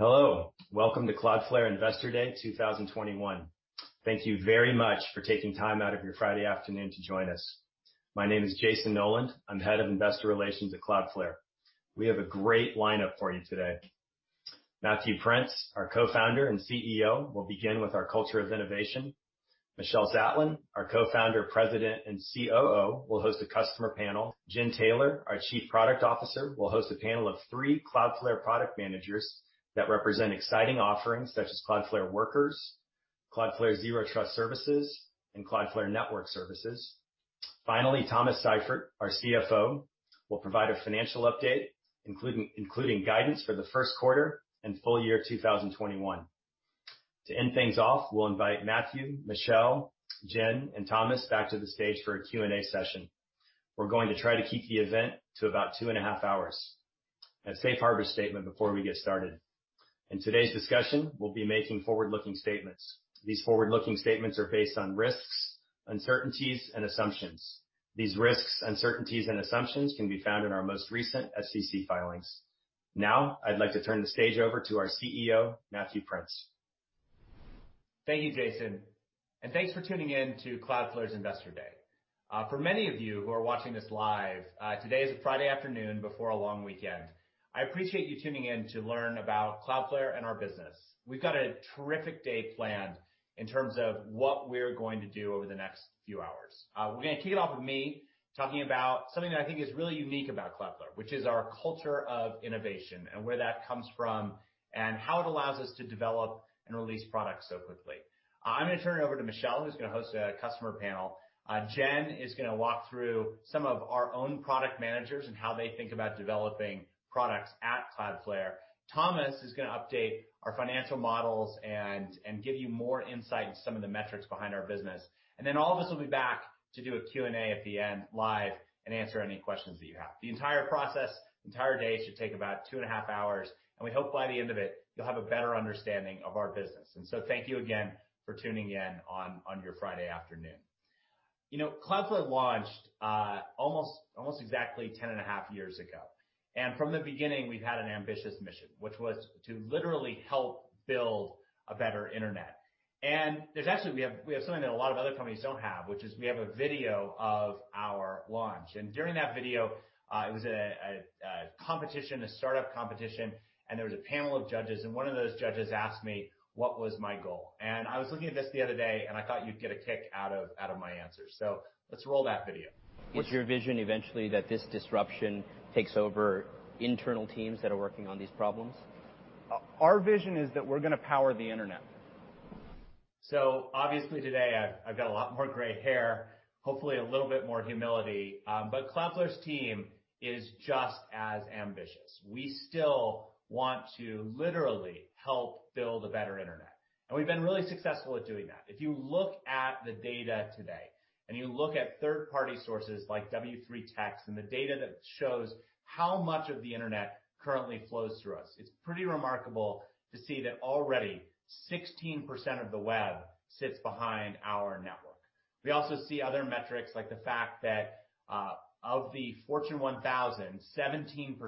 Hello, welcome to Cloudflare Investor Day 2021. Thank you very much for taking time out of your Friday afternoon to join us. My name is Jayson Noland, I'm Head of Investor Relations at Cloudflare. We have a great lineup for you today. Matthew Prince, our Co-Founder and CEO, will begin with our culture of innovation. Michelle Zatlyn, our Co-Founder, President, and COO, will host a customer panel. Jen Taylor, our Chief Product Officer, will host a panel of three Cloudflare product managers that represent exciting offerings such as Cloudflare Workers, Cloudflare Zero Trust services, and Cloudflare network services. Thomas Seifert, our CFO, will provide a financial update, including guidance for the first quarter and full year 2021. To end things off, we'll invite Matthew, Michelle, Jen, and Thomas back to the stage for a Q&A session. We're going to try to keep the event to about 2.5 hours. A safe harbor statement before we get started. In today's discussion, we'll be making forward-looking statements. These forward-looking statements are based on risks, uncertainties, and assumptions. These risks, uncertainties, and assumptions can be found in our most recent SEC filings. Now, I'd like to turn the stage over to our CEO, Matthew Prince. Thank you, Jayson. Thanks for tuning in to Cloudflare's Investor Day. For many of you who are watching this live, today is a Friday afternoon before a long weekend. I appreciate you tuning in to learn about Cloudflare and our business. We've got a terrific day planned in terms of what we're going to do over the next few hours. We're going to kick it off with me talking about something that I think is really unique about Cloudflare, which is our culture of innovation and where that comes from, and how it allows us to develop and release products so quickly. I'm going to turn it over to Michelle, who's going to host a customer panel. Jen is going to walk through some of our own product managers and how they think about developing products at Cloudflare. Thomas is going to update our financial models and give you more insight, some of the metrics behind our business. All of us will be back to do a Q&A at the end live and answer any questions that you have. The entire process, entire day, should take about 2.5 hours, we hope by the end of it, you'll have a better understanding of our business. Thank you again for tuning in on your Friday afternoon. Cloudflare launched almost exactly 10.5 years ago. From the beginning, we've had an ambitious mission, which was to literally help build a better internet. There's actually, we have something that a lot of other companies don't have, which is we have a video of our launch. During that video, it was a competition, a startup competition, and there was a panel of judges, and one of those judges asked me what was my goal. I was looking at this the other day, and I thought you'd get a kick out of my answer. Let's roll that video. Is your vision eventually that this disruption takes over internal teams that are working on these problems? Our vision is that we're going to power the internet. Obviously today, I've got a lot more gray hair, hopefully a little bit more humility. Cloudflare's team is just as ambitious. We still want to literally help build a better internet. We've been really successful at doing that. If you look at the data today and you look at third-party sources like W3Techs and the data that shows how much of the internet currently flows through us, it's pretty remarkable to see that already 16% of the web sits behind our network. We also see other metrics like the fact that of the Fortune 1000, 17%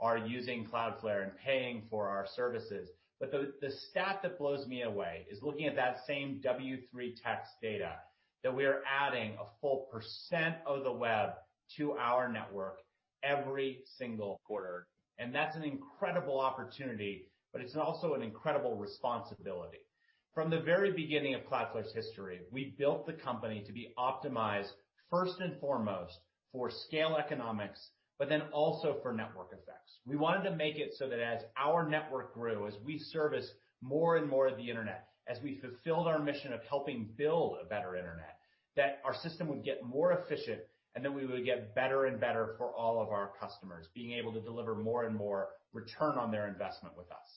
are using Cloudflare and paying for our services. The stat that blows me away is looking at that same W3Techs data, that we are adding a full percent of the web to our network every single quarter. That's an incredible opportunity, but it's also an incredible responsibility. From the very beginning of Cloudflare's history, we built the company to be optimized first and foremost for scale economics, but then also for network effects. We wanted to make it so that as our network grew, as we service more and more of the internet, as we fulfilled our mission of helping build a better internet, that our system would get more efficient, and that we would get better and better for all of our customers, being able to deliver more and more return on their investment with us.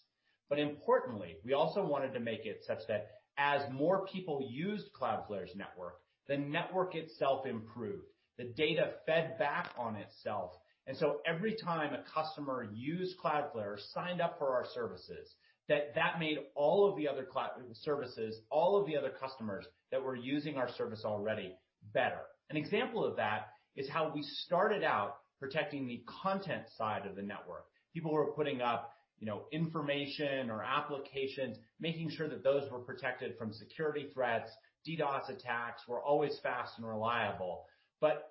Importantly, we also wanted to make it such that as more people used Cloudflare's network, the network itself improved. The data fed back on itself, every time a customer used Cloudflare or signed up for our services, that made all of the other services, all of the other customers that were using our service already, better. An example of that is how we started out protecting the content side of the network. People were putting up information or applications, making sure that those were protected from security threats, DDoS attacks, were always fast and reliable.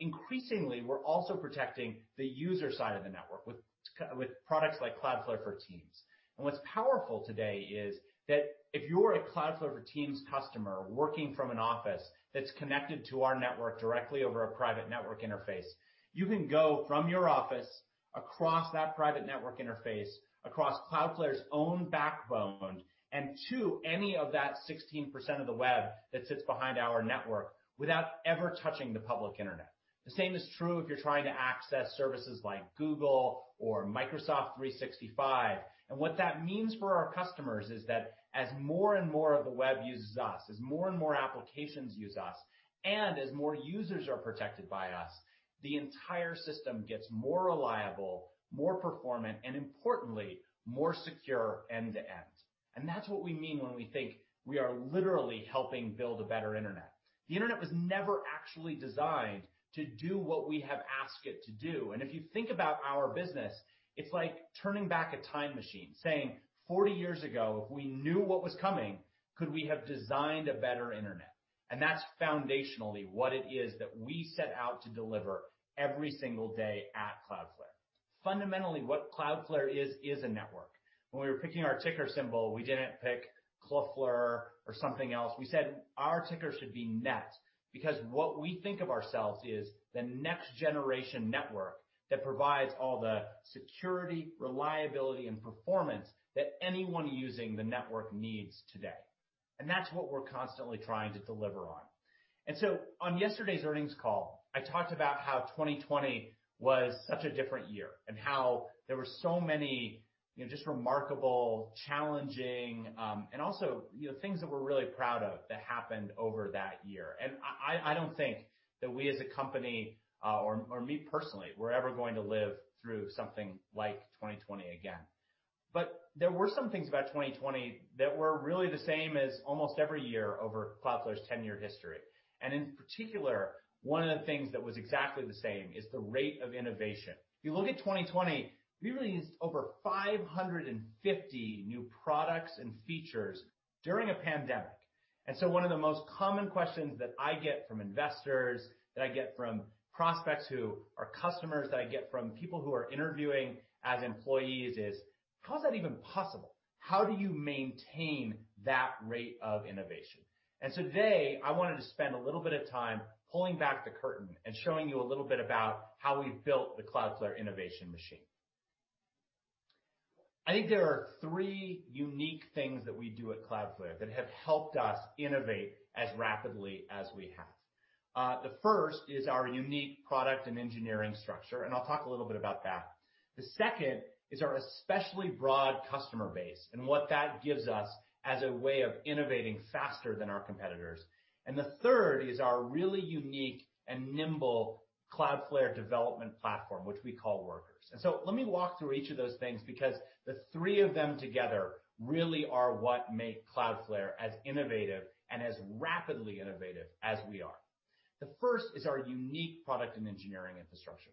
Increasingly, we're also protecting the user side of the network with products like Cloudflare for Teams. What's powerful today is that if you're a Cloudflare for Teams customer working from an office that's connected to our network directly over a private network interface, you can go from your office across that private network interface, across Cloudflare's own backbone, and to any of that 16% of the web that sits behind our network without ever touching the public internet. The same is true if you're trying to access services like Google or Microsoft 365. What that means for our customers is that as more and more of the web uses us, as more and more applications use us, and as more users are protected by us, the entire system gets more reliable, more performant, and importantly, more secure end to end. That's what we mean when we think we are literally helping build a better internet. The internet was never actually designed to do what we have asked it to do. If you think about our business, it's like turning back a time machine, saying, "40 years ago, if we knew what was coming, could we have designed a better internet?" That's foundationally what it is that we set out to deliver every single day at Cloudflare. Fundamentally, what Cloudflare is a network. When we were picking our ticker symbol, we didn't pick Cloudflare or something else. We said our ticker should be NET, because what we think of ourselves is the next generation network that provides all the security, reliability, and performance that anyone using the network needs today. That's what we're constantly trying to deliver on. On yesterday's earnings call, I talked about how 2020 was such a different year, and how there were so many just remarkable, challenging, and also things that we're really proud of that happened over that year. I don't think that we as a company, or me personally, were ever going to live through something like 2020 again. There were some things about 2020 that were really the same as almost every year over Cloudflare's 10-year history. In particular, one of the things that was exactly the same is the rate of innovation. If you look at 2020, we released over 550 new products and features during a pandemic. One of the most common questions that I get from investors, that I get from prospects who are customers, that I get from people who are interviewing as employees is, "How is that even possible? How do you maintain that rate of innovation? Today, I wanted to spend a little bit of time pulling back the curtain and showing you a little bit about how we've built the Cloudflare innovation machine. I think there are three unique things that we do at Cloudflare that have helped us innovate as rapidly as we have. The first is our unique product and engineering structure, I'll talk a little bit about that. The second is our especially broad customer base and what that gives us as a way of innovating faster than our competitors. The third is our really unique and nimble Cloudflare development platform, which we call Workers. Let me walk through each of those things because the three of them together really are what make Cloudflare as innovative and as rapidly innovative as we are. The first is our unique product and engineering infrastructure.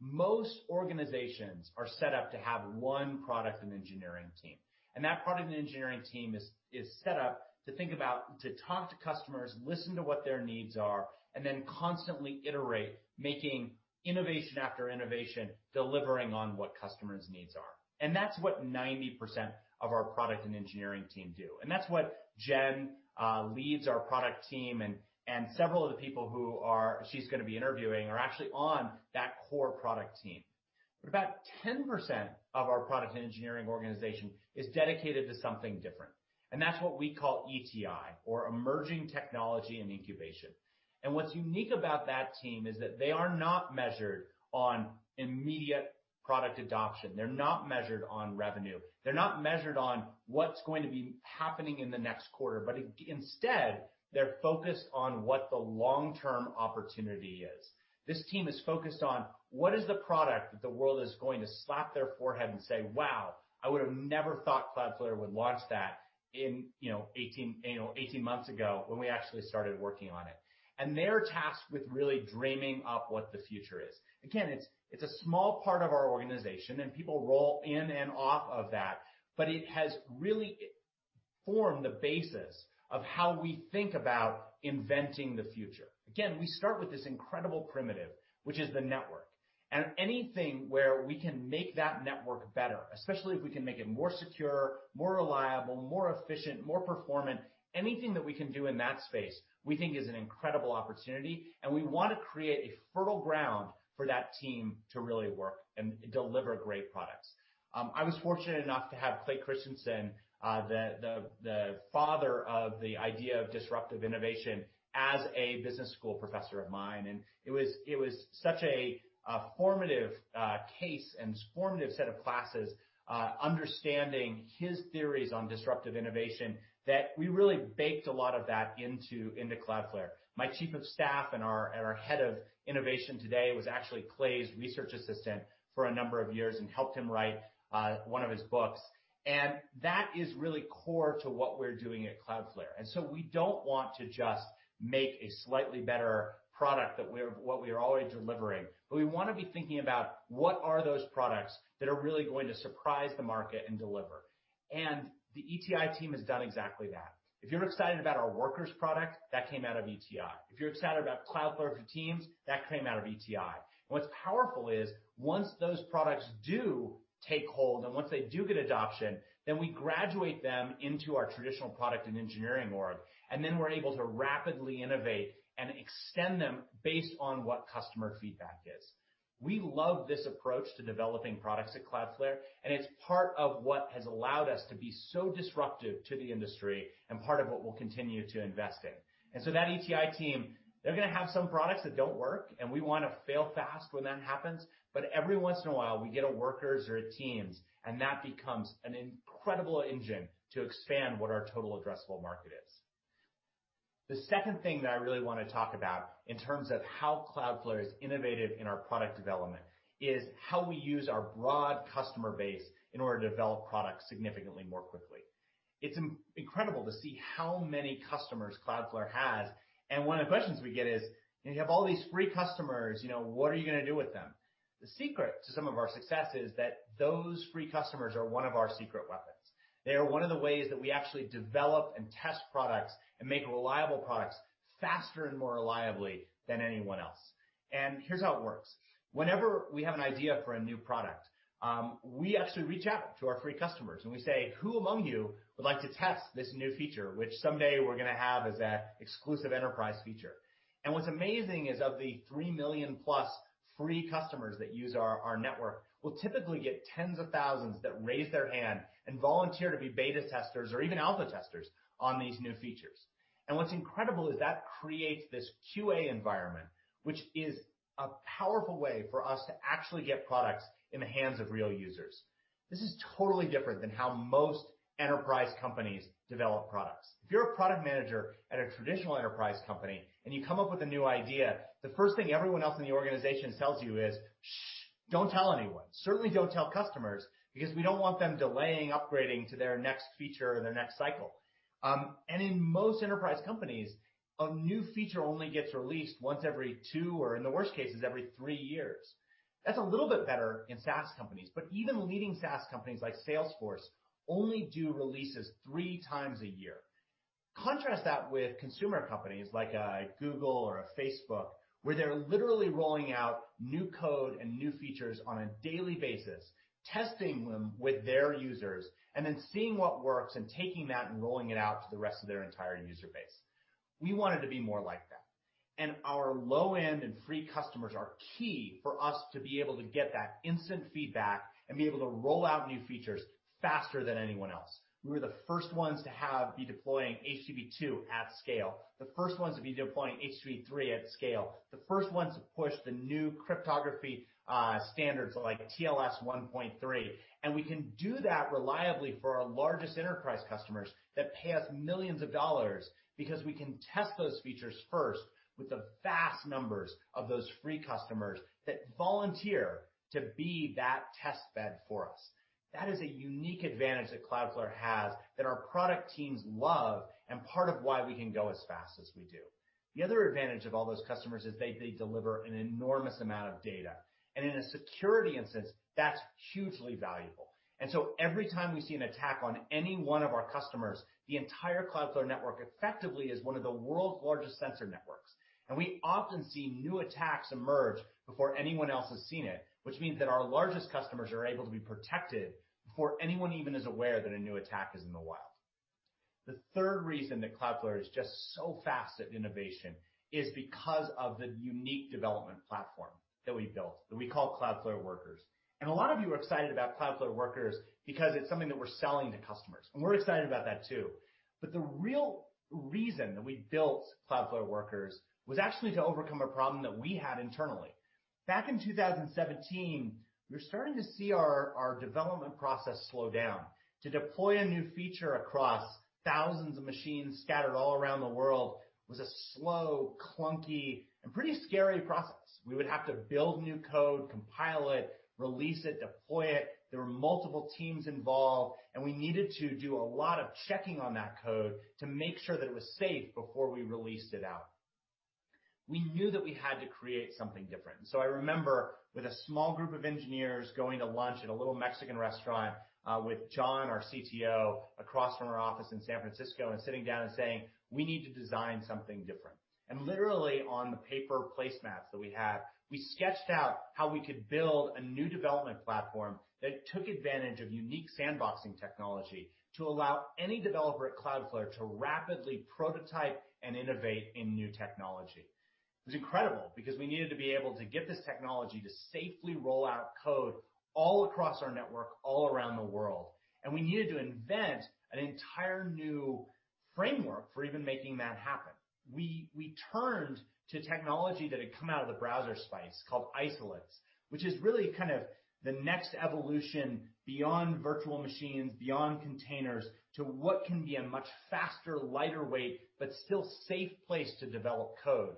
Most organizations are set up to have one product and engineering team, and that product and engineering team is set up to think about, to talk to customers, listen to what their needs are, and then constantly iterate, making innovation after innovation, delivering on what customers' needs are. That's what 90% of our product and engineering team do. That's what Jen leads our product team and several of the people who she's going to be interviewing are actually on that core product team. About 10% of our product and engineering organization is dedicated to something different, and that's what we call ETI, or Emerging Technology and Incubation. What's unique about that team is that they are not measured on immediate product adoption. They're not measured on revenue. They're not measured on what's going to be happening in the next quarter. Instead, they're focused on what the long-term opportunity is. This team is focused on what is the product that the world is going to slap their forehead and say, "Wow, I would have never thought Cloudflare would launch that" 18 months ago when we actually started working on it. They're tasked with really dreaming up what the future is. Again, it's a small part of our organization, and people roll in and off of that, but it has really formed the basis of how we think about inventing the future. Again, we start with this incredible primitive, which is the network. Anything where we can make that network better, especially if we can make it more secure, more reliable, more efficient, more performant, anything that we can do in that space, we think is an incredible opportunity, and we want to create a fertile ground for that team to really work and deliver great products. I was fortunate enough to have Clay Christensen, the father of the idea of disruptive innovation as a business school professor of mine, and it was such a formative case and formative set of classes, understanding his theories on disruptive innovation, that we really baked a lot of that into Cloudflare. My chief of staff and our head of innovation today was actually Clay's research assistant for a number of years and helped him write one of his books. That is really core to what we're doing at Cloudflare. We don't want to just make a slightly better product that we're already delivering, but we want to be thinking about what are those products that are really going to surprise the market and deliver. The ETI team has done exactly that. If you're excited about our Workers product, that came out of ETI. If you're excited about Cloudflare for Teams, that came out of ETI. What's powerful is, once those products do take hold and once they do get adoption, then we graduate them into our traditional product and engineering org, and then we're able to rapidly innovate and extend them based on what customer feedback is. We love this approach to developing products at Cloudflare, and it's part of what has allowed us to be so disruptive to the industry and part of what we'll continue to invest in. That ETI team, they're going to have some products that don't work, and we want to fail fast when that happens, but every once in a while, we get a Workers or a Teams, and that becomes an incredible engine to expand what our total addressable market is. The second thing that I really want to talk about in terms of how Cloudflare is innovative in our product development is how we use our broad customer base in order to develop products significantly more quickly. It's incredible to see how many customers Cloudflare has, and one of the questions we get is, "You have all these free customers, what are you going to do with them?" The secret to some of our success is that those free customers are one of our secret weapons. They are one of the ways that we actually develop and test products and make reliable products faster and more reliably than anyone else. Here's how it works. Whenever we have an idea for a new product, we actually reach out to our free customers and we say, "Who among you would like to test this new feature?" Which someday we're going to have as an exclusive enterprise feature. What's amazing is of the 3 million+ free customers that use our network, we'll typically get tens of thousands that raise their hand and volunteer to be beta testers or even alpha testers on these new features. What's incredible is that creates this QA environment, which is a powerful way for us to actually get products in the hands of real users. This is totally different than how most enterprise companies develop products. If you're a product manager at a traditional enterprise company and you come up with a new idea, the first thing everyone else in the organization tells you is, "Shh, don't tell anyone. Certainly don't tell customers, because we don't want them delaying upgrading to their next feature or their next cycle." In most enterprise companies, a new feature only gets released once every two, or in the worst cases, every three years. That's a little bit better in SaaS companies. Even leading SaaS companies like Salesforce only do releases 3x a year. Contrast that with consumer companies like a Google or a Facebook, where they're literally rolling out new code and new features on a daily basis, testing them with their users, and then seeing what works and taking that and rolling it out to the rest of their entire user base. We want it to be more like that. Our low-end and free customers are key for us to be able to get that instant feedback and be able to roll out new features faster than anyone else. We were the first ones to be deploying HTTP/2 at scale, the first ones to be deploying HTTP/3 at scale, the first ones to push the new cryptography standards like TLS 1.3. We can do that reliably for our largest enterprise customers that pay us $ millions because we can test those features first with the vast numbers of those free customers that volunteer to be that test bed for us. That is a unique advantage that Cloudflare has that our product teams love, and part of why we can go as fast as we do. The other advantage of all those customers is they deliver an enormous amount of data, and in a security instance, that's hugely valuable. Every time we see an attack on any one of our customers, the entire Cloudflare network effectively is one of the world's largest sensor networks. We often see new attacks emerge before anyone else has seen it, which means that our largest customers are able to be protected before anyone even is aware that a new attack is in the wild. The third reason that Cloudflare is just so fast at innovation is because of the unique development platform that we built, that we call Cloudflare Workers. A lot of you are excited about Cloudflare Workers because it's something that we're selling to customers. We're excited about that too. The real reason that we built Cloudflare Workers was actually to overcome a problem that we had internally. Back in 2017, we were starting to see our development process slow down. To deploy a new feature across thousands of machines scattered all around the world was a slow, clunky, and pretty scary process. We would have to build new code, compile it, release it, deploy it. There were multiple teams involved, and we needed to do a lot of checking on that code to make sure that it was safe before we released it out. We knew that we had to create something different. I remember with a small group of engineers going to lunch at a little Mexican restaurant, with John, our CTO, across from our office in San Francisco, and sitting down and saying, "We need to design something different." Literally on the paper place mats that we had, we sketched out how we could build a new development platform that took advantage of unique sandboxing technology to allow any developer at Cloudflare to rapidly prototype and innovate in new technology. It was incredible because we needed to be able to get this technology to safely roll out code all across our network, all around the world. We needed to invent an entire new framework for even making that happen. We turned to technology that had come out of the browser space called isolates, which is really kind of the next evolution beyond virtual machines, beyond containers, to what can be a much faster, lighter weight, but still safe place to develop code.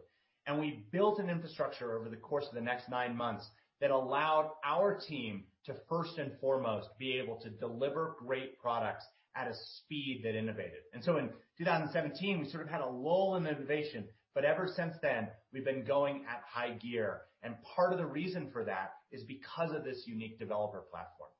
We built an infrastructure over the course of the next nine months that allowed our team to first and foremost be able to deliver great products at a speed that innovated. In 2017, we sort of had a lull in innovation. Ever since then, we've been going at high gear. Part of the reason for that is because of this unique developer platform.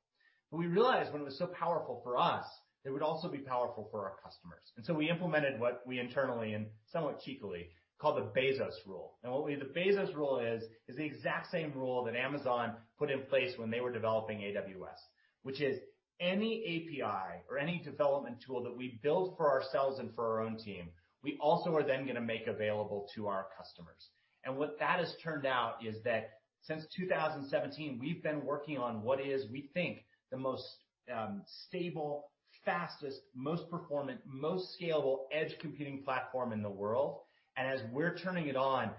We realized when it was so powerful for us, it would also be powerful for our customers. We implemented what we internally and somewhat cheekily called the Bezos Rule. What the Bezos Rule is the exact same rule that Amazon put in place when they were developing AWS. Which is any API or any development tool that we build for ourselves and for our own team, we also are then going to make available to our customers. What that has turned out is that since 2017, we've been working on what is, we think, the most stable, fastest, most performant, most scalable edge computing platform in the world. As we're turning it on,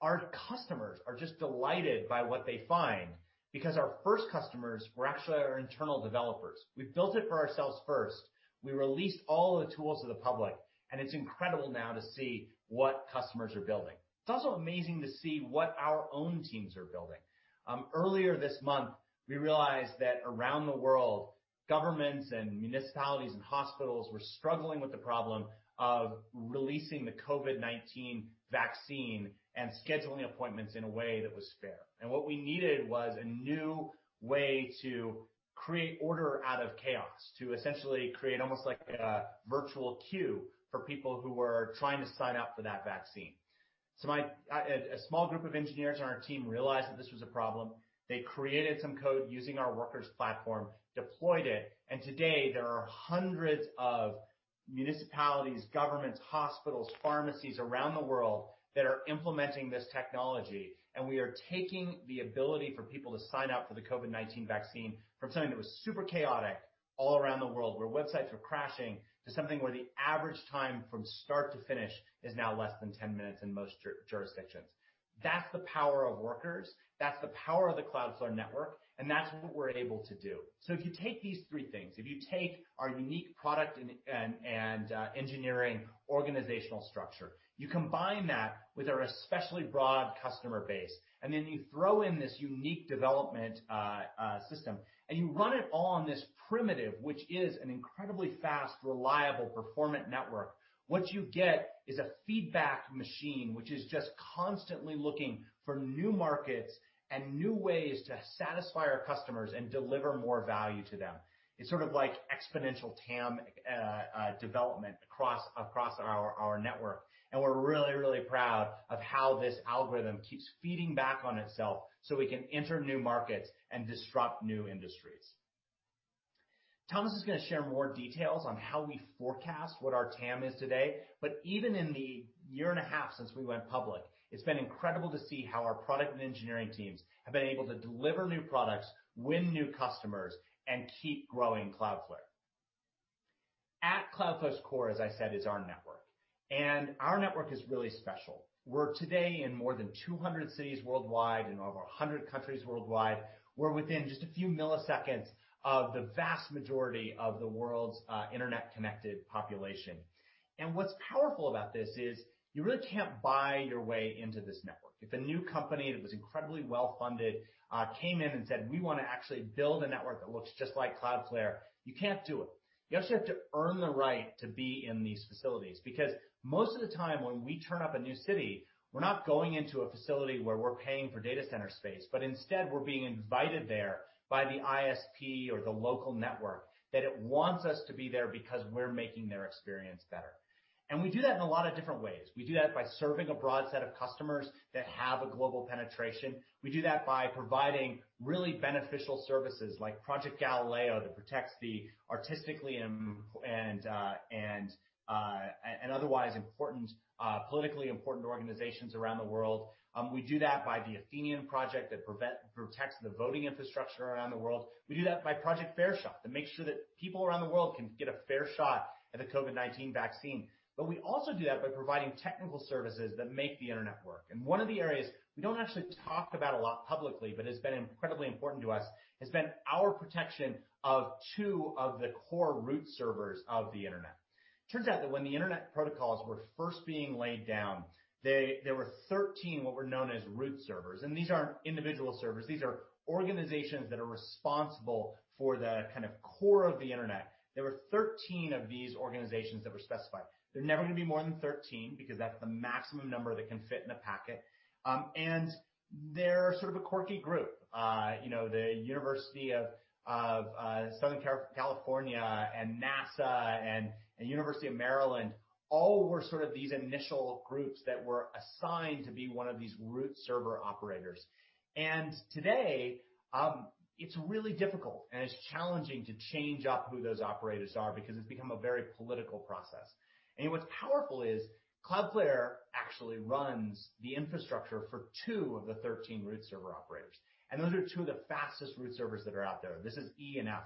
our customers are just delighted by what they find because our first customers were actually our internal developers. We built it for ourselves first. We released all of the tools to the public, and it's incredible now to see what customers are building. It's also amazing to see what our own teams are building. Earlier this month, we realized that around the world, governments and municipalities and hospitals were struggling with the problem of releasing the COVID-19 vaccine and scheduling appointments in a way that was fair. What we needed was a new way to create order out of chaos, to essentially create almost like a virtual queue for people who were trying to sign up for that vaccine. A small group of engineers on our team realized that this was a problem. They created some code using our Workers platform, deployed it, and today there are hundreds of municipalities, governments, hospitals, pharmacies around the world that are implementing this technology. We are taking the ability for people to sign up for the COVID-19 vaccine from something that was super chaotic all around the world, where websites were crashing, to something where the average time from start to finish is now less than 10 minutes in most jurisdictions. That's the power of Workers, that's the power of the Cloudflare network, and that's what we're able to do. If you take these three things, if you take our unique product and engineering organizational structure, you combine that with our especially broad customer base, and then you throw in this unique development system, and you run it all on this primitive, which is an incredibly fast, reliable performant network, what you get is a feedback machine, which is just constantly looking for new markets and new ways to satisfy our customers and deliver more value to them. It's sort of like exponential TAM development across our network. We're really, really proud of how this algorithm keeps feeding back on itself so we can enter new markets and disrupt new industries. Thomas is going to share more details on how we forecast what our TAM is today. Even in the 1.5 year since we went public, it's been incredible to see how our product and engineering teams have been able to deliver new products, win new customers, and keep growing Cloudflare. At Cloudflare's core, as I said, is our network. Our network is really special. We're today in more than 200 cities worldwide and over 100 countries worldwide. We're within just a few milliseconds of the vast majority of the world's internet-connected population. What's powerful about this is you really can't buy your way into this network. If a new company that was incredibly well-funded came in and said, "We want to actually build a network that looks just like Cloudflare," you can't do it. You actually have to earn the right to be in these facilities, because most of the time when we turn up a new city, we're not going into a facility where we're paying for data center space, but instead we're being invited there by the ISP or the local network that it wants us to be there because we're making their experience better. We do that in a lot of different ways. We do that by serving a broad set of customers that have a global penetration. We do that by providing really beneficial services like Project Galileo that protects the artistically and otherwise politically important organizations around the world. We do that by the Athenian Project that protects the voting infrastructure around the world. We do that by Project Fair Shot to make sure that people around the world can get a fair shot at the COVID-19 vaccine. We also do that by providing technical services that make the internet work. One of the areas we don't actually talk about a lot publicly, but has been incredibly important to us, has been our protection of two of the core root servers of the internet. Turns out that when the internet protocols were first being laid down, there were 13 what were known as root servers. These aren't individual servers. These are organizations that are responsible for the kind of core of the internet. There were 13 of these organizations that were specified. There are never going to be more than 13 because that's the maximum number that can fit in a packet. They're sort of a quirky group. The University of Southern California and NASA and University of Maryland all were sort of these initial groups that were assigned to be one of these root server operators. Today, it's really difficult and it's challenging to change up who those operators are because it's become a very political process. What's powerful is Cloudflare actually runs the infrastructure for two of the 13 root server operators, and those are two of the fastest root servers that are out there. This is E and F.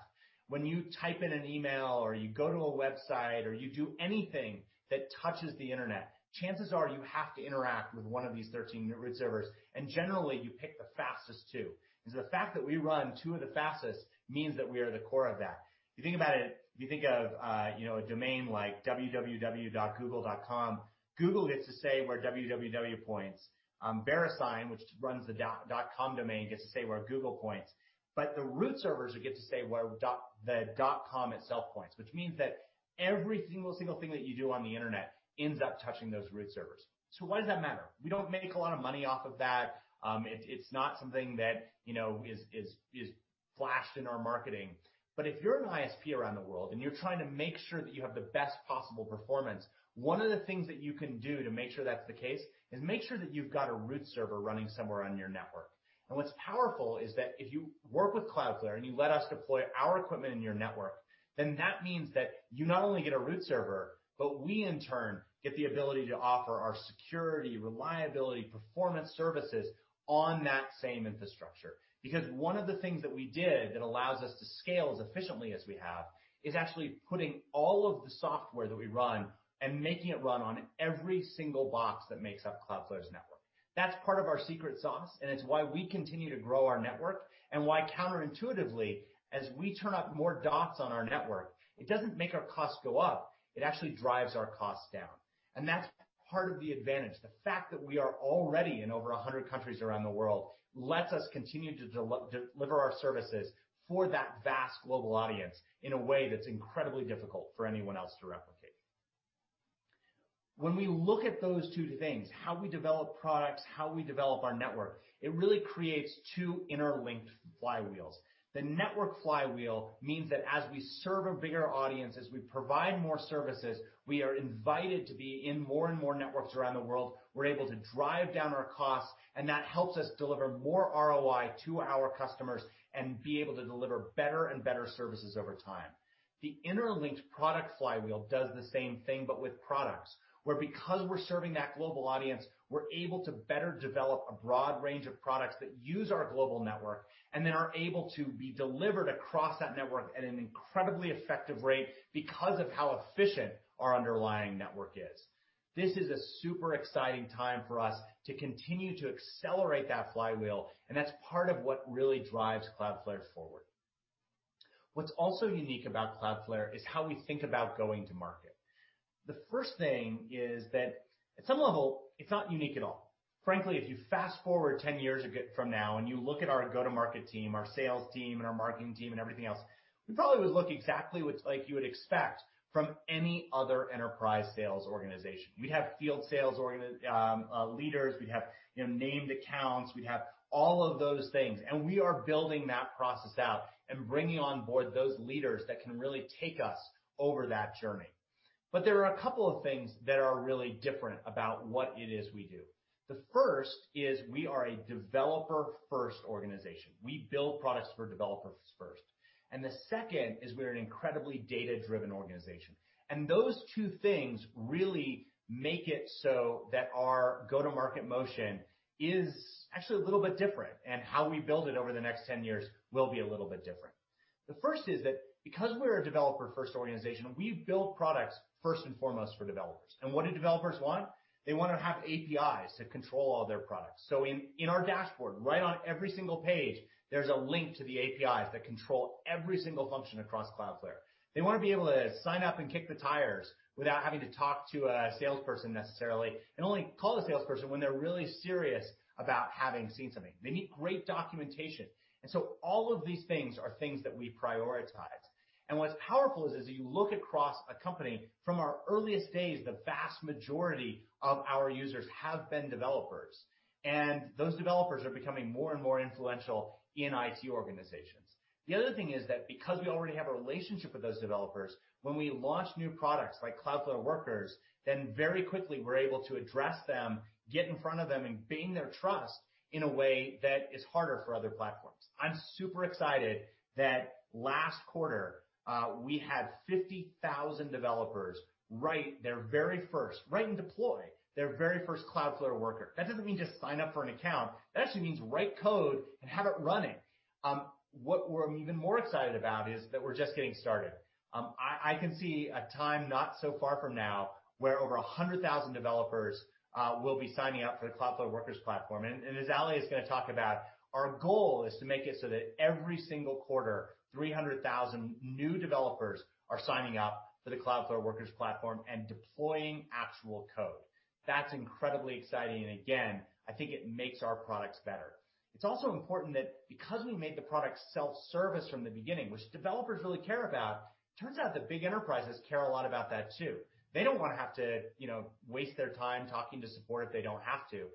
When you type in an email or you go to a website or you do anything that touches the internet, chances are you have to interact with one of these 13 root servers, and generally you pick the fastest two. the fact that we run two of the fastest means that we are the core of that. If you think about it, if you think of a domain like www.google.com, Google gets a say where www points. Verisign, which runs the .com domain, gets a say where Google points. the root servers get to say where the .com itself points, which means that every single thing that you do on the internet ends up touching those root servers. why does that matter? We don't make a lot of money off of that. It's not something that is flashed in our marketing. if you're an ISP around the world and you're trying to make sure that you have the best possible performance, one of the things that you can do to make sure that's the case is make sure that you've got a root server running somewhere on your network. what's powerful is that if you work with Cloudflare and you let us deploy our equipment in your network, then that means that you not only get a root server, but we in turn get the ability to offer our security, reliability, performance services on that same infrastructure. Because one of the things that we did that allows us to scale as efficiently as we have is actually putting all of the software that we run and making it run on every single box that makes up Cloudflare's network. That's part of our secret sauce, and it's why we continue to grow our network and why counterintuitively, as we turn up more dots on our network, it doesn't make our costs go up. It actually drives our costs down. That's part of the advantage. The fact that we are already in over 100 countries around the world lets us continue to deliver our services for that vast global audience in a way that's incredibly difficult for anyone else to replicate. When we look at those two things, how we develop products, how we develop our network, it really creates two interlinked flywheels. The network flywheel means that as we serve a bigger audience, as we provide more services, we are invited to be in more and more networks around the world. We're able to drive down our costs, and that helps us deliver more ROI to our customers and be able to deliver better and better services over time. The interlinked product flywheel does the same thing, but with products, where because we're serving that global audience, we're able to better develop a broad range of products that use our global network and then are able to be delivered across that network at an incredibly effective rate because of how efficient our underlying network is. This is a super exciting time for us to continue to accelerate that flywheel, and that's part of what really drives Cloudflare forward. What's also unique about Cloudflare is how we think about going to market. The first thing is that at some level, it's not unique at all. Frankly, if you fast-forward 10 years from now and you look at our go-to-market team, our sales team, and our marketing team and everything else, we probably would look exactly like you would expect from any other enterprise sales organization. We'd have field sales leaders, we'd have named accounts, we'd have all of those things, and we are building that process out and bringing on board those leaders that can really take us over that journey. There are a couple of things that are really different about what it is we do. The first is we are a developer-first organization. We build products for developers first. The second is we're an incredibly data-driven organization. Those two things really make it so that our go-to-market motion is actually a little bit different, and how we build it over the next 10 years will be a little bit different. The first is that because we're a developer-first organization, we build products first and foremost for developers. What do developers want? They want to have APIs that control all their products. In our dashboard, right on every single page, there's a link to the APIs that control every single function across Cloudflare. They want to be able to sign up and kick the tires without having to talk to a salesperson necessarily, and only call the salesperson when they're really serious about having seen something. They need great documentation. All of these things are things that we prioritize. What's powerful is that you look across a company from our earliest days, the vast majority of our users have been developers, and those developers are becoming more and more influential in IT organizations. The other thing is that because we already have a relationship with those developers, when we launch new products like Cloudflare Workers, then very quickly, we're able to address them, get in front of them, and gain their trust in a way that is harder for other platforms. I'm super excited that last quarter, we had 50,000 developers write and deploy their very first Cloudflare Workers. That doesn't mean just sign up for an account. That actually means write code and have it running. What we're even more excited about is that we're just getting started. I can see a time not so far from now where over 100,000 developers will be signing up for the Cloudflare Workers platform. As Aly is going to talk about, our goal is to make it so that every single quarter, 300,000 new developers are signing up for the Cloudflare Workers platform and deploying actual code. That's incredibly exciting, and again, I think it makes our products better. It's also important that because we made the product self-service from the beginning, which developers really care about, turns out that big enterprises care a lot about that too. They don't want to have to waste their time talking to support if they don't have to.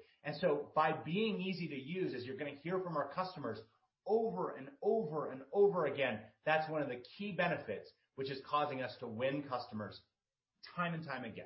By being easy to use, as you're going to hear from our customers over and over and over again, that's one of the key benefits, which is causing us to win customers time and time again.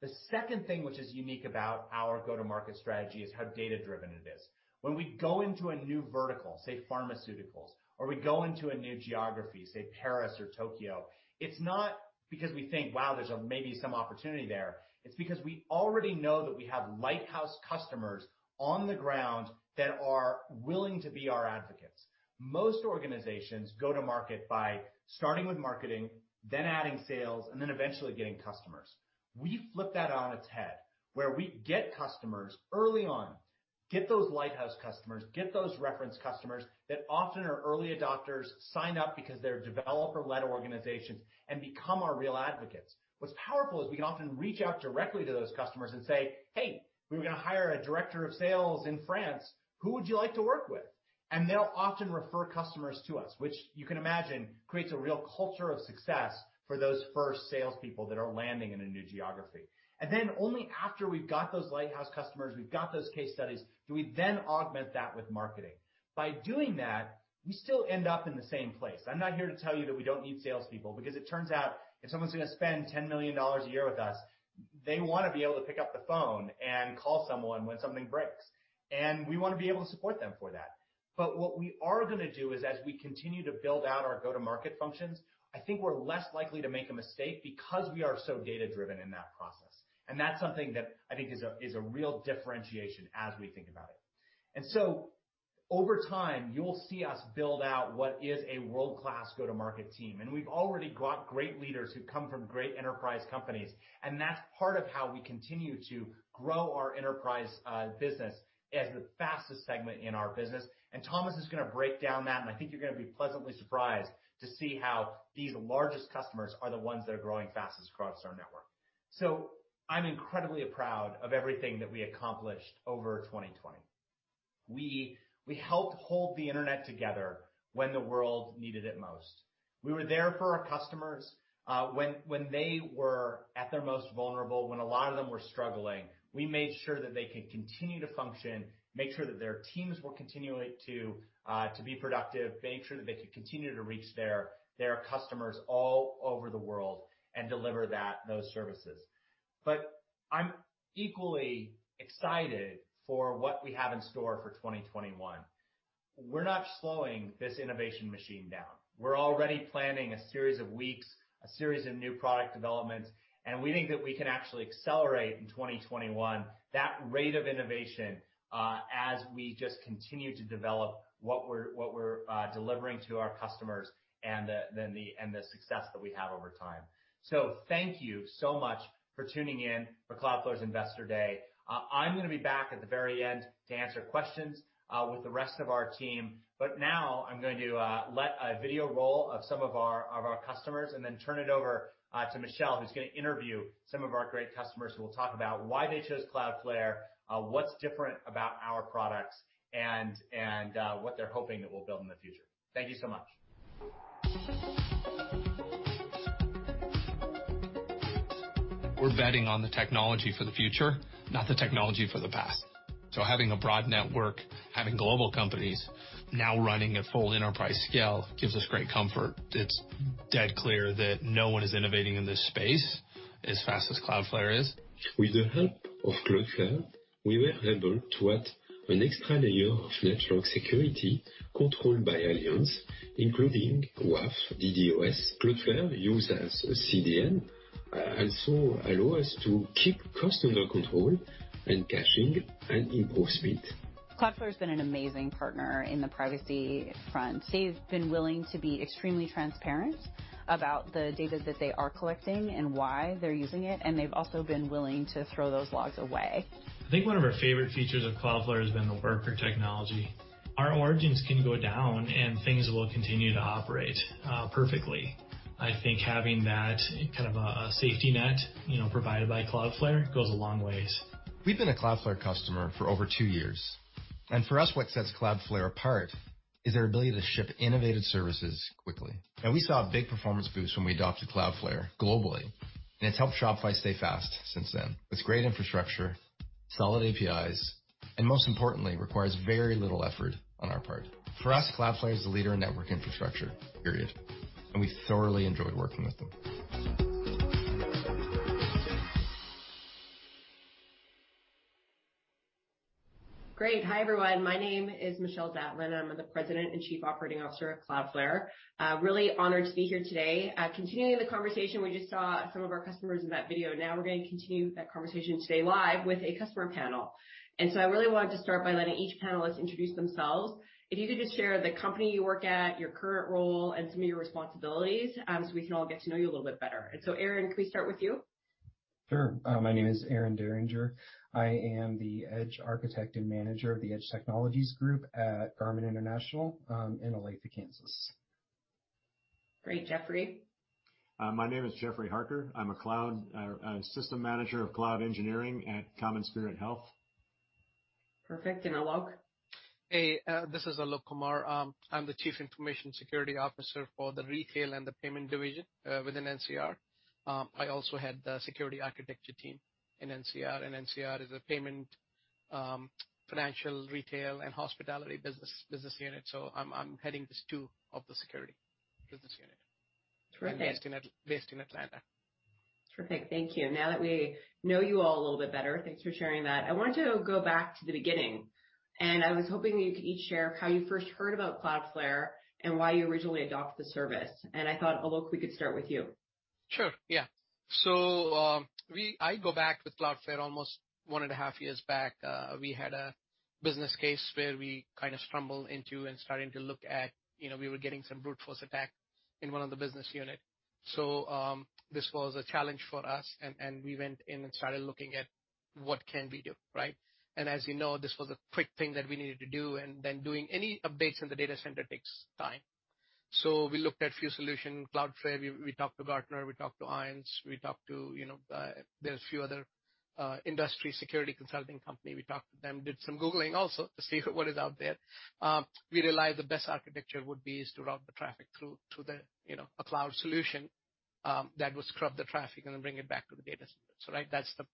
The second thing which is unique about our go-to-market strategy is how data-driven it is. When we go into a new vertical, say pharmaceuticals, or we go into a new geography, say Paris or Tokyo, it's not because we think, wow, there's maybe some opportunity there. It's because we already know that we have lighthouse customers on the ground that are willing to be our advocates. Most organizations go to market by starting with marketing, then adding sales, and then eventually getting customers. We flip that on its head, where we get customers early on, get those lighthouse customers, get those reference customers that often are early adopters, sign up because they're developer-led organizations, and become our real advocates. What's powerful is we can often reach out directly to those customers and say, "Hey, we were going to hire a director of sales in France. Who would you like to work with?" they'll often refer customers to us, which you can imagine creates a real culture of success for those first salespeople that are landing in a new geography. then only after we've got those lighthouse customers, we've got those case studies, do we then augment that with marketing. By doing that, we still end up in the same place. I'm not here to tell you that we don't need salespeople, because it turns out if someone's going to spend $10 million a year with us, they want to be able to pick up the phone and call someone when something breaks. we want to be able to support them for that. What we are going to do is as we continue to build out our go-to-market functions, I think we're less likely to make a mistake because we are so data-driven in that process. That's something that I think is a real differentiation as we think about it. Over time, you'll see us build out what is a world-class go-to-market team. We've already got great leaders who come from great enterprise companies, and that's part of how we continue to grow our enterprise business as the fastest segment in our business. Thomas is going to break down that, and I think you're going to be pleasantly surprised to see how these largest customers are the ones that are growing fastest across our network. I'm incredibly proud of everything that we accomplished over 2020. We helped hold the internet together when the world needed it most. We were there for our customers when they were at their most vulnerable, when a lot of them were struggling. We made sure that they could continue to function, made sure that their teams were continuing to be productive, made sure that they could continue to reach their customers all over the world and deliver those services. I'm equally excited for what we have in store for 2021. We're not slowing this innovation machine down. We're already planning a series of weeks, a series of new product developments, and we think that we can actually accelerate in 2021 that rate of innovation, as we just continue to develop what we're delivering to our customers and the success that we have over time. Thank you so much for tuning in for Cloudflare's Investor Day. I'm going to be back at the very end to answer questions with the rest of our team. Now I'm going to let a video roll of some of our customers and then turn it over to Michelle, who's going to interview some of our great customers, who will talk about why they chose Cloudflare, what's different about our products, and what they're hoping that we'll build in the future. Thank you so much. We're betting on the technology for the future, not the technology for the past. Having a broad network, having global companies now running at full enterprise scale gives us great comfort. It's dead clear that no one is innovating in this space as fast as Cloudflare is. With the help of Cloudflare, we were able to add an extra layer of network security controlled by Allianz, including WAF, DDoS. Cloudflare used as a CDN also allow us to keep customer control and caching and improve speed. Cloudflare's been an amazing partner in the privacy front. They've been willing to be extremely transparent about the data that they are collecting and why they're using it, and they've also been willing to throw those logs away. I think one of our favorite features of Cloudflare has been the worker technology. Our origins can go down and things will continue to operate perfectly. I think having that safety net provided by Cloudflare goes a long ways. We've been a Cloudflare customer for over two years, and for us, what sets Cloudflare apart is their ability to ship innovative services quickly. We saw a big performance boost when we adopted Cloudflare globally, and it's helped Shopify stay fast since then, with great infrastructure, solid APIs, and most importantly, requires very little effort on our part. For us, Cloudflare is the leader in network infrastructure, period, and we thoroughly enjoy working with them. Great. Hi, everyone. My name is Michelle Zatlyn. I'm the President and Chief Operating Officer at Cloudflare. Really honored to be here today. Continuing the conversation, we just saw some of our customers in that video. Now we're going to continue that conversation today live with a customer panel. I really wanted to start by letting each panelist introduce themselves. If you could just share the company you work at, your current role, and some of your responsibilities, so we can all get to know you a little bit better. Aaron, can we start with you? Sure. My name is Aaron Dearinger. I am the Edge Architect and Manager of the Edge Technologies Group at Garmin International, in Olathe, Kansas. Great. Jeffrey? My name is Jeffrey Harker. I'm a System Manager of Cloud Engineering at CommonSpirit Health. Perfect. Alok? Hey, this is Alok Kumar. I'm the Chief Information Security Officer for the retail and the payment division within NCR. I also head the security architecture team in NCR, and NCR is a payment, financial, retail, and hospitality business unit. I'm heading these two of the security business unit. Terrific. Based in Atlanta. Terrific. Thank you. Now that we know you all a little bit better, thanks for sharing that. I wanted to go back to the beginning, and I was hoping you could each share how you first heard about Cloudflare and why you originally adopted the service. I thought, Alok, we could start with you. Sure. Yeah. I go back with Cloudflare almost 1.5 years back. We had a business case where we kind of stumbled into and starting to look at, we were getting some brute force attack in one of the business unit. This was a challenge for us, and we went in and started looking at what can we do, right? As you know, this was a quick thing that we needed to do, and then doing any updates in the data center takes time. We looked at few solution, Cloudflare, we talked to Gartner, we talked to Allianz, there's a few other industry security consulting company. We talked to them, did some googling also to see what is out there. We realized the best architecture would be is to route the traffic through a cloud solution that would scrub the traffic and then bring it back to the data center. right, that's the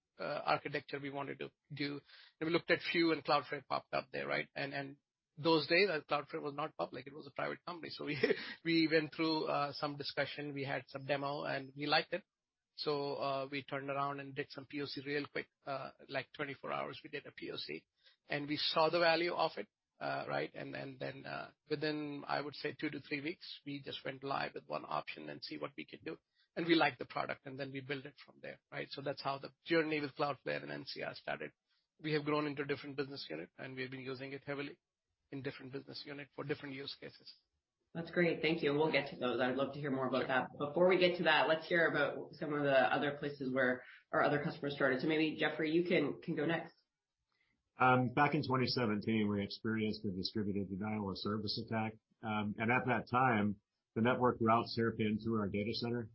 architecture we wanted to do. we looked at few, and Cloudflare popped up there, right? those days, Cloudflare was not public. It was a private company. we went through some discussion. We had some demo, and we liked it. we turned around and did some POC real quick, like 24 hours we did a POC, and we saw the value of it, right? within, I would say two to three weeks, we just went live with one option and see what we could do. we liked the product, and then we built it from there, right? that's how the journey with Cloudflare and NCR started. We have grown into different business unit, and we have been using it heavily in different business unit for different use cases. That's great. Thank you. We'll get to those. I would love to hear more about that. Before we get to that, let's hear about some of the other places where our other customers started. Maybe, Jeffrey, you can go next. Back in 2017, we experienced a distributed denial of service attack. At that time, the network routes routing through our data center.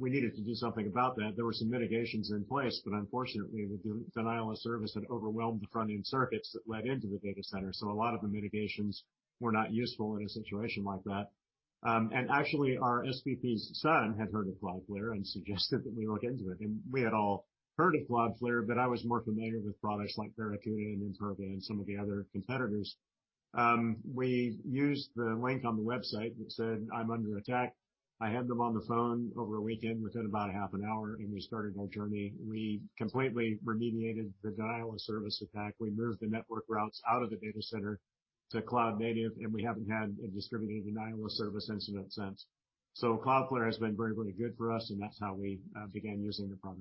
We needed to do something about that. There were some mitigations in place, but unfortunately, the denial of service had overwhelmed the front-end circuits that led into the data center. A lot of the mitigations were not useful in a situation like that. Actually, our SVP's son had heard of Cloudflare and suggested that we look into it. We had all heard of Cloudflare, but I was more familiar with products like Barracuda and Imperva and some of the other competitors. We used the link on the website that said, "I'm under attack." I had them on the phone over a weekend within about half an hour, and we started our journey. We completely remediated the denial of service attack. We moved the network routes out of the data center to cloud native, and we haven't had a distributed denial of service incident since. Cloudflare has been very, very good for us, and that's how we began using the product.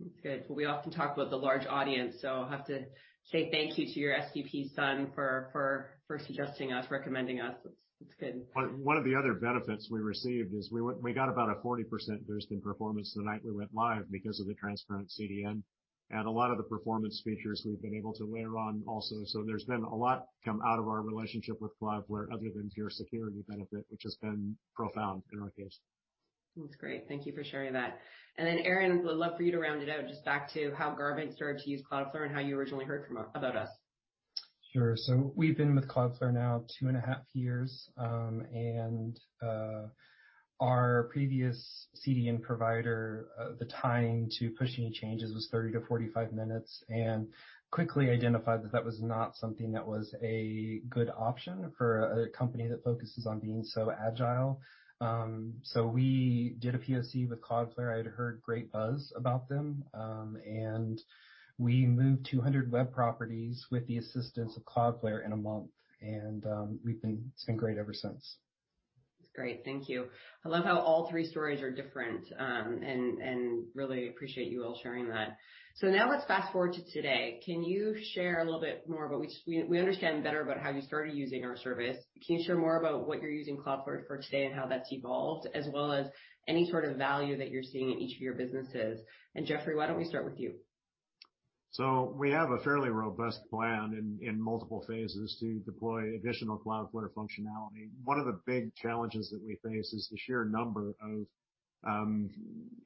That's good. Well, we often talk about the large audience, so I'll have to say thank you to your SVP's son for suggesting us, recommending us. That's good. One of the other benefits we received is we got about a 40% boost in performance the night we went live because of the transparent CDN and a lot of the performance features we've been able to layer on also. There's been a lot come out of our relationship with Cloudflare other than pure security benefit, which has been profound in our case. That's great. Thank you for sharing that. Aaron, would love for you to round it out, just back to how Garmin started to use Cloudflare and how you originally heard about us. Sure. We've been with Cloudflare now 2.5 years. Our previous CDN provider, the time to push any changes was 30 to 45 minutes and quickly identified that that was not something that was a good option for a company that focuses on being so agile. We did a POC with Cloudflare. I'd heard great buzz about them. We moved 200 web properties with the assistance of Cloudflare in a month, and it's been great ever since. That's great. Thank you. I love how all three stories are different, and really appreciate you all sharing that. Now let's fast-forward to today. Can you share a little bit more about, we understand better about how you started using our service. Can you share more about what you're using Cloudflare for today and how that's evolved, as well as any sort of value that you're seeing in each of your businesses? Jeffrey, why don't we start with you? We have a fairly robust plan in multiple phases to deploy additional Cloudflare functionality. One of the big challenges that we face is the sheer number of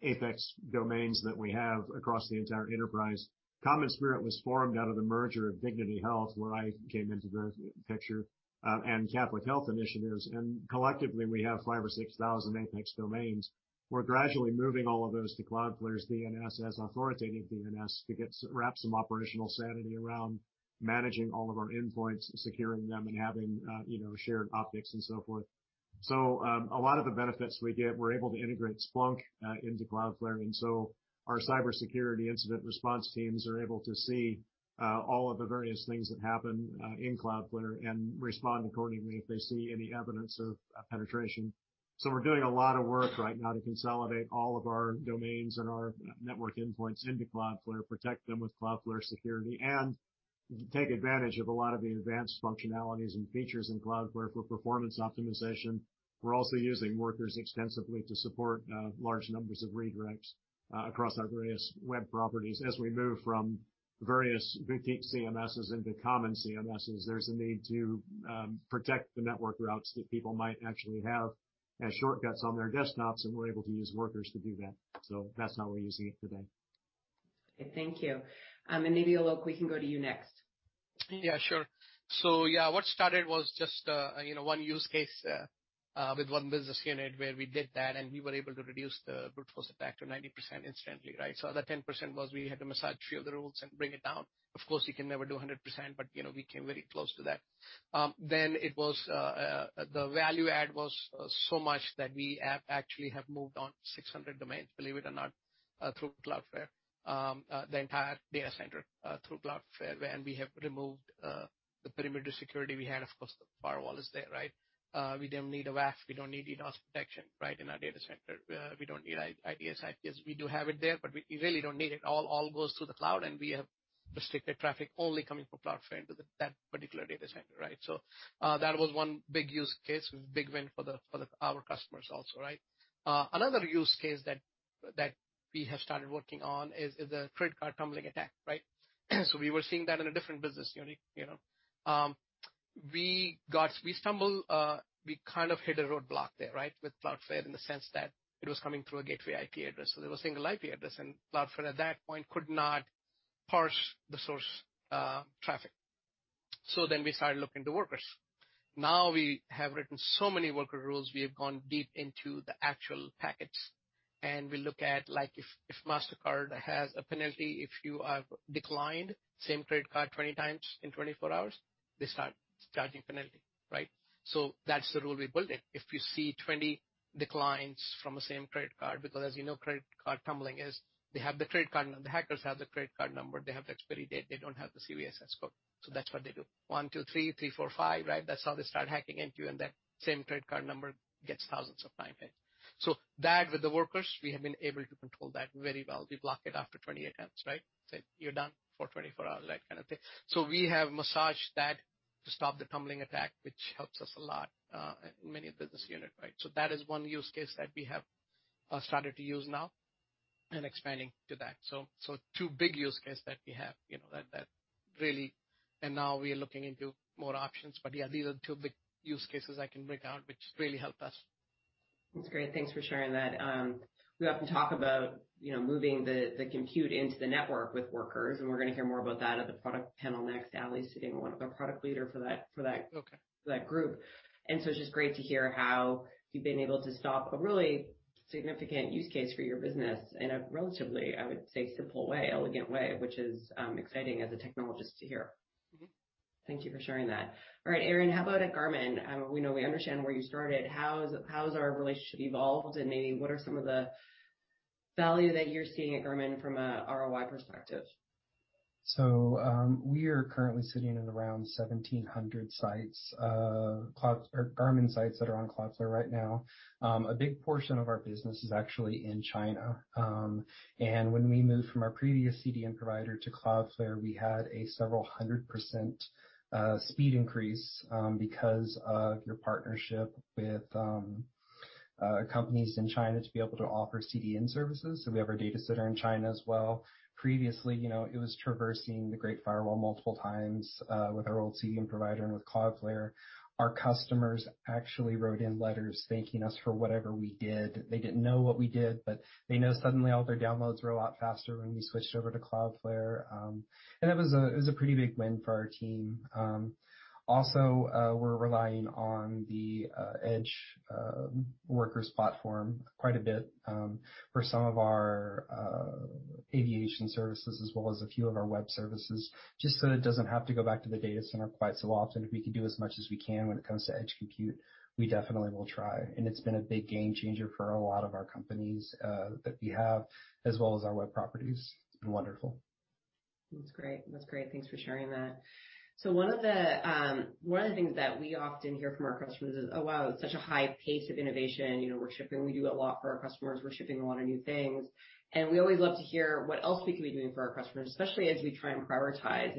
apex domains that we have across the entire enterprise. CommonSpirit was formed out of the merger of Dignity Health, where I came into the picture, and Catholic Health Initiatives, and collectively, we have 5,000 or 6,000 apex domains. We're gradually moving all of those to Cloudflare's DNS as authoritative DNS to wrap some operational sanity around managing all of our endpoints, securing them, and having shared objects and so forth. a lot of the benefits we get, we're able to integrate Splunk into Cloudflare. our cybersecurity incident response teams are able to see all of the various things that happen in Cloudflare and respond accordingly if they see any evidence of penetration. We're doing a lot of work right now to consolidate all of our domains and our network endpoints into Cloudflare, protect them with Cloudflare security, and take advantage of a lot of the advanced functionalities and features in Cloudflare for performance optimization. We're also using Workers extensively to support large numbers of redirects across our various web properties. As we move from various boutique CMSes into common CMSes, there's a need to protect the network routes that people might actually have as shortcuts on their desktops, and we're able to use Workers to do that. That's how we're using it today. Thank you. Alok, we can go to you next. Yeah, sure. What started was just one use case with one business unit where we did that, and we were able to reduce the brute force attack to 90% instantly, right? The 10% was we had to massage few of the rules and bring it down. Of course, you can never do 100%, but we came very close to that. The value add was so much that we actually have moved on 600 domains, believe it or not, through Cloudflare, the entire data center through Cloudflare. We have removed the perimeter security we had. Of course, the firewall is there, right? We don't need a WAF, we don't need DDoS protection in our data center. We don't need IDS because we do have it there, but we really don't need it. All goes to the cloud, and we have restricted traffic only coming from Cloudflare into that particular data center, right? That was one big use case, big win for our customers also, right? Another use case that we have started working on is the credit card tumbling attack, right? We were seeing that in a different business unit. We kind of hit a roadblock there with Cloudflare in the sense that it was coming through a gateway IP address. There was single IP address, and Cloudflare at that point could not parse the source traffic. We started looking to Workers. Now we have written so many Worker rules, we have gone deep into the actual packets, and we look at, like if Mastercard has a penalty, if you have declined same credit card 20x in 24 hours, they start charging penalty, right? That's the rule we built in. If you see 20 declines from the same credit card, because as you know, credit card tumbling is they have the credit card number, the hackers have the credit card number, they have the expiry date, they don't have the CVSS code. That's what they do. One, two, three, four, five, right? That's how they start hacking into, and that same credit card number gets thousands of time paid. That with the Workers, we have been able to control that very well. We block it after 20 attempts, right? Say, "You're done for 24 hours," that kind of thing. We have massaged that to stop the tumbling attack, which helps us a lot, many business unit, right? That is one use case that we have started to use now. Expanding to that. Two big use case that we have, and now we are looking into more options. yeah, these are two big use cases I can break out, which really help us. That's great. Thanks for sharing that. We often talk about moving the compute into the network with Workers, and we're going to hear more about that at the product panel next. Aly's sitting in one of our product leader for that group. It's just great to hear how you've been able to stop a really significant use case for your business in a relatively, I would say, simple way, elegant way, which is exciting as a technologist to hear. Thank you for sharing that. All right, Aaron, how about at Garmin? We know we understand where you started. How has our relationship evolved, and maybe what are some of the value that you're seeing at Garmin from a ROI perspective? We're currently sitting at around 1,700 Garmin sites that are on Cloudflare right now. A big portion of our business is actually in China. When we moved from our previous CDN provider to Cloudflare, we had a several 100% speed increase because of your partnership with companies in China to be able to offer CDN services. We have our data center in China as well. Previously, it was traversing the Great Firewall multiple times with our old CDN provider and with Cloudflare. Our customers actually wrote in letters thanking us for whatever we did. They didn't know what we did, but they know suddenly all their downloads were a lot faster when we switched over to Cloudflare. It was a pretty big win for our team. Also, we're relying on the Edge Workers platform quite a bit for some of our aviation services, as well as a few of our web services, just so that it doesn't have to go back to the data center quite so often. If we can do as much as we can when it comes to edge compute, we definitely will try. It's been a big game changer for a lot of our companies that we have, as well as our web properties. It's been wonderful. That's great. Thanks for sharing that. One of the things that we often hear from our customers is, "Oh, wow, it's such a high pace of innovation." We're shipping, we do a lot for our customers. We're shipping a lot of new things, and we always love to hear what else we can be doing for our customers, especially as we try and prioritize.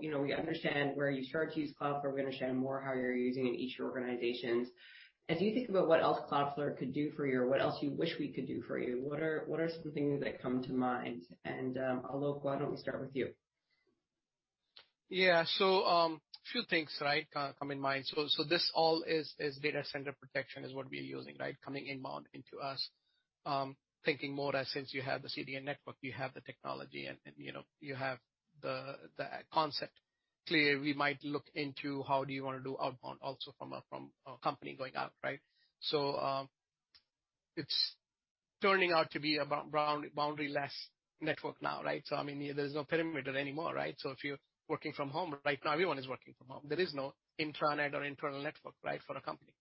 We understand where you start to use Cloudflare. We understand more how you're using it in each of your organizations. As you think about what else Cloudflare could do for you or what else you wish we could do for you, what are some things that come to mind? Alok, why don't we start with you? Yeah. Few things come in mind. This all is data center protection is what we're using, coming inbound into us. Thinking more as since you have the CDN network, you have the technology and you have the concept clear, we might look into how do you want to do outbound also from a company going out. It's turning out to be a boundary-less network now, right? There's no perimeter anymore, right? If you're working from home, right now, everyone is working from home. There is no intranet or internal network for a company.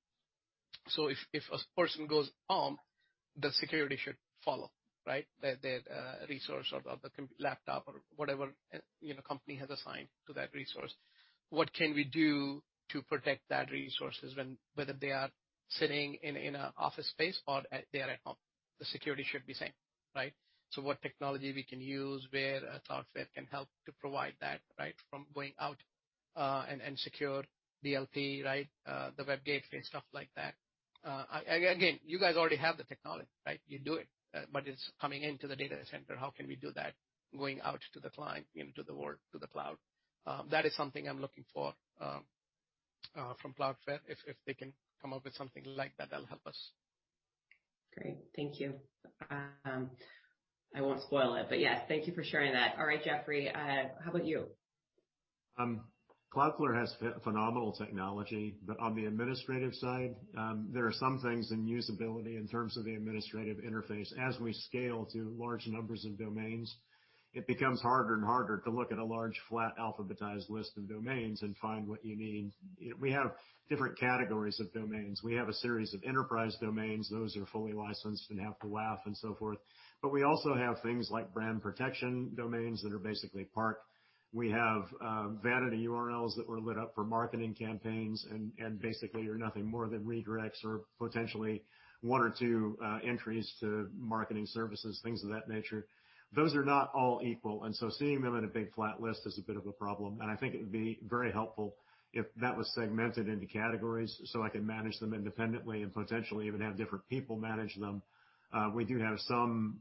If a person goes home, the security should follow, right? The resource of the laptop or whatever company has assigned to that resource. What can we do to protect that resources whether they are sitting in a office space or they are at home? The security should be same, right? what technology we can use where Cloudflare can help to provide that from going out, and secure DLP, the web gateway and stuff like that. Again, you guys already have the technology. You do it, but it's coming into the data center. How can we do that going out to the client, into the world, to the cloud? That is something I'm looking for from Cloudflare. If they can come up with something like that'll help us. Great. Thank you. I won't spoil it, but yeah. Thank you for sharing that. All right, Jeffrey, how about you? Cloudflare has phenomenal technology. On the administrative side, there are some things in usability in terms of the administrative interface. As we scale to large numbers of domains, it becomes harder and harder to look at a large, flat alphabetized list of domains and find what you need. We have different categories of domains. We have a series of enterprise domains. Those are fully licensed and have the WAF and so forth. We also have things like brand protection domains that are basically parked. We have vanity URLs that were lit up for marketing campaigns and basically are nothing more than redirects or potentially one or two entries to marketing services, things of that nature. Those are not all equal, and so seeing them in a big flat list is a bit of a problem. I think it would be very helpful if that was segmented into categories so I could manage them independently and potentially even have different people manage them. We do have some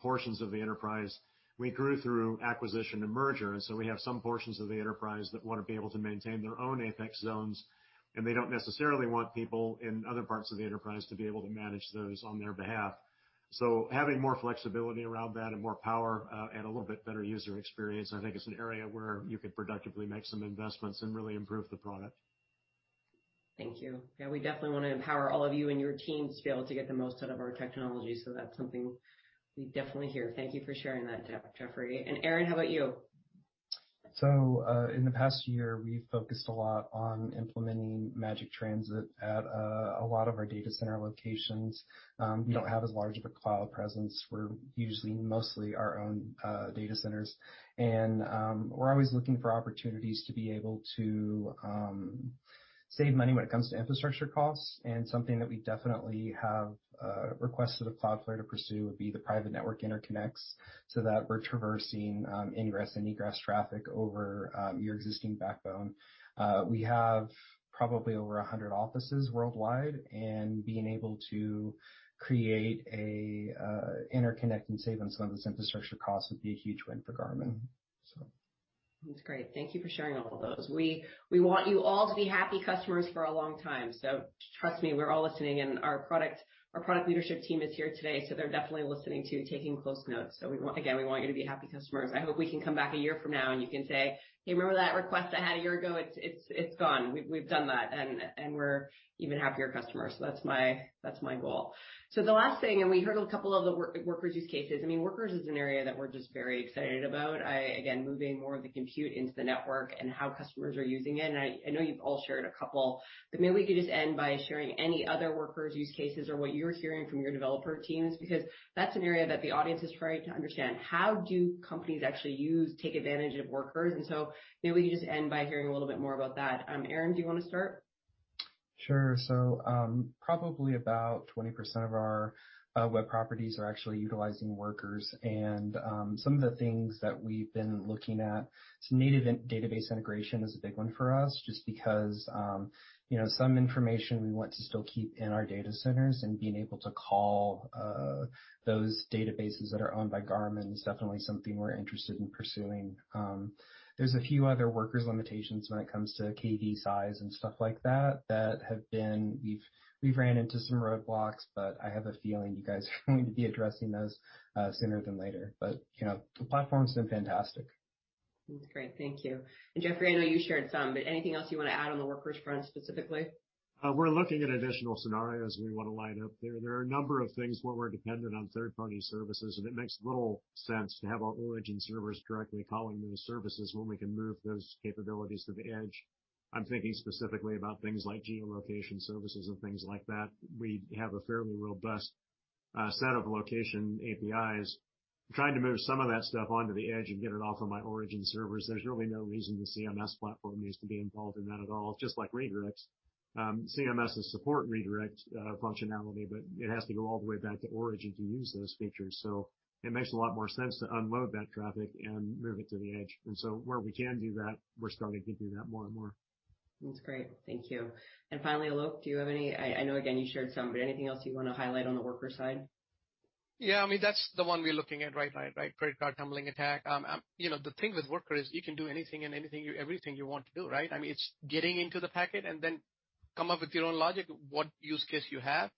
portions of the enterprise we grew through acquisition and merger, and so we have some portions of the enterprise that want to be able to maintain their own apex zones, and they don't necessarily want people in other parts of the enterprise to be able to manage those on their behalf. Having more flexibility around that and more power, and a little bit better user experience, I think is an area where you could productively make some investments and really improve the product. Thank you. Yeah, we definitely want to empower all of you and your teams to be able to get the most out of our technology. that's something we definitely hear. Thank you for sharing that, Jeffrey. Aaron, how about you? In the past year, we've focused a lot on implementing Magic Transit at a lot of our data center locations. We don't have as large of a cloud presence. We're usually mostly our own data centers. We're always looking for opportunities to be able to save money when it comes to infrastructure costs. Something that we definitely have requested of Cloudflare to pursue would be the private network interconnects so that we're traversing ingress and egress traffic over your existing backbone. We have probably over 100 offices worldwide, and being able to create a interconnect and save on some of this infrastructure costs would be a huge win for Garmin. That's great. Thank you for sharing all of those. We want you all to be happy customers for a long time. Trust me, we're all listening, and our product leadership team is here today, so they're definitely listening too, taking close notes. Again, we want you to be happy customers. I hope we can come back a year from now, and you can say, "Hey, remember that request I had a year ago? It's gone. We've done that, and we're even happier customers." That's my goal. The last thing, and we heard a couple of the Workers use cases. Workers is an area that we're just very excited about. Again, moving more of the compute into the network and how customers are using it, and I know you've all shared a couple, but maybe we could just end by sharing any other Workers use cases or what you're hearing from your developer teams, because that's an area that the audience is trying to understand. How do companies actually take advantage of Workers? maybe we can just end by hearing a little bit more about that. Aaron, do you want to start? Sure. Probably about 20% of our web properties are actually utilizing Workers. Some of the things that we've been looking at, so native database integration is a big one for us, just because some information we want to still keep in our data centers and being able to call those databases that are owned by Garmin is definitely something we're interested in pursuing. There's a few other Workers limitations when it comes to KV size and stuff like that. We've run into some roadblocks, but I have a feeling you guys are going to be addressing those sooner than later. The platform's been fantastic. That's great. Thank you. Jeffrey, I know you shared some, but anything else you want to add on the Workers front specifically? We're looking at additional scenarios we want to line up there. There are a number of things where we're dependent on third-party services, and it makes little sense to have our origin servers directly calling those services when we can move those capabilities to the edge. I'm thinking specifically about things like geolocation services and things like that. We have a fairly robust set of location APIs. Trying to move some of that stuff onto the edge and get it off of my origin servers, there's really no reason the CMS platform needs to be involved in that at all. Just like redirects. CMS will support redirect functionality, but it has to go all the way back to origin to use those features. It makes a lot more sense to unload that traffic and move it to the edge. where we can do that, we're starting to do that more and more. That's great. Thank you. Finally, Alok, do you have any I know, again, you shared some, but anything else you want to highlight on the Workers side? Yeah, that's the one we're looking at right now. Credit card tumbling attack. The thing with Worker is you can do anything and everything you want to do, right? It's getting into the packet and then come up with your own logic, what use case you have.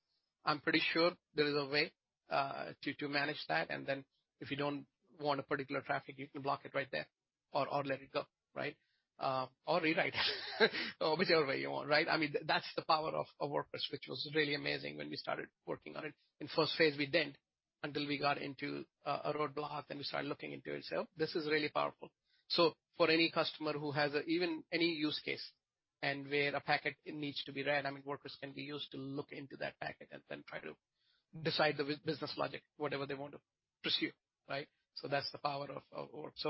I'm pretty sure there is a way to manage that. then if you don't want a particular traffic, you can block it right there or let it go. rewrite whichever way you want, right? That's the power of Workers, which was really amazing when we started working on it. In first phase, we didn't, until we got into a roadblock, then we started looking into it. this is really powerful. For any customer who has even any use case and where a packet needs to be read, Workers can be used to look into that packet and then try to decide the business logic, whatever they want to pursue. That's the power of Workers.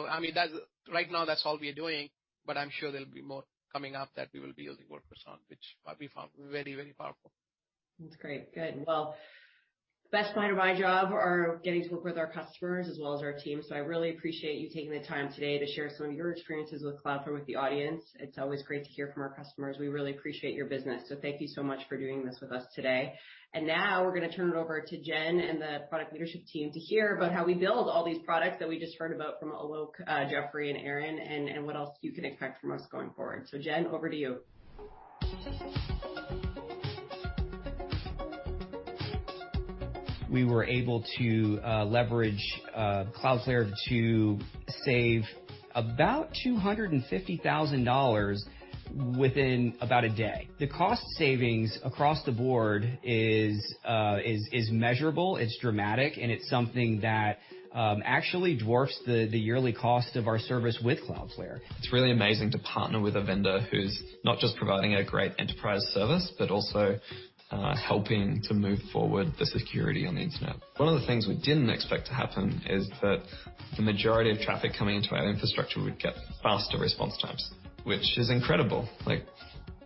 Right now, that's all we are doing, but I'm sure there'll be more coming up that we will be using Workers on, which we found very powerful. That's great. Good. Well, the best part of my job are getting to work with our customers as well as our team. I really appreciate you taking the time today to share some of your experiences with Cloudflare with the audience. It's always great to hear from our customers. We really appreciate your business. Thank you so much for doing this with us today. Now we're going to turn it over to Jen and the product leadership team to hear about how we build all these products that we just heard about from Alok, Jeffrey, and Aaron, and what else you can expect from us going forward. Jen, over to you. We were able to leverage Cloudflare to save about $250,000 within about a day. The cost savings across the board is measurable, it's dramatic, and it's something that actually dwarfs the yearly cost of our service with Cloudflare. It's really amazing to partner with a vendor who's not just providing a great enterprise service, but also helping to move forward the security on the internet. One of the things we didn't expect to happen is that the majority of traffic coming into our infrastructure would get faster response times, which is incredible.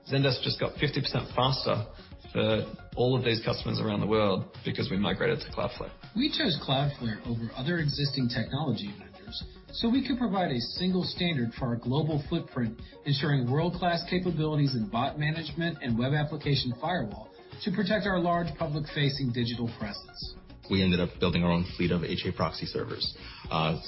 Zendesk just got 50% faster for all of these customers around the world because we migrated to Cloudflare. We chose Cloudflare over other existing technology vendors so we could provide a single standard for our global footprint, ensuring world-class capabilities in bot management and web application firewall to protect our large public-facing digital presence. We ended up building our own fleet of HAProxy servers,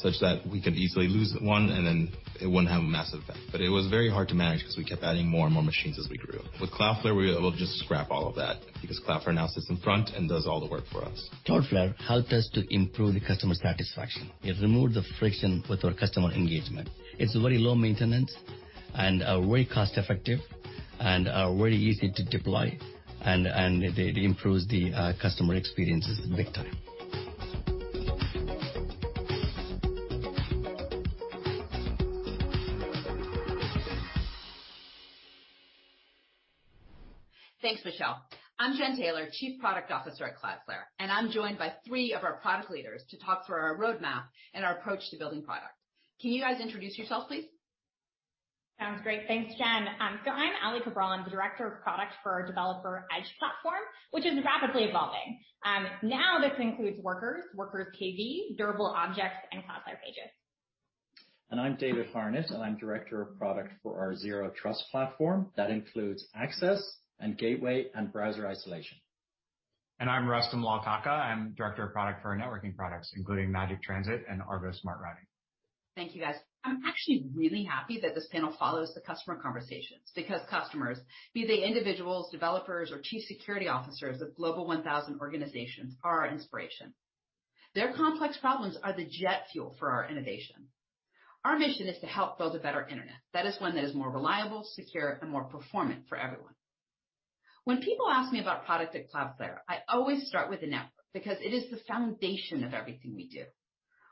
such that we could easily lose one, then it wouldn't have a massive effect. It was very hard to manage because we kept adding more and more machines as we grew. With Cloudflare, we were able to just scrap all of that because Cloudflare now sits in front and does all the work for us. Cloudflare helped us to improve the customer satisfaction. It removed the friction with our customer engagement. It's very low maintenance and very cost-effective and very easy to deploy, it improves the customer experience big time. Thanks, Michelle. I'm Jen Taylor, Chief Product Officer at Cloudflare, I'm joined by three of our product leaders to talk through our roadmap and our approach to building product. Can you guys introduce yourselves, please? Sounds great. Thanks, Jen. I'm Aly Cabral, I'm the Director of Product for our Developer Edge platform, which is rapidly evolving. Now this includes Workers KV, Durable Objects, and Cloudflare Pages. I'm David Harnett, and I'm Director of Product for our Zero Trust platform. That includes Access and Gateway and Browser Isolation. I'm Rustam Lalkaka. I'm Director of Product for our networking products, including Magic Transit and Argo Smart Routing. Thank you, guys. I'm actually really happy that this panel follows the customer conversations, because customers, be they individuals, developers, or chief security officers of Global 1000 organizations, are our inspiration. Their complex problems are the jet fuel for our innovation. Our mission is to help build a better internet. That is, one that is more reliable, secure, and more performant for everyone. When people ask me about product at Cloudflare, I always start with the network, because it is the foundation of everything we do.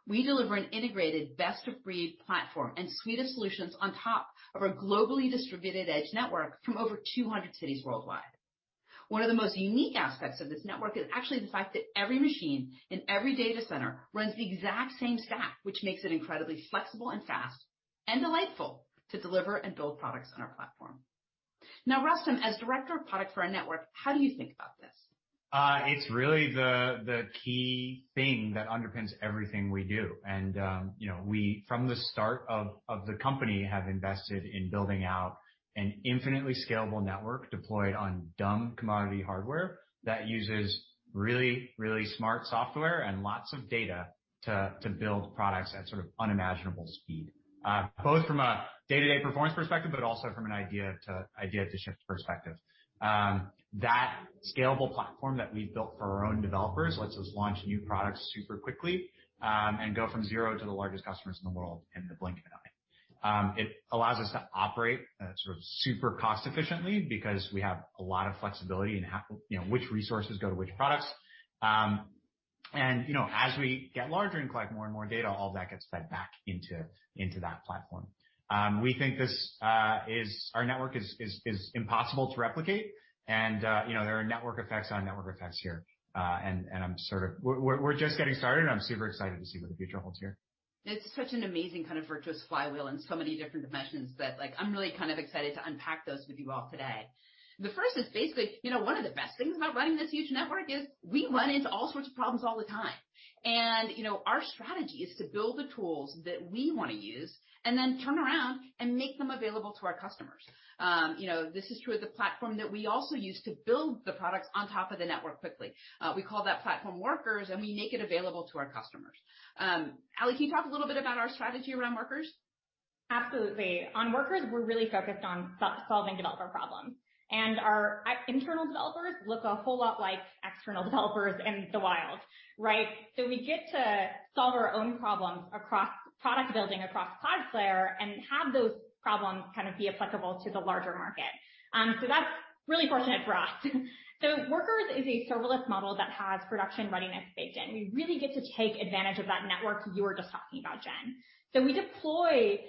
We deliver an integrated best-of-breed platform and suite of solutions on top of our globally distributed edge network from over 200 cities worldwide. One of the most unique aspects of this network is actually the fact that every machine in every data center runs the exact same stack, which makes it incredibly flexible and fast, and delightful to deliver and build products on our platform. Now, Rustam, as Director of Product for our network, how do you think about this? It's really the key thing that underpins everything we do. From the start of the company, have invested in building out an infinitely scalable network deployed on dumb commodity hardware that uses really, really smart software and lots of data to build products at sort of unimaginable speed, both from a day-to-day performance perspective, also from an idea to ship perspective. That scalable platform that we've built for our own developers lets us launch new products super quickly, and go from zero to the largest customers in the world in the blink of an eye. It allows us to operate sort of super cost efficiently because we have a lot of flexibility in which resources go to which products. As we get larger and collect more and more data, all that gets fed back into that platform. We think our network is impossible to replicate and there are network effects on network effects here. We're just getting started and I'm super excited to see what the future holds here. It's such an amazing kind of virtuous flywheel in so many different dimensions that I'm really kind of excited to unpack those with you all today. The first is basically, one of the best things about running this huge network is we run into all sorts of problems all the time. Our strategy is to build the tools that we want to use and then turn around and make them available to our customers. This is true of the platform that we also use to build the products on top of the network quickly. We call that platform Workers, and we make it available to our customers. Aly, can you talk a little bit about our strategy around Workers? Absolutely. Workers, we're really focused on solving developer problems. Our internal developers look a whole lot like external developers in the wild, right? We get to solve our own problems across product building, across Cloudflare, and have those problems kind of be applicable to the larger market. That's really fortunate for us. Workers is a serverless model that has production readiness baked in. We really get to take advantage of that network you were just talking about, Jen. We deploy,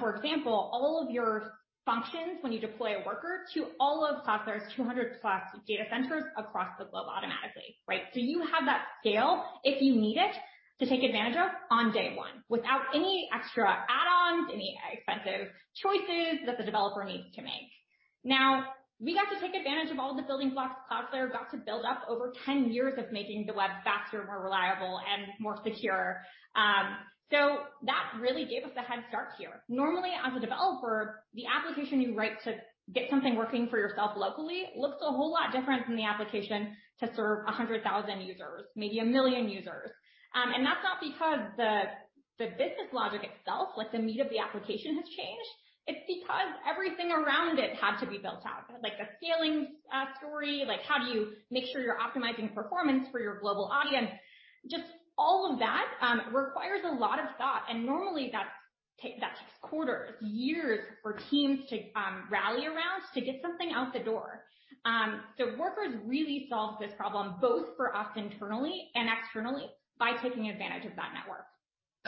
for example, all of your functions when you deploy a Worker to all of Cloudflare's 200+ data centers across the globe automatically, right? You have that scale if you need it to take advantage of on day one without any extra add-ons, any expensive choices that the developer needs to make. We got to take advantage of all of the building blocks Cloudflare got to build up over 10 years of making the web faster, more reliable, and more secure. That really gave us a head start here. Normally, as a developer, the application you write to get something working for yourself locally looks a whole lot different than the application to serve 100,000 users, maybe a million users. That's not because the business logic itself, like the meat of the application, has changed. It's because everything around it had to be built out, like the scaling story, like how do you make sure you're optimizing performance for your global audience? Just all of that requires a lot of thought. Normally that takes quarters, years for teams to rally around to get something out the door. Workers really solves this problem, both for us internally and externally, by taking advantage of that network.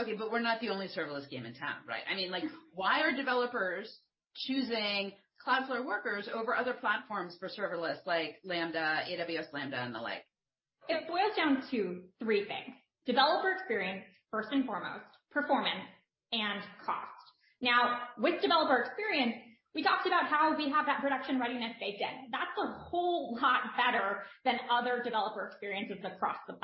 Okay, we're not the only serverless game in town, right? I mean, why are developers choosing Cloudflare Workers over other platforms for serverless like AWS Lambda and the like? It boils down to three things. Developer experience, first and foremost, performance, and cost. Now, with developer experience, we talked about how we have that production readiness baked in. That's a whole lot better than other developer experiences across the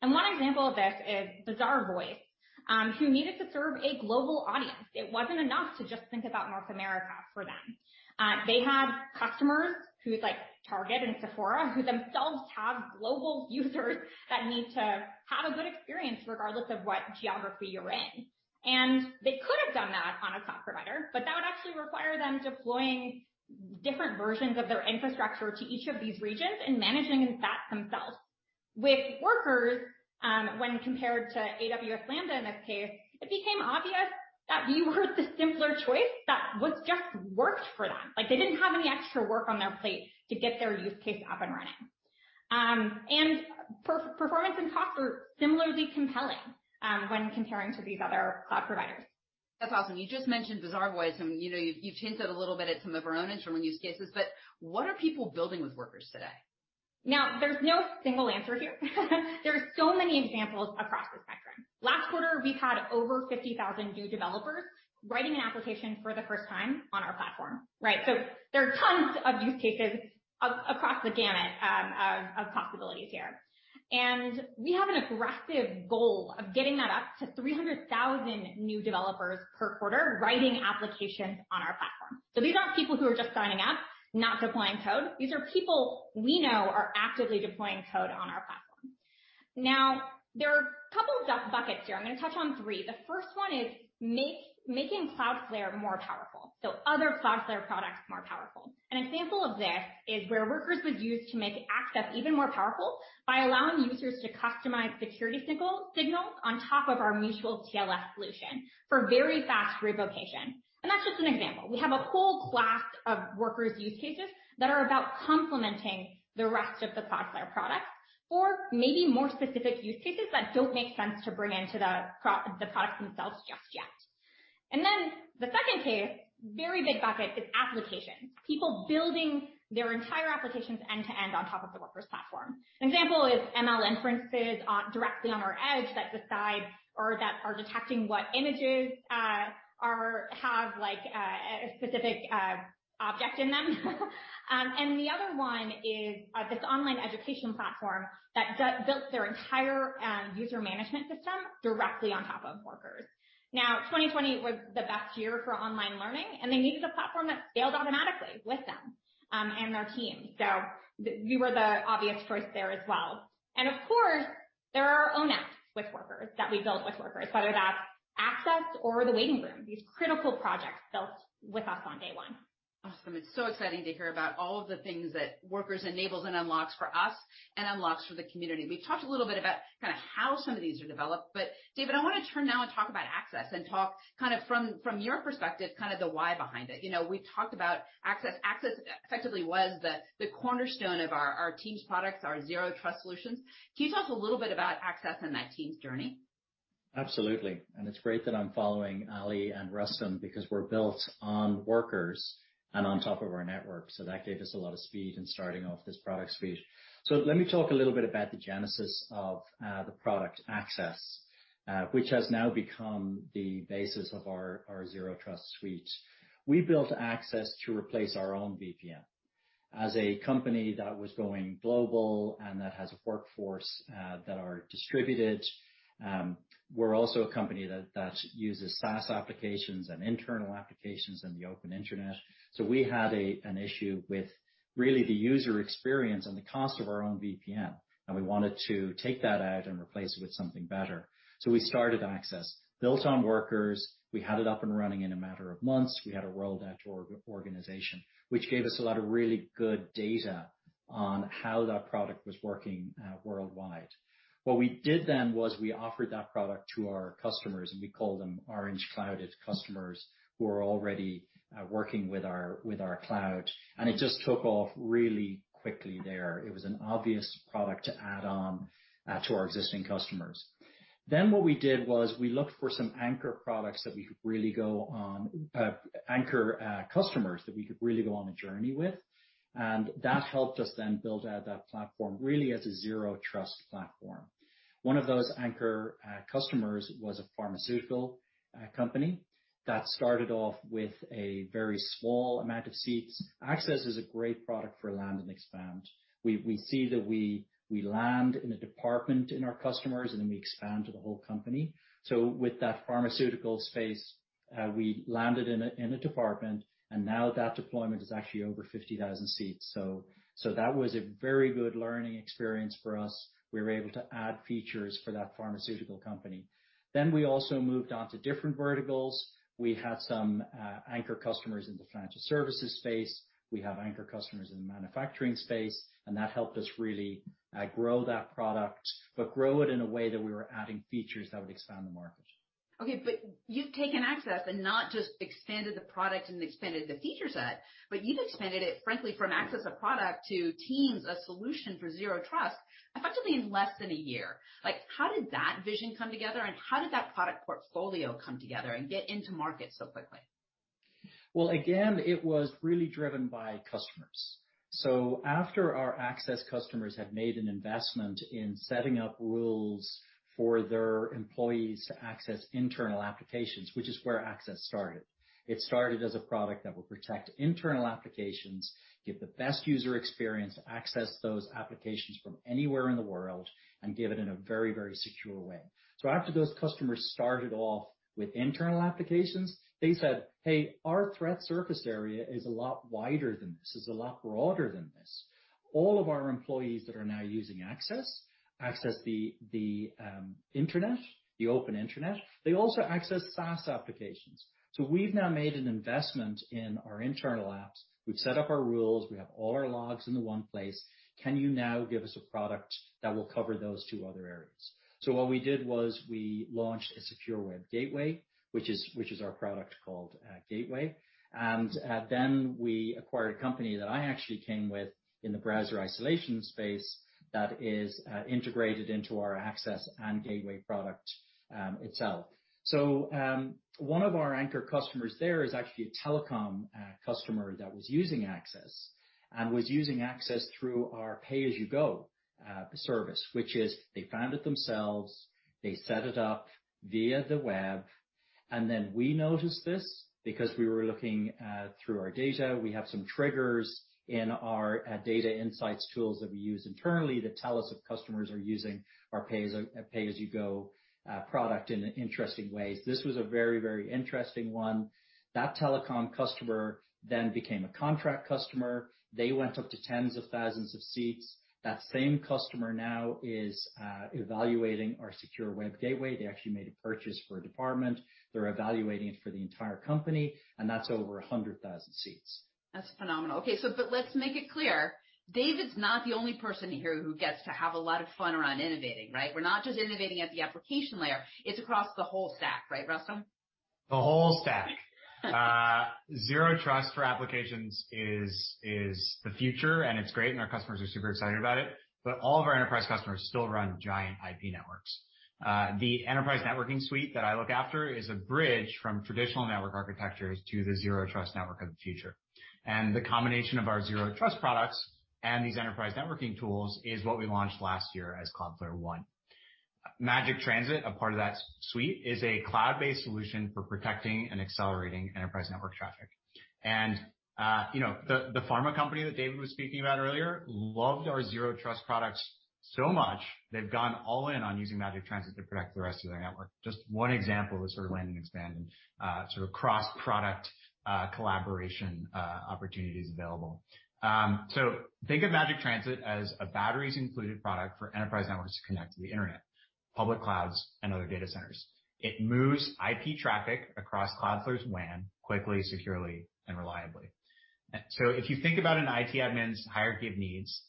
platforms. One example of this is Bazaarvoice, who needed to serve a global audience. It wasn't enough to just think about North America for them. They have customers who, like Target and Sephora, who themselves have global users that need to have a good experience regardless of what geography you're in. They could have done that on a cloud provider, but that would actually require them deploying different versions of their infrastructure to each of these regions and managing that themselves. With Workers, when compared to AWS Lambda in this case, it became obvious that we were the simpler choice that just worked for them. They didn't have any extra work on their plate to get their use case up and running. performance and cost were similarly compelling when comparing to these other cloud providers. That's awesome. You just mentioned Bazaarvoice, and you've hinted a little bit at some of our own internal use cases, but what are people building with Workers today? Now, there's no single answer here. There are so many examples across the spectrum. Last quarter, we had over 50,000 new developers writing an application for the first time on our platform. There are tons of use cases across the gamut of possibilities here. We have an aggressive goal of getting that up to 300,000 new developers per quarter writing applications on our platform. These aren't people who are just signing up, not deploying code. These are people we know are actively deploying code on our platform. Now, there are a couple of buckets here. I'm going to touch on three. The first one is making Cloudflare more powerful, so other Cloudflare products more powerful. An example of this is where Workers was used to make access even more powerful by allowing users to customize security signals on top of our mutual TLS solution for very fast revocation. That's just an example. We have a whole class of Workers use cases that are about complementing the rest of the Cloudflare products, or maybe more specific use cases that don't make sense to bring into the products themselves just yet. The second case, very big bucket, is applications. People building their entire applications end-to-end on top of the Workers platform. An example is ML inferences directly on our edge that decide or that are detecting what images have a specific object in them. The other one is this online education platform that built their entire user management system directly on top of Workers. Now, 2020 was the best year for online learning, and they needed a platform that scaled automatically with them and their team. We were the obvious choice there as well. Of course, there are our own apps with Workers that we built with Workers, whether that's Access or the Waiting Room, these critical projects built with us on day one. Awesome. It's so exciting to hear about all of the things that Workers enables and unlocks for us and unlocks for the community. We talked a little bit about how some of these are developed, but David, I want to turn now and talk about Access and talk from your perspective, the why behind it. We talked about Access. Access effectively was the cornerstone of our Teams products, our Zero Trust solutions. Can you talk a little bit about Access and that team's journey? Absolutely. It's great that I'm following Aly and Rustam because we're built on Workers and on top of our network, so that gave us a lot of speed in starting off this product suite. Let me talk a little bit about the genesis of the product Access, which has now become the basis of our Zero Trust suite. We built Access to replace our own VPN. As a company that was going global and that has a workforce that are distributed, we're also a company that uses SaaS applications and internal applications and the open internet. We had an issue with really the user experience and the cost of our own VPN, and we wanted to take that out and replace it with something better. We started Access. Built on Workers, we had it up and running in a matter of months. We had a rolled out organization, which gave us a lot of really good data on how that product was working worldwide. What we did then was we offered that product to our customers, and we call them Orange-clouded customers, who are already working with our cloud, and it just took off really quickly there. It was an obvious product to add on to our existing customers. Then what we did was we looked for some anchor customers that we could really go on a journey with, and that helped us then build out that platform really as a Zero Trust platform. One of those anchor customers was a pharmaceutical company that started off with a very small amount of seats. Access is a great product for land and expand. We see that we land in a department in our customers, and then we expand to the whole company. With that pharmaceutical space, we landed in a department, and now that deployment is actually over 50,000 seats. That was a very good learning experience for us. We were able to add features for that pharmaceutical company. We also moved on to different verticals. We had some anchor customers in the financial services space. We have anchor customers in the manufacturing space, and that helped us really grow that product, but grow it in a way that we were adding features that would expand the market. Okay, you've taken Access and not just expanded the product and expanded the feature set, but you've expanded it, frankly, from Access a product to Teams a solution for Zero Trust, effectively in less than a year. How did that vision come together, and how did that product portfolio come together and get into market so quickly? Well, again, it was really driven by customers. After our Access customers had made an investment in setting up rules for their employees to access internal applications, which is where Access started. It started as a product that would protect internal applications, give the best user experience, access those applications from anywhere in the world, and give it in a very, very secure way. After those customers started off with internal applications, they said, "Hey, our threat surface area is a lot wider than this. It's a lot broader than this. All of our employees that are now using Access access the internet, the open internet. They also access SaaS applications. So we've now made an investment in our internal apps. We've set up our rules. We have all our logs in the one place. Can you now give us a product that will cover those two other areas?" What we did was we launched a Secure Web Gateway, which is our product called Gateway. We acquired a company that I actually came with in the Browser Isolation space that is integrated into our Access and Gateway product itself. One of our anchor customers there is actually a telecom customer that was using Access, and was using Access through our pay-as-you-go service, which is they found it themselves, they set it up via the web. We noticed this because we were looking through our data. We have some triggers in our data insights tools that we use internally that tell us if customers are using our pay as you go product in interesting ways. This was a very interesting one. That telecom customer then became a contract customer. They went up to tens of thousands of seats. That same customer now is evaluating our secure web gateway. They actually made a purchase for a department. They're evaluating it for the entire company, and that's over 100,000 seats. That's phenomenal. Okay, let's make it clear, David's not the only person here who gets to have a lot of fun around innovating, right? We're not just innovating at the application layer. It's across the whole stack, right, Rustam? The whole stack. Zero Trust for applications is the future, and it's great, and our customers are super excited about it. All of our enterprise customers still run giant IP networks. The enterprise networking suite that I look after is a bridge from traditional network architectures to the Zero Trust network of the future. The combination of our Zero Trust products and these enterprise networking tools is what we launched last year as Cloudflare One. Magic Transit, a part of that suite, is a cloud-based solution for protecting and accelerating enterprise network traffic. The pharma company that David was speaking about earlier loved our Zero Trust products so much, they've gone all in on using Magic Transit to protect the rest of their network. Just one example of sort of land and expand and sort of cross-product collaboration opportunities available. think of Magic Transit as a batteries included product for enterprise networks to connect to the internet, public clouds, and other data centers. It moves IP traffic across Cloudflare's WAN quickly, securely, and reliably. If you think about an IT admin's hierarchy of needs,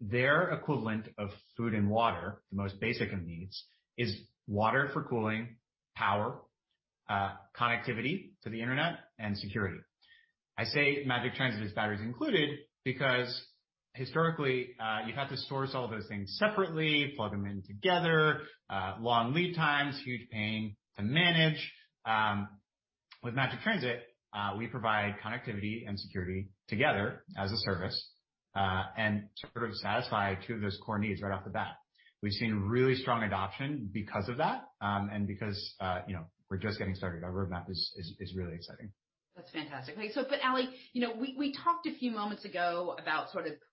their equivalent of food and water, the most basic of needs, is water for cooling, power, connectivity to the internet, and security. I say Magic Transit is batteries included because historically, you had to source all of those things separately, plug them in together, long lead times, huge pain to manage. With Magic Transit, we provide connectivity and security together as a service, and sort of satisfy two of those core needs right off the bat. We've seen really strong adoption because of that, and because we're just getting started. Our roadmap is really exciting. That's fantastic. Aly, we talked a few moments ago about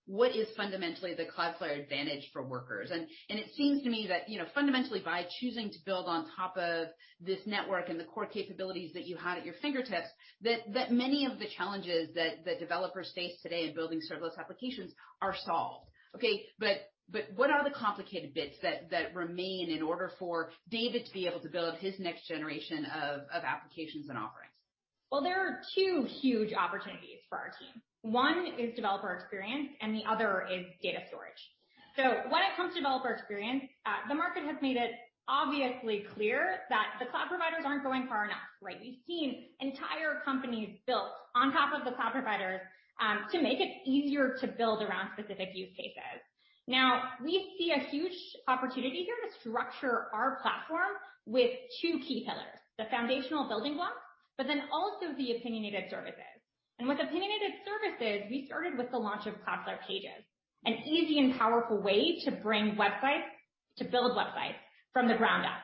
what is fundamentally the Cloudflare advantage for Workers. It seems to me that, fundamentally, by choosing to build on top of this network and the core capabilities that you had at your fingertips, that many of the challenges that developers face today in building serverless applications are solved. Okay, but what are the complicated bits that remain in order for David to be able to build his next generation of applications and offerings? Well, there are two huge opportunities for our team. One is developer experience, and the other is data storage. When it comes to developer experience, the market has made it obviously clear that the cloud providers aren't going far enough, right? We've seen entire companies built on top of the cloud providers to make it easier to build around specific use cases. Now, we see a huge opportunity here to structure our platform with two key pillars, the foundational building blocks, but then also the opinionated services. With opinionated services, we started with the launch of Cloudflare Pages, an easy and powerful way to build websites from the ground up.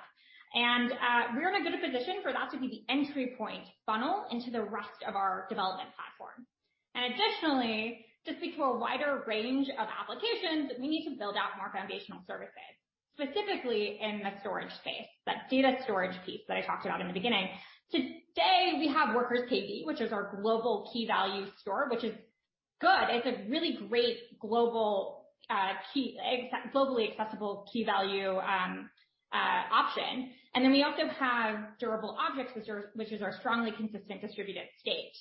We're in a good position for that to be the entry point funnel into the rest of our development platform. Additionally, to speak to a wider range of applications, we need to build out more foundational services, specifically in the storage space, that data storage piece that I talked about in the beginning. Today, we have Workers KV, which is our global key value store, which is good. It's a really great globally accessible key value option. We also have Durable Objects, which is our strongly consistent distributed state.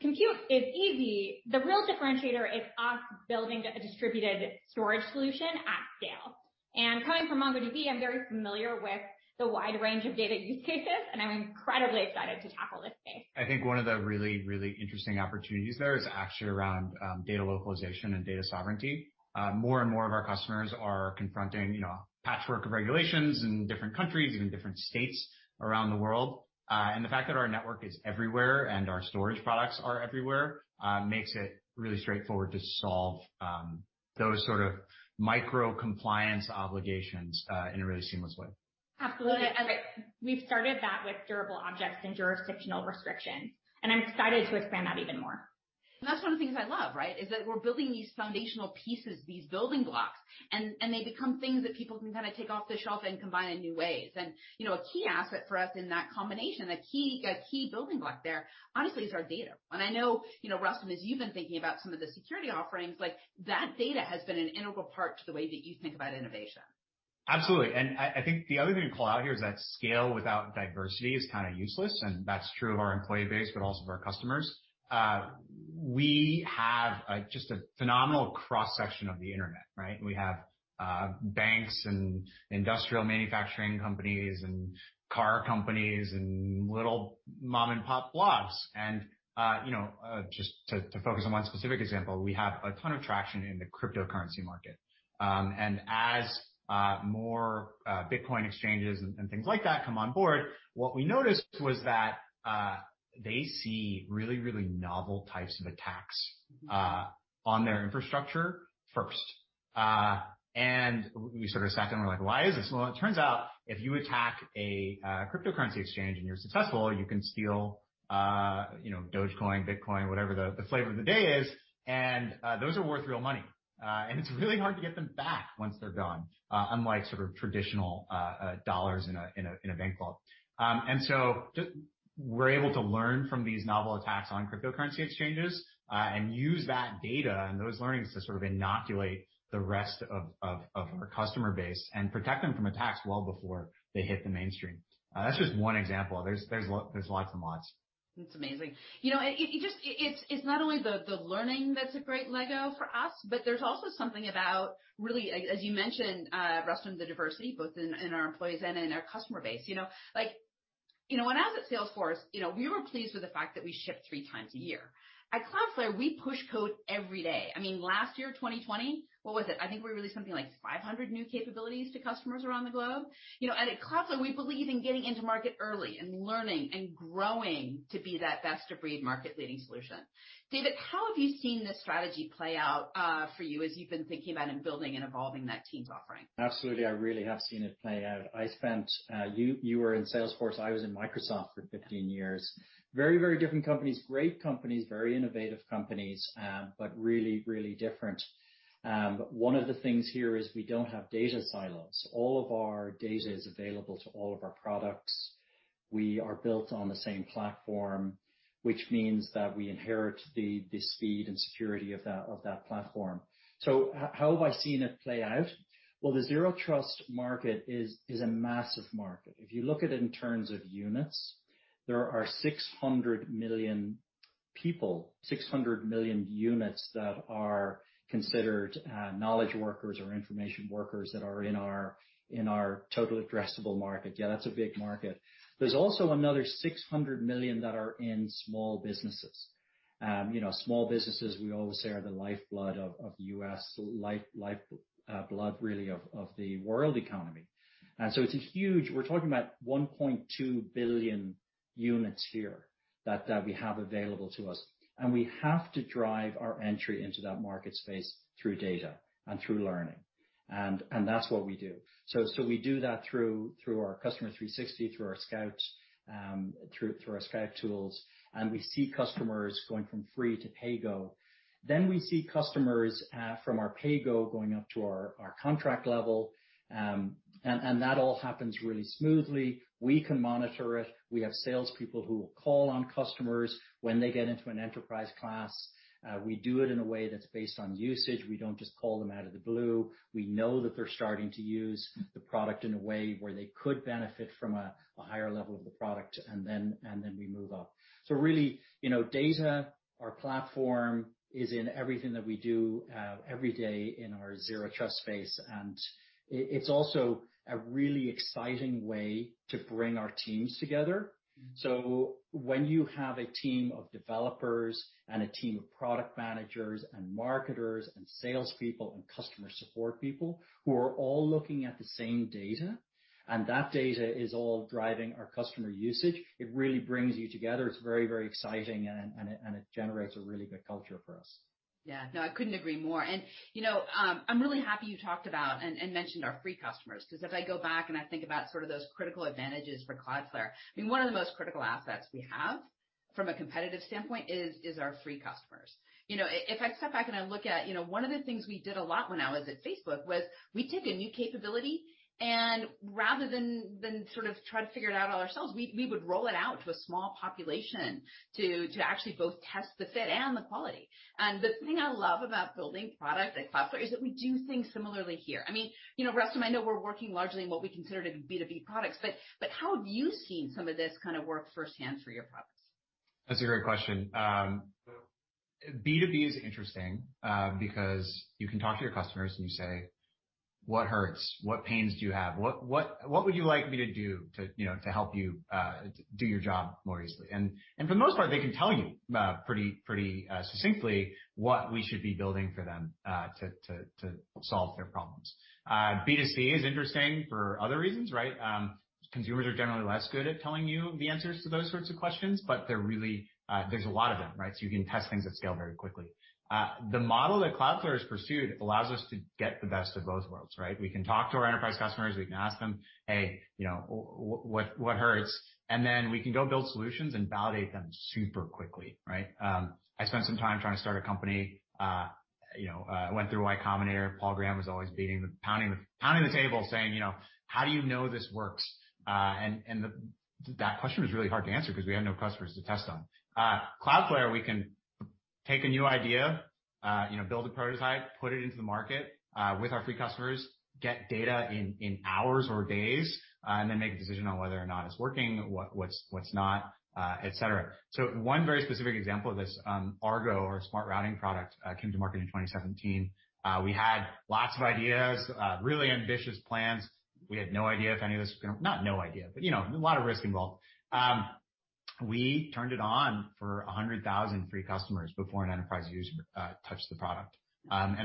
Compute is easy. The real differentiator is us building a distributed storage solution at scale. Coming from MongoDB, I'm very familiar with the wide range of data use cases, and I'm incredibly excited to tackle this space. I think one of the really interesting opportunities there is actually around data localization and data sovereignty. More and more of our customers are confronting a patchwork of regulations in different countries and different states around the world. The fact that our network is everywhere and our storage products are everywhere, makes it really straightforward to solve those sort of micro compliance obligations in a really seamless way. Absolutely. we've started that with Durable Objects and jurisdictional restrictions, and I'm excited to expand that even more. that's one of the things I love, right? Is that we're building these foundational pieces, these building blocks, and they become things that people can kind of take off the shelf and combine in new ways. a key asset for us in that combination, a key building block there, honestly, is our data. I know, Rustam, as you've been thinking about some of the security offerings, like that data has been an integral part to the way that you think about innovation. Absolutely. I think the other thing to call out here is that scale without diversity is kind of useless, and that's true of our employee base, but also of our customers. We have just a phenomenal cross-section of the internet, right? We have banks and industrial manufacturing companies and car companies and little mom and pop blogs and just to focus on one specific example, we have a ton of traction in the cryptocurrency market. As more Bitcoin exchanges and things like that come on board, what we noticed was that they see really, really novel types of attacks on their infrastructure first. We sort of sat there and we're like, "Why is this?" Well, it turns out if you attack a cryptocurrency exchange, and you're successful, you can steal Dogecoin, Bitcoin, whatever the flavor of the day is, and those are worth real money. it's really hard to get them back once they're gone, unlike traditional dollars in a bank vault. we're able to learn from these novel attacks on cryptocurrency exchanges, and use that data and those learnings to sort of inoculate the rest of our customer base and protect them from attacks well before they hit the mainstream. That's just one example. There's lots and lots. That's amazing. It's not only the learning that's a great Lego for us, but there's also something about, really, as you mentioned, Rustam, the diversity, both in our employees and in our customer base. When I was at Salesforce, we were pleased with the fact that we shipped 3x a year. At Cloudflare, we push code every day. Last year, 2020, what was it? I think we released something like 500 new capabilities to customers around the globe. At Cloudflare, we believe in getting into market early and learning and growing to be that best-of-breed market-leading solution. David, how have you seen this strategy play out for you as you've been thinking about and building and evolving that team's offering? Absolutely, I really have seen it play out. You were in Salesforce, I was in Microsoft for 15 years. Very, very different companies, great companies, very innovative companies, but really, really different. One of the things here is we don't have data silos. All of our data is available to all of our products. We are built on the same platform, which means that we inherit the speed and security of that platform. How have I seen it play out? Well, the Zero Trust market is a massive market. If you look at it in terms of units, there are 600 million people, 600 million units that are considered knowledge workers or information workers that are in our total addressable market. Yeah, that's a big market. There's also another 600 million that are in small businesses. Small businesses, we always say, are the lifeblood of the U.S., lifeblood, really, of the world economy. It's huge. We're talking about 1.2 billion units here that we have available to us, and we have to drive our entry into that market space through data and through learning, and that's what we do. We do that through our Customer 360, through our Scout tools, and we see customers going from free to pay-go. We see customers from our pay-go going up to our contract level, and that all happens really smoothly. We can monitor it. We have salespeople who will call on customers when they get into an enterprise class. We do it in a way that's based on usage. We don't just call them out of the blue. We know that they're starting to use the product in a way where they could benefit from a higher level of the product, and then we move up. Really, data, our platform, is in everything that we do every day in our Zero Trust space, and it's also a really exciting way to bring our teams together. When you have a team of developers and a team of product managers and marketers and salespeople and customer support people who are all looking at the same data, and that data is all driving our customer usage, it really brings you together. It's very, very exciting, and it generates a really good culture for us. Yeah. No, I couldn't agree more. I'm really happy you talked about and mentioned our free customers, because as I go back and I think about those critical advantages for Cloudflare, one of the most critical assets we have from a competitive standpoint is our free customers. If I step back and I look at one of the things we did a lot when I was at Facebook was we'd take a new capability, and rather than sort of try to figure it out all ourselves, we would roll it out to a small population to actually both test the fit and the quality. The thing I love about building product at Cloudflare is that we do things similarly here. Rustam, I know we're working largely in what we consider to be B2B products, but how have you seen some of this kind of work firsthand for your products? That's a great question. B2B is interesting, because you can talk to your customers and you say, "What hurts? What pains do you have? What would you like me to do to help you do your job more easily?" for the most part, they can tell you pretty succinctly what we should be building for them to solve their problems. B2C is interesting for other reasons, right? Consumers are generally less good at telling you the answers to those sorts of questions, but there's a lot of them, right? you can test things at scale very quickly. The model that Cloudflare has pursued allows us to get the best of both worlds, right? We can talk to our enterprise customers. We can ask them, "Hey, what hurts?" then we can go build solutions and validate them super quickly, right? I spent some time trying to start a company. I went through Y Combinator. Paul Graham was always pounding the table saying, "How do you know this works?" That question was really hard to answer because we had no customers to test on. Cloudflare, we can take a new idea, build a prototype, put it into the market with our free customers, get data in hours or days, and then make a decision on whether or not it's working, what's not, et cetera. One very specific example of this, Argo, our smart routing product, came to market in 2017. We had lots of ideas, really ambitious plans. We had no idea if any of this was going to. Not no idea, but a lot of risk involved. We turned it on for 100,000 free customers before an enterprise user touched the product.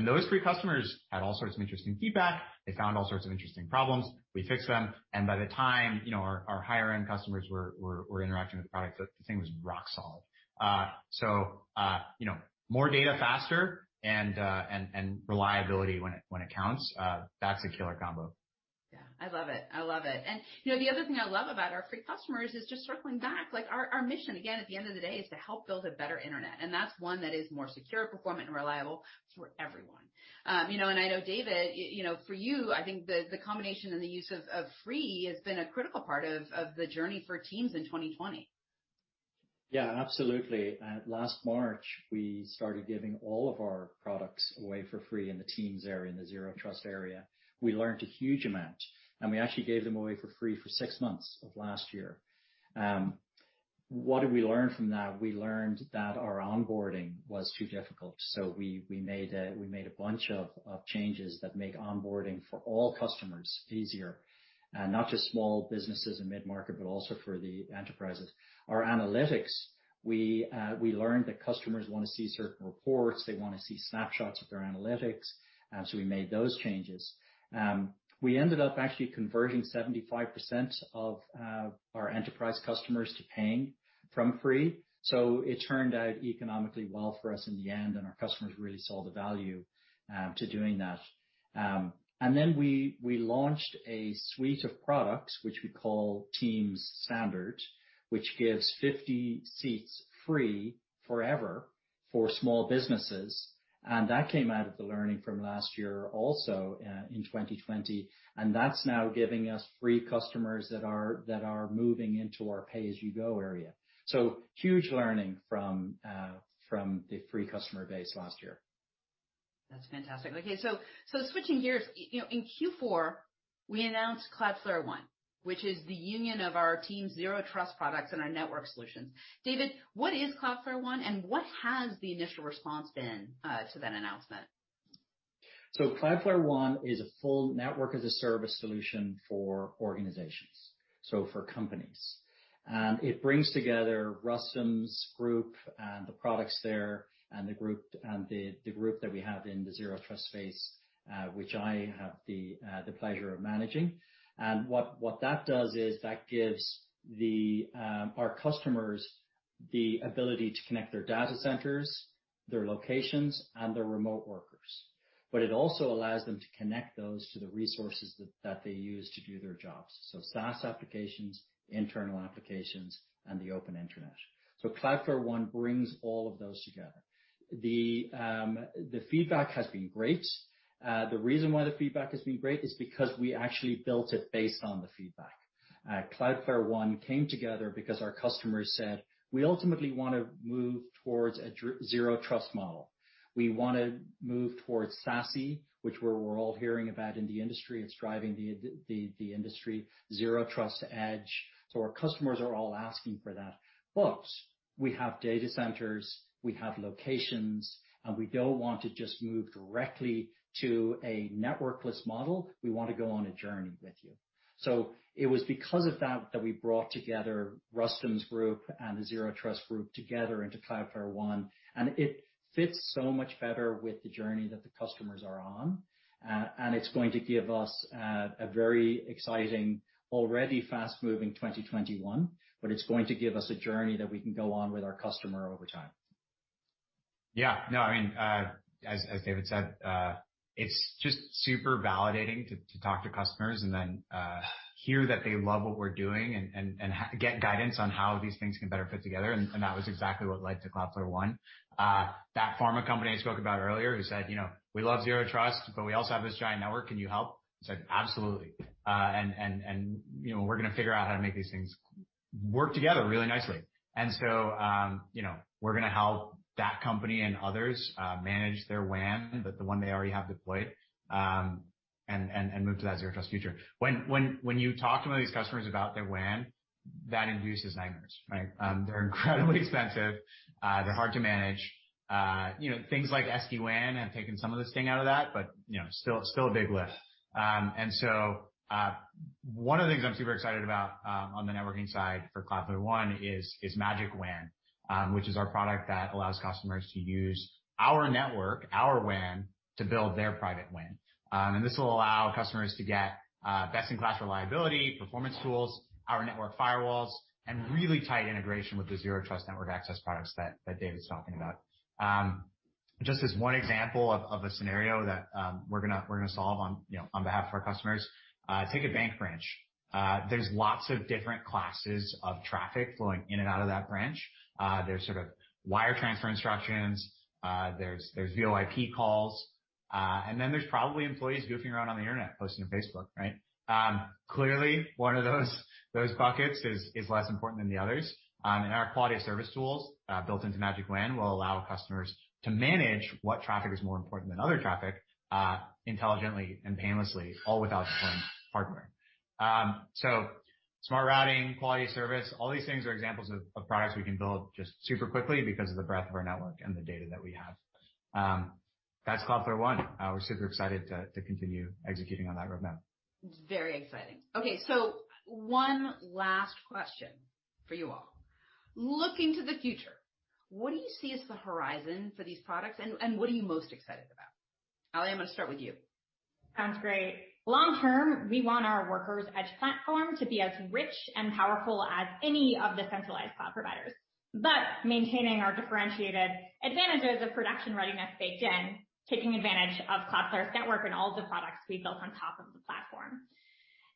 Those free customers had all sorts of interesting feedback. They found all sorts of interesting problems. We fixed them, and by the time our higher-end customers were interacting with the product, the thing was rock solid. more data faster and reliability when it counts, that's a killer combo. Yeah, I love it. The other thing I love about our free customers is just circling back, our mission, again, at the end of the day, is to help build a better Internet, and that's one that is more secure, performant, and reliable for everyone. I know, David, for you, I think the combination and the use of free has been a critical part of the journey for teams in 2020. Yeah, absolutely. Last March, we started giving all of our products away for free in the Teams area, in the Zero Trust area. We learned a huge amount, and we actually gave them away for free for six months of last year. What did we learn from that? We learned that our onboarding was too difficult, so we made a bunch of changes that make onboarding for all customers easier, not just small businesses and mid-market, but also for the enterprises. Our analytics, we learned that customers want to see certain reports, they want to see snapshots of their analytics, so we made those changes. We ended up actually converting 75% of our enterprise customers to paying from free. It turned out economically well for us in the end, and our customers really saw the value to doing that. We launched a suite of products, which we call Teams Standard, which gives 50 seats free forever for small businesses, and that came out of the learning from last year also in 2020, and that's now giving us free customers that are moving into our pay-as-you-go area. Huge learning from the free customer base last year. That's fantastic. Okay, switching gears. In Q4, we announced Cloudflare One, which is the union of our Teams Zero Trust products and our network solutions. David, what is Cloudflare One, and what has the initial response been to that announcement? Cloudflare One is a full network-as-a-service solution for organizations, so for companies. It brings together Rustam's group and the products there and the group that we have in the Zero Trust space, which I have the pleasure of managing. What that does is that gives our customers the ability to connect their data centers, their locations, and their remote workers. It also allows them to connect those to the resources that they use to do their jobs. SaaS applications, internal applications, and the open Internet. Cloudflare One brings all of those together. The feedback has been great. The reason why the feedback has been great is because we actually built it based on the feedback. Cloudflare One came together because our customers said, "We ultimately want to move towards a Zero Trust model. We want to move towards SASE, which we're all hearing about in the industry. It's driving the industry, Zero Trust to Edge. Our customers are all asking for that. We have data centers, we have locations, and we don't want to just move directly to a networkless model. We want to go on a journey with you. It was because of that we brought together Rustam's group and the Zero Trust group together into Cloudflare One, and it fits so much better with the journey that the customers are on. It's going to give us a very exciting, already fast-moving 2021, but it's going to give us a journey that we can go on with our customer over time. Yeah. No, as David said, it is just super validating to talk to customers and then hear that they love what we are doing and get guidance on how these things can better fit together, and that was exactly what led to Cloudflare One. That pharma company I spoke about earlier who said, "We love Zero Trust, but we also have this giant network. Can you help?" I said, "Absolutely." We are going to figure out how to make these things work together really nicely. We are going to help that company and others manage their WAN, the one they already have deployed, and move to that Zero Trust future. When you talk to one of these customers about their WAN, that induces nightmares, right? They are incredibly expensive. They are hard to manage. Things like SD-WAN have taken some of the sting out of that, but still a big lift. One of the things I'm super excited about on the networking side for Cloudflare One is Magic WAN, which is our product that allows customers to use our network, our WAN, to build their private WAN. This will allow customers to get best-in-class reliability, performance tools, our network firewalls, and really tight integration with the Zero Trust network access products that David's talking about. Just as one example of a scenario that we're going to solve on behalf of our customers, take a bank branch. There's lots of different classes of traffic flowing in and out of that branch. There's wire transfer instructions, there's VoIP calls, and then there's probably employees goofing around on the Internet, posting to Facebook, right? Clearly, one of those buckets is less important than the others, and our quality of service tools built into Magic WAN will allow customers to manage what traffic is more important than other traffic intelligently and painlessly, all without deploying hardware. Smart routing, quality of service, all these things are examples of products we can build just super quickly because of the breadth of our network and the data that we have. That's Cloudflare One. We're super excited to continue executing on that roadmap. Very exciting. Okay, one last question for you all. Looking to the future, what do you see as the horizon for these products, and what are you most excited about? Aly, I'm going to start with you. Sounds great. Long term, we want our Workers edge platform to be as rich and powerful as any of the centralized cloud providers, but maintaining our differentiated advantages of production readiness baked in, taking advantage of Cloudflare's network and all of the products we've built on top of the platform.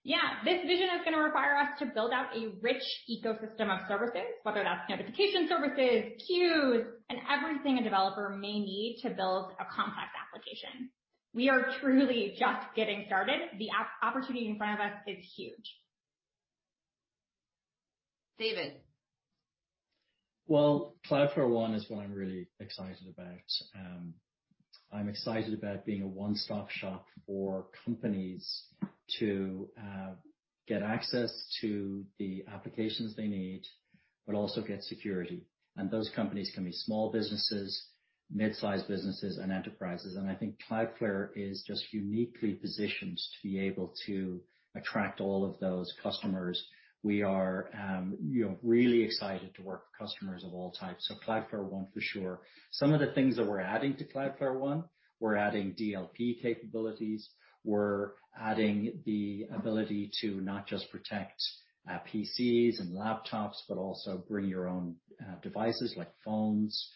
Yeah, this vision is going to require us to build out a rich ecosystem of services, whether that's notification services, queues, and everything a developer may need to build a complex application. We are truly just getting started. The opportunity in front of us is huge. David? Well, Cloudflare One is what I'm really excited about. I'm excited about being a one-stop shop for companies to get access to the applications they need, also get security. Those companies can be small businesses, mid-size businesses, and enterprises, I think Cloudflare is just uniquely positioned to be able to attract all of those customers. We are really excited to work with customers of all types, Cloudflare One for sure. Some of the things that we're adding to Cloudflare One, we're adding DLP capabilities. We're adding the ability to not just protect PCs and laptops, also bring your own devices, like phones.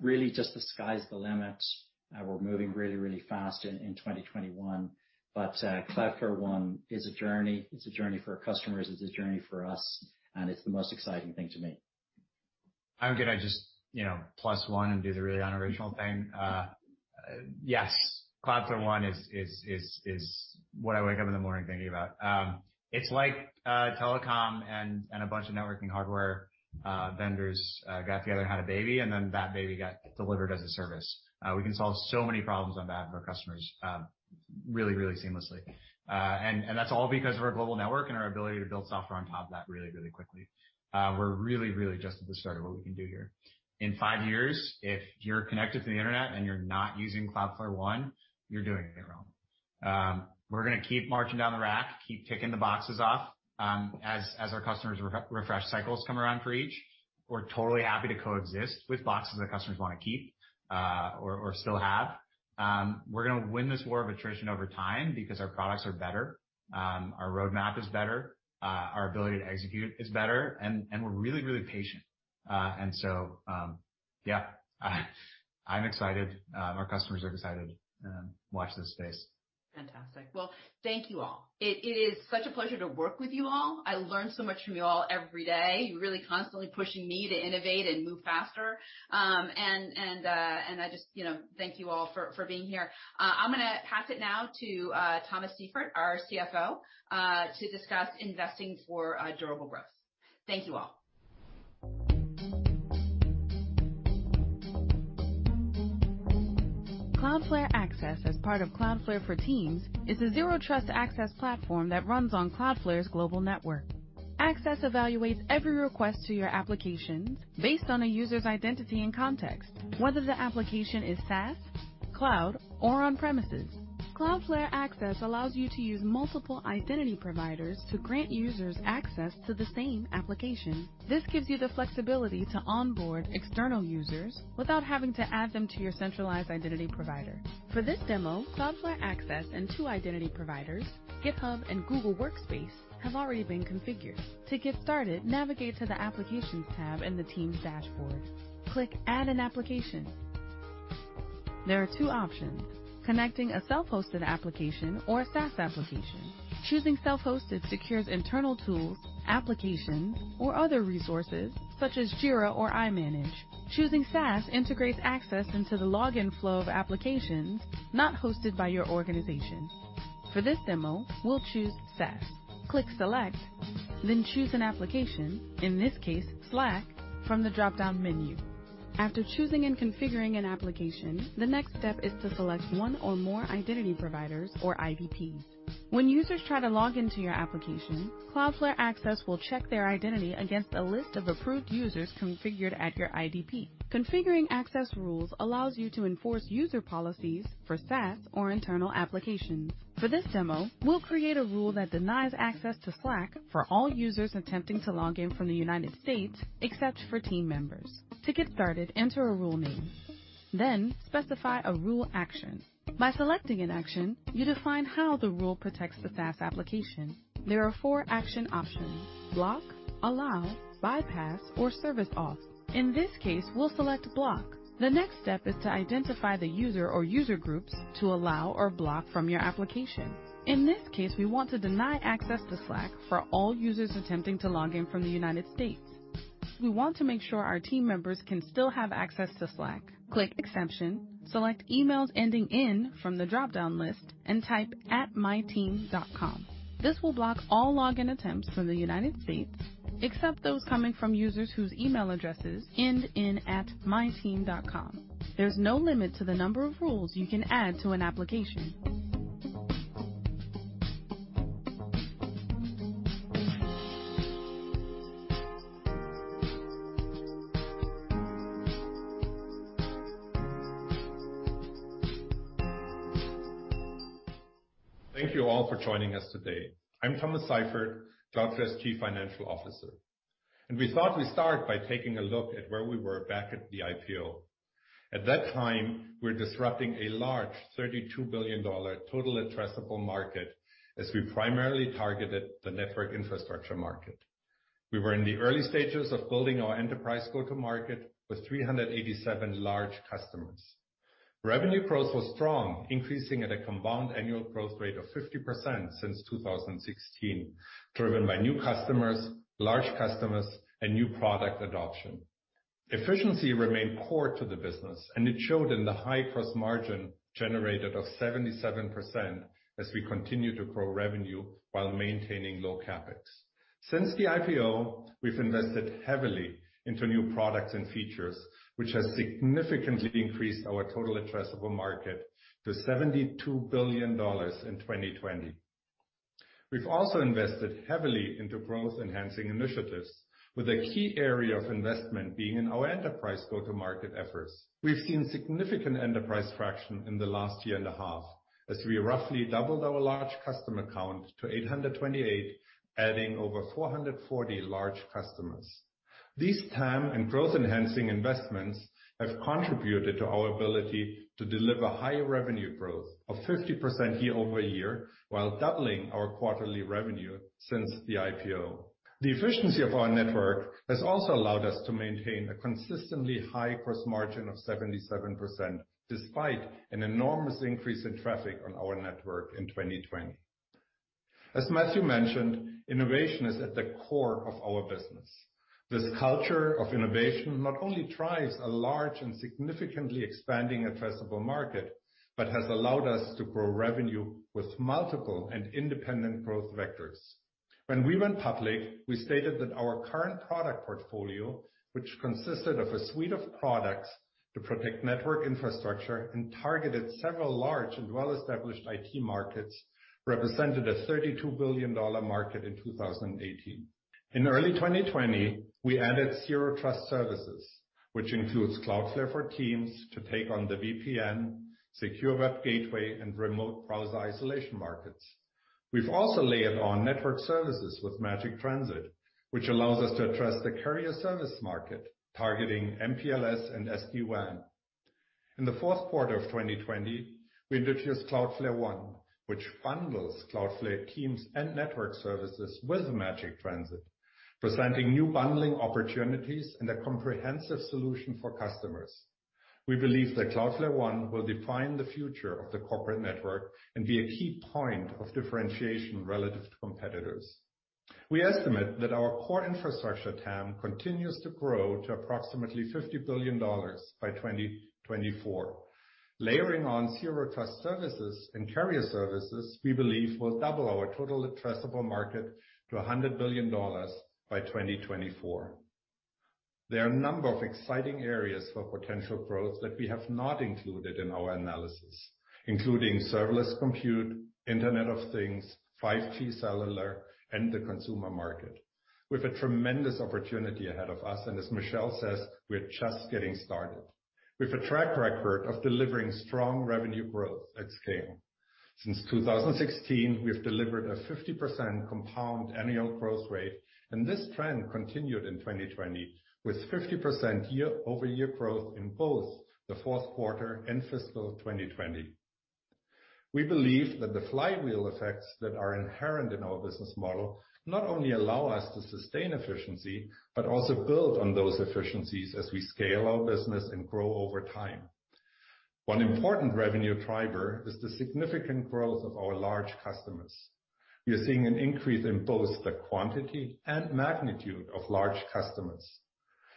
Really just the sky's the limit. We're moving really, really fast in 2021. Cloudflare One is a journey. It's a journey for our customers, it's a journey for us, it's the most exciting thing to me. I'm going to just plus one and do the really unoriginal thing. Yes, Cloudflare One is what I wake up in the morning thinking about. It's like telecom and a bunch of networking hardware vendors got together and had a baby, and then that baby got delivered as a service. We can solve so many problems on behalf of our customers really, really seamlessly. That's all because of our global network and our ability to build software on top of that really, really quickly. We're really, really just at the start of what we can do here. In five years, if you're connected to the internet and you're not using Cloudflare One, you're doing it wrong. We're going to keep marching down the rack, keep ticking the boxes off as our customers' refresh cycles come around for each. We're totally happy to coexist with boxes that customers want to keep or still have. We're going to win this war of attrition over time because our products are better, our roadmap is better, our ability to execute is better, and we're really, really patient. Yeah, I'm excited. Our customers are excited. Watch this space. Fantastic. Well, thank you all. It is such a pleasure to work with you all. I learn so much from you all every day, really constantly pushing me to innovate and move faster. I just thank you all for being here. I'm going to pass it now to Thomas Seifert, our CFO, to discuss investing for durable growth. Thank you all. Cloudflare Access as part of Cloudflare for Teams is a Zero Trust access platform that runs on Cloudflare's global network. Access evaluates every request to your applications based on a user's identity and context, whether the application is SaaS, cloud, or on premises. Cloudflare Access allows you to use multiple identity providers to grant users access to the same application. This gives you the flexibility to onboard external users without having to add them to your centralized identity provider. For this demo, Cloudflare Access and two identity providers, GitHub and Google Workspace, have already been configured. To get started, navigate to the applications tab in the Teams dashboard. Click add an application. There are two options, connecting a self-hosted application or a SaaS application. Choosing self-hosted secures internal tools, applications, or other resources, such as Jira or iManage. Choosing SaaS integrates access into the login flow of applications not hosted by your organization. For this demo, we'll choose SaaS. Click select, then choose an application, in this case, Slack, from the dropdown menu. After choosing and configuring an application, the next step is to select one or more identity providers, or IDPs. When users try to log into your application, Cloudflare Access will check their identity against a list of approved users configured at your IDP. Configuring access rules allows you to enforce user policies for SaaS or internal applications. For this demo, we'll create a rule that denies access to Slack for all users attempting to log in from the United States, except for team members. To get started, enter a rule name, then specify a rule action. By selecting an action, you define how the rule protects the SaaS application. There are four action options, block, allow, bypass, or service auth. In this case, we'll select block. The next step is to identify the user or user groups to allow or block from your application. In this case, we want to deny access to Slack for all users attempting to log in from the U.S. We want to make sure our team members can still have access to Slack. Click exception, select emails ending in from the dropdown list, and type @myteam.com. This will block all login attempts from the U.S., except those coming from users whose email addresses end in @myteam.com. There is no limit to the number of rules you can add to an application. Thank you all for joining us today. I'm Thomas Seifert, Cloudflare's Chief Financial Officer. We thought we'd start by taking a look at where we were back at the IPO. At that time, we were disrupting a large $32 billion total addressable market as we primarily targeted the network infrastructure market. We were in the early stages of building our enterprise go-to-market with 387 large customers. Revenue growth was strong, increasing at a compound annual growth rate of 50% since 2016, driven by new customers, large customers, and new product adoption. Efficiency remained core to the business, and it showed in the high gross margin generated of 77% as we continued to grow revenue while maintaining low CapEx. Since the IPO, we've invested heavily into new products and features, which has significantly increased our total addressable market to $72 billion in 2020. We've also invested heavily into growth-enhancing initiatives, with a key area of investment being in our enterprise go-to-market efforts. We've seen significant enterprise traction in the last 1.5 year as we roughly doubled our large customer count to 828, adding over 440 large customers. These TAM and growth-enhancing investments have contributed to our ability to deliver high revenue growth of 50% year-over-year while doubling our quarterly revenue since the IPO. The efficiency of our network has also allowed us to maintain a consistently high gross margin of 77%, despite an enormous increase in traffic on our network in 2020. As Matthew mentioned, innovation is at the core of our business. This culture of innovation not only drives a large and significantly expanding addressable market but has allowed us to grow revenue with multiple and independent growth vectors. When we went public, we stated that our current product portfolio, which consisted of a suite of products to protect network infrastructure and targeted several large and well-established IT markets, represented a $32 billion market in 2018. In early 2020, we added Zero Trust services, which includes Cloudflare for Teams to take on the VPN, secure web gateway, and remote browser isolation markets. We've also layered on network services with Magic Transit, which allows us to address the carrier service market, targeting MPLS and SD-WAN. In the fourth quarter of 2020, we introduced Cloudflare One, which bundles Cloudflare Teams and network services with Magic Transit, presenting new bundling opportunities and a comprehensive solution for customers. We believe that Cloudflare One will define the future of the corporate network and be a key point of differentiation relative to competitors. We estimate that our core infrastructure TAM continues to grow to approximately $50 billion by 2024. Layering on Zero Trust services and carrier services, we believe, will double our total addressable market to $100 billion by 2024. There are a number of exciting areas for potential growth that we have not included in our analysis, including serverless compute, Internet of Things, 5G cellular, and the consumer market. We've a tremendous opportunity ahead of us, and as Michelle says, we're just getting started. We've a track record of delivering strong revenue growth at scale. Since 2016, we have delivered a 50% compound annual growth rate, and this trend continued in 2020 with 50% year-over-year growth in both the fourth quarter and fiscal 2020. We believe that the flywheel effects that are inherent in our business model not only allow us to sustain efficiency, but also build on those efficiencies as we scale our business and grow over time. One important revenue driver is the significant growth of our large customers. We are seeing an increase in both the quantity and magnitude of large customers.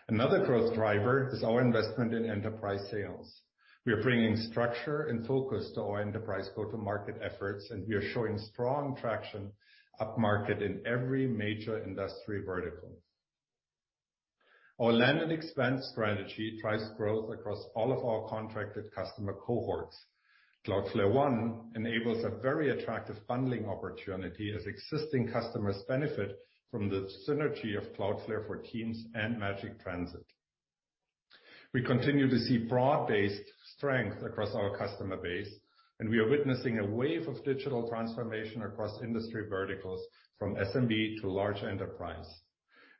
Another growth driver is our investment in enterprise sales. We are bringing structure and focus to our enterprise go-to-market efforts, and we are showing strong traction up market in every major industry vertical. Our land and expand strategy drives growth across all of our contracted customer cohorts. Cloudflare One enables a very attractive bundling opportunity as existing customers benefit from the synergy of Cloudflare for Teams and Magic Transit. We continue to see broad-based strength across our customer base, and we are witnessing a wave of digital transformation across industry verticals, from SMB to large enterprise.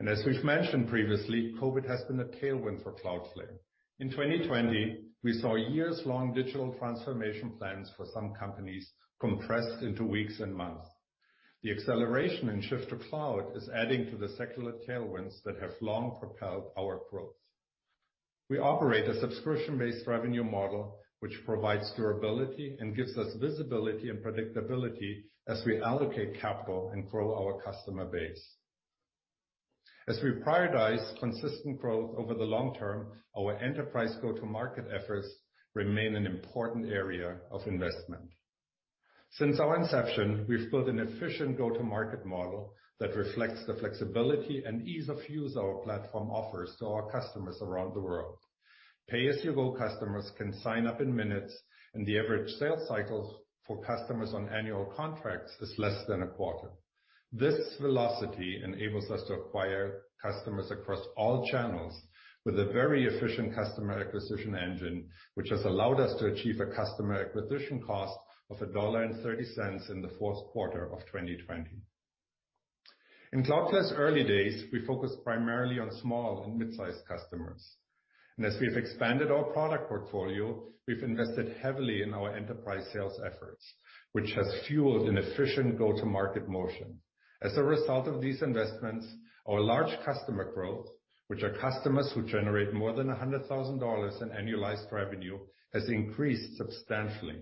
As we've mentioned previously, COVID has been a tailwind for Cloudflare. In 2020, we saw years-long digital transformation plans for some companies compressed into weeks and months. The acceleration in shift to cloud is adding to the secular tailwinds that have long propelled our growth. We operate a subscription-based revenue model, which provides durability and gives us visibility and predictability as we allocate capital and grow our customer base. As we prioritize consistent growth over the long term, our enterprise go-to-market efforts remain an important area of investment. Since our inception, we've built an efficient go-to-market model that reflects the flexibility and ease of use our platform offers to our customers around the world. Pay-as-you-go customers can sign up in minutes, and the average sales cycle for customers on annual contracts is less than a quarter. This velocity enables us to acquire customers across all channels with a very efficient customer acquisition engine, which has allowed us to achieve a customer acquisition cost of $1.30 in the fourth quarter of 2020. In Cloudflare's early days, we focused primarily on small and mid-sized customers. As we've expanded our product portfolio, we've invested heavily in our enterprise sales efforts, which has fueled an efficient go-to-market motion. As a result of these investments, our large customer growth, which are customers who generate more than $100,000 in annualized revenue, has increased substantially.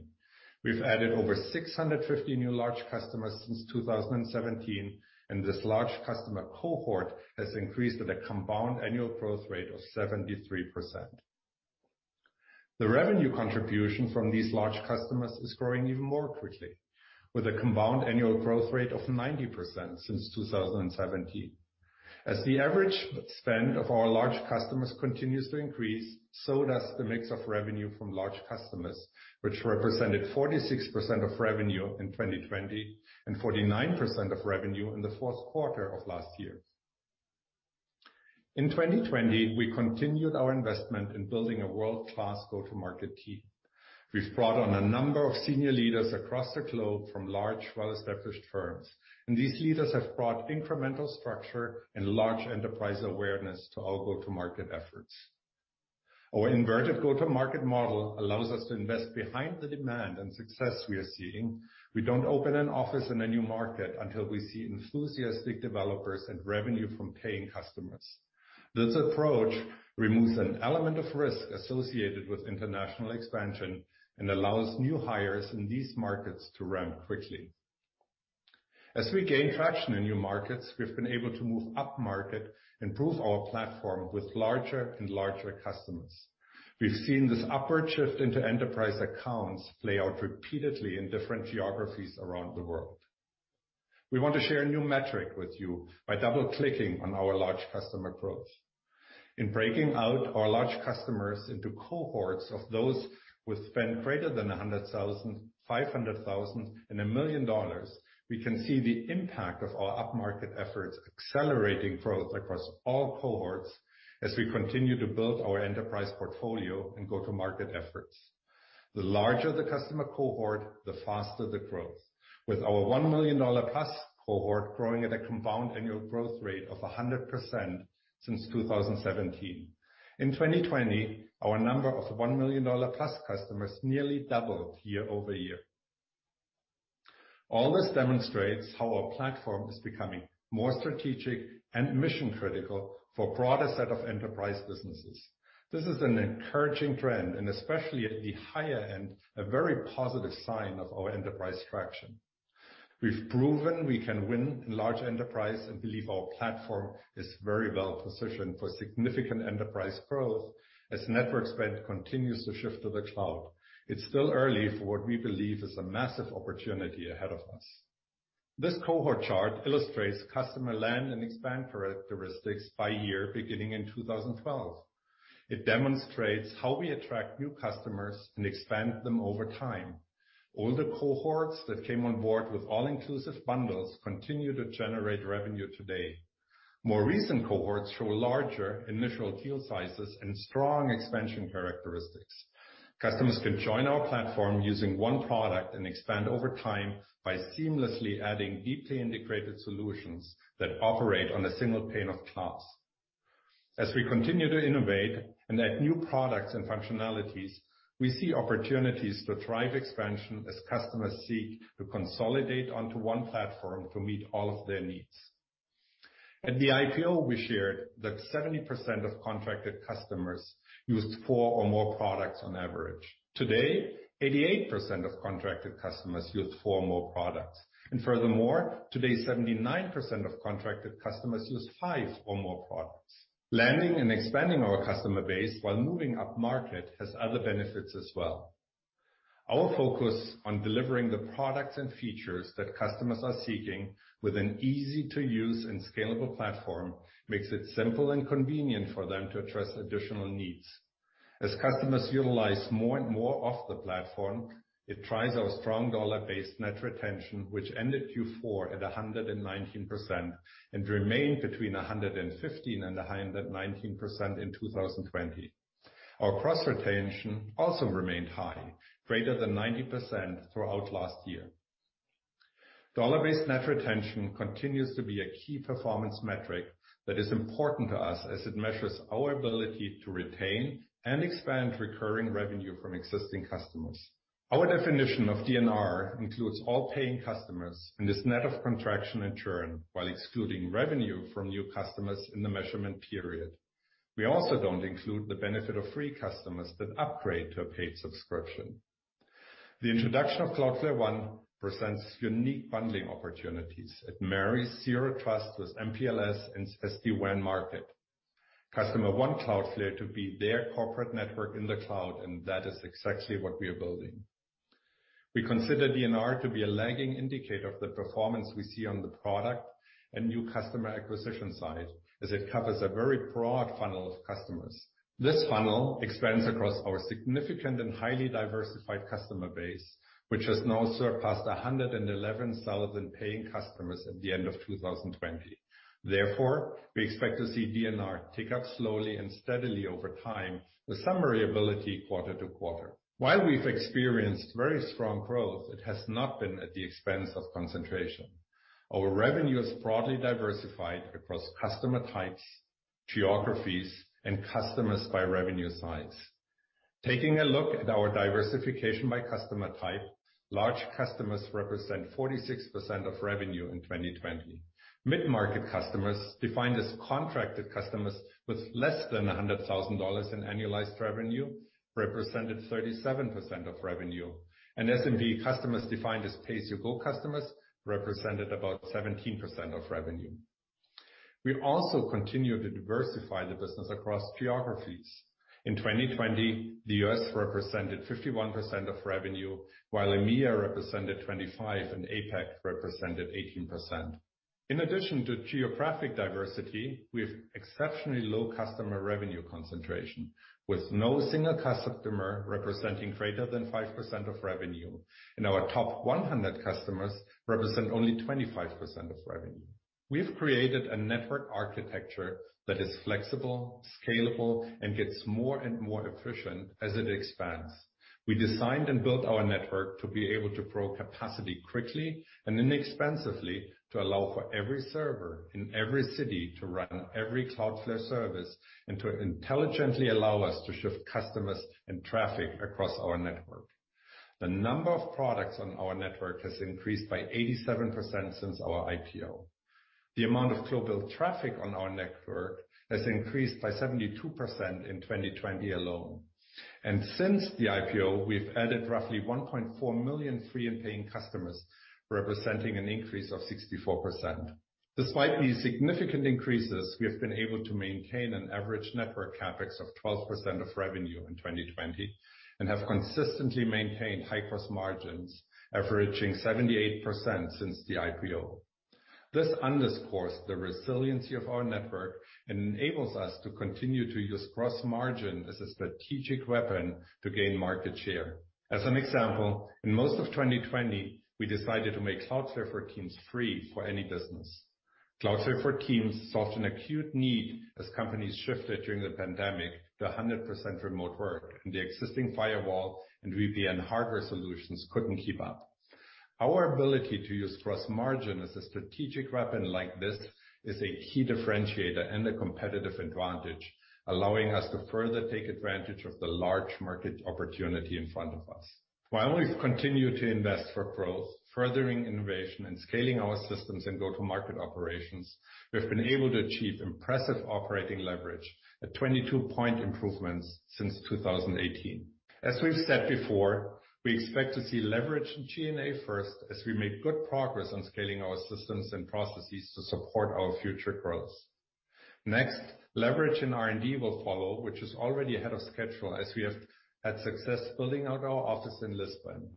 We've added over 650 new large customers since 2017, and this large customer cohort has increased at a compound annual growth rate of 73%. The revenue contribution from these large customers is growing even more quickly, with a compound annual growth rate of 90% since 2017. As the average spend of our large customers continues to increase, so does the mix of revenue from large customers, which represented 46% of revenue in 2020, and 49% of revenue in the fourth quarter of last year. In 2020, we continued our investment in building a world-class go-to-market team. We've brought on a number of senior leaders across the globe from large, well-established firms, and these leaders have brought incremental structure and large enterprise awareness to our go-to-market efforts. Our inverted go-to-market model allows us to invest behind the demand and success we are seeing. We don't open an office in a new market until we see enthusiastic developers and revenue from paying customers. This approach removes an element of risk associated with international expansion and allows new hires in these markets to ramp quickly. As we gain traction in new markets, we've been able to move up market and prove our platform with larger and larger customers. We've seen this upward shift into enterprise accounts play out repeatedly in different geographies around the world. We want to share a new metric with you by double-clicking on our large customer growth. In breaking out our large customers into cohorts of those with spend greater than $100,000, $500,000, and $1 million, we can see the impact of our up-market efforts accelerating growth across all cohorts as we continue to build our enterprise portfolio and go-to-market efforts. The larger the customer cohort, the faster the growth, with our $1 million+ cohort growing at a compound annual growth rate of 100% since 2017. In 2020, our number of $1 million+ customers nearly doubled year-over-year. All this demonstrates how our platform is becoming more strategic and mission-critical for a broader set of enterprise businesses. This is an encouraging trend, and especially at the higher end, a very positive sign of our enterprise traction. We've proven we can win in large enterprise and believe our platform is very well-positioned for significant enterprise growth as network spend continues to shift to the cloud. It's still early for what we believe is a massive opportunity ahead of us. This cohort chart illustrates customer land and expand characteristics by year beginning in 2012. It demonstrates how we attract new customers and expand them over time. Older cohorts that came on board with all-inclusive bundles continue to generate revenue today. More recent cohorts show larger initial deal sizes and strong expansion characteristics. Customers can join our platform using one product and expand over time by seamlessly adding deeply integrated solutions that operate on a single pane of glass. As we continue to innovate and add new products and functionalities, we see opportunities to drive expansion as customers seek to consolidate onto one platform to meet all of their needs. At the IPO, we shared that 70% of contracted customers used four or more products on average. Today, 88% of contracted customers use four or more products. Furthermore, today, 79% of contracted customers use five or more products. Landing and expanding our customer base while moving up market has other benefits as well. Our focus on delivering the products and features that customers are seeking with an easy-to-use and scalable platform makes it simple and convenient for them to address additional needs. As customers utilize more and more of the platform, it drives our strong dollar-based net retention, which ended Q4 at 119% and remained between 115% and 119% in 2020. Our gross retention also remained high, greater than 90% throughout last year. Dollar-based net retention continues to be a key performance metric that is important to us as it measures our ability to retain and expand recurring revenue from existing customers. Our definition of DNR includes all paying customers and is net of contraction and churn while excluding revenue from new customers in the measurement period. We also don't include the benefit of free customers that upgrade to a paid subscription. The introduction of Cloudflare One presents unique bundling opportunities. It marries Zero Trust with MPLS and SD-WAN market. Customers want Cloudflare to be their corporate network in the cloud, and that is exactly what we are building. We consider DNR to be a lagging indicator of the performance we see on the product and new customer acquisition side, as it covers a very broad funnel of customers. This funnel expands across our significant and highly diversified customer base, which has now surpassed 111,000 paying customers at the end of 2020. Therefore, we expect to see DNR tick up slowly and steadily over time, with some variability quarter-to-quarter. While we've experienced very strong growth, it has not been at the expense of concentration. Our revenue is broadly diversified across customer types, geographies, and customers by revenue size. Taking a look at our diversification by customer type, large customers represent 46% of revenue in 2020. Mid-market customers, defined as contracted customers with less than $100,000 in annualized revenue, represented 37% of revenue. SMB customers defined as pay-as-you-go customers represented about 17% of revenue. We also continue to diversify the business across geographies. In 2020, the U.S. represented 51% of revenue, while EMEA represented 25% and APAC represented 18%. In addition to geographic diversity, we have exceptionally low customer revenue concentration, with no single customer representing greater than 5% of revenue, and our top 100 customers represent only 25% of revenue. We've created a network architecture that is flexible, scalable, and gets more and more efficient as it expands. We designed and built our network to be able to grow capacity quickly and inexpensively to allow for every server in every city to run every Cloudflare service, and to intelligently allow us to shift customers and traffic across our network. The number of products on our network has increased by 87% since our IPO. The amount of global traffic on our network has increased by 72% in 2020 alone. Since the IPO, we've added roughly 1.4 million free and paying customers, representing an increase of 64%. Despite these significant increases, we have been able to maintain an average network CapEx of 12% of revenue in 2020, and have consistently maintained high gross margins averaging 78% since the IPO. This underscores the resiliency of our network and enables us to continue to use gross margin as a strategic weapon to gain market share. As an example, in most of 2020, we decided to make Cloudflare for Teams free for any business. Cloudflare for Teams solved an acute need as companies shifted during the pandemic to 100% remote work, and the existing firewall and VPN hardware solutions couldn't keep up. Our ability to use gross margin as a strategic weapon like this is a key differentiator and a competitive advantage, allowing us to further take advantage of the large market opportunity in front of us. While we've continued to invest for growth, furthering innovation, and scaling our systems and go-to-market operations, we've been able to achieve impressive operating leverage, a 22-point improvements since 2018. As we've said before, we expect to see leverage in G&A first, as we make good progress on scaling our systems and processes to support our future growth. Next, leverage in R&D will follow, which is already ahead of schedule as we have had success building out our office in Lisbon.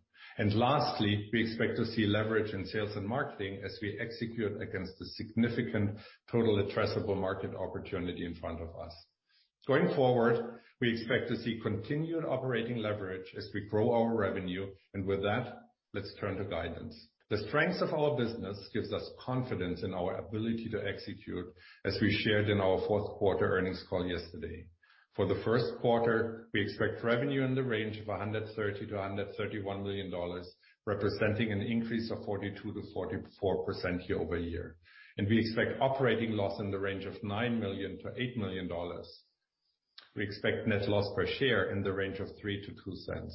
Lastly, we expect to see leverage in sales and marketing as we execute against the significant total addressable market opportunity in front of us. Going forward, we expect to see continued operating leverage as we grow our revenue, and with that, let's turn to guidance. The strengths of our business gives us confidence in our ability to execute, as we shared in our fourth quarter earnings call yesterday. For the first quarter, we expect revenue in the range of $130 million-$131 million, representing an increase of 42%-44% year-over-year. We expect operating loss in the range of $9 million-$8 million. We expect net loss per share in the range of $0.03-$0.02.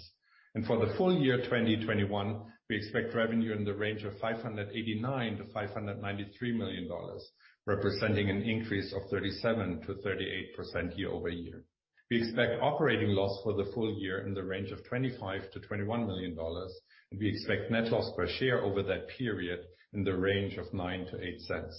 For the full year 2021, we expect revenue in the range of $589 million-$593 million, representing an increase of 37%-38% year-over-year. We expect operating loss for the full year in the range of $25 million-$21 million, and we expect net loss per share over that period in the range of $0.09-$0.08.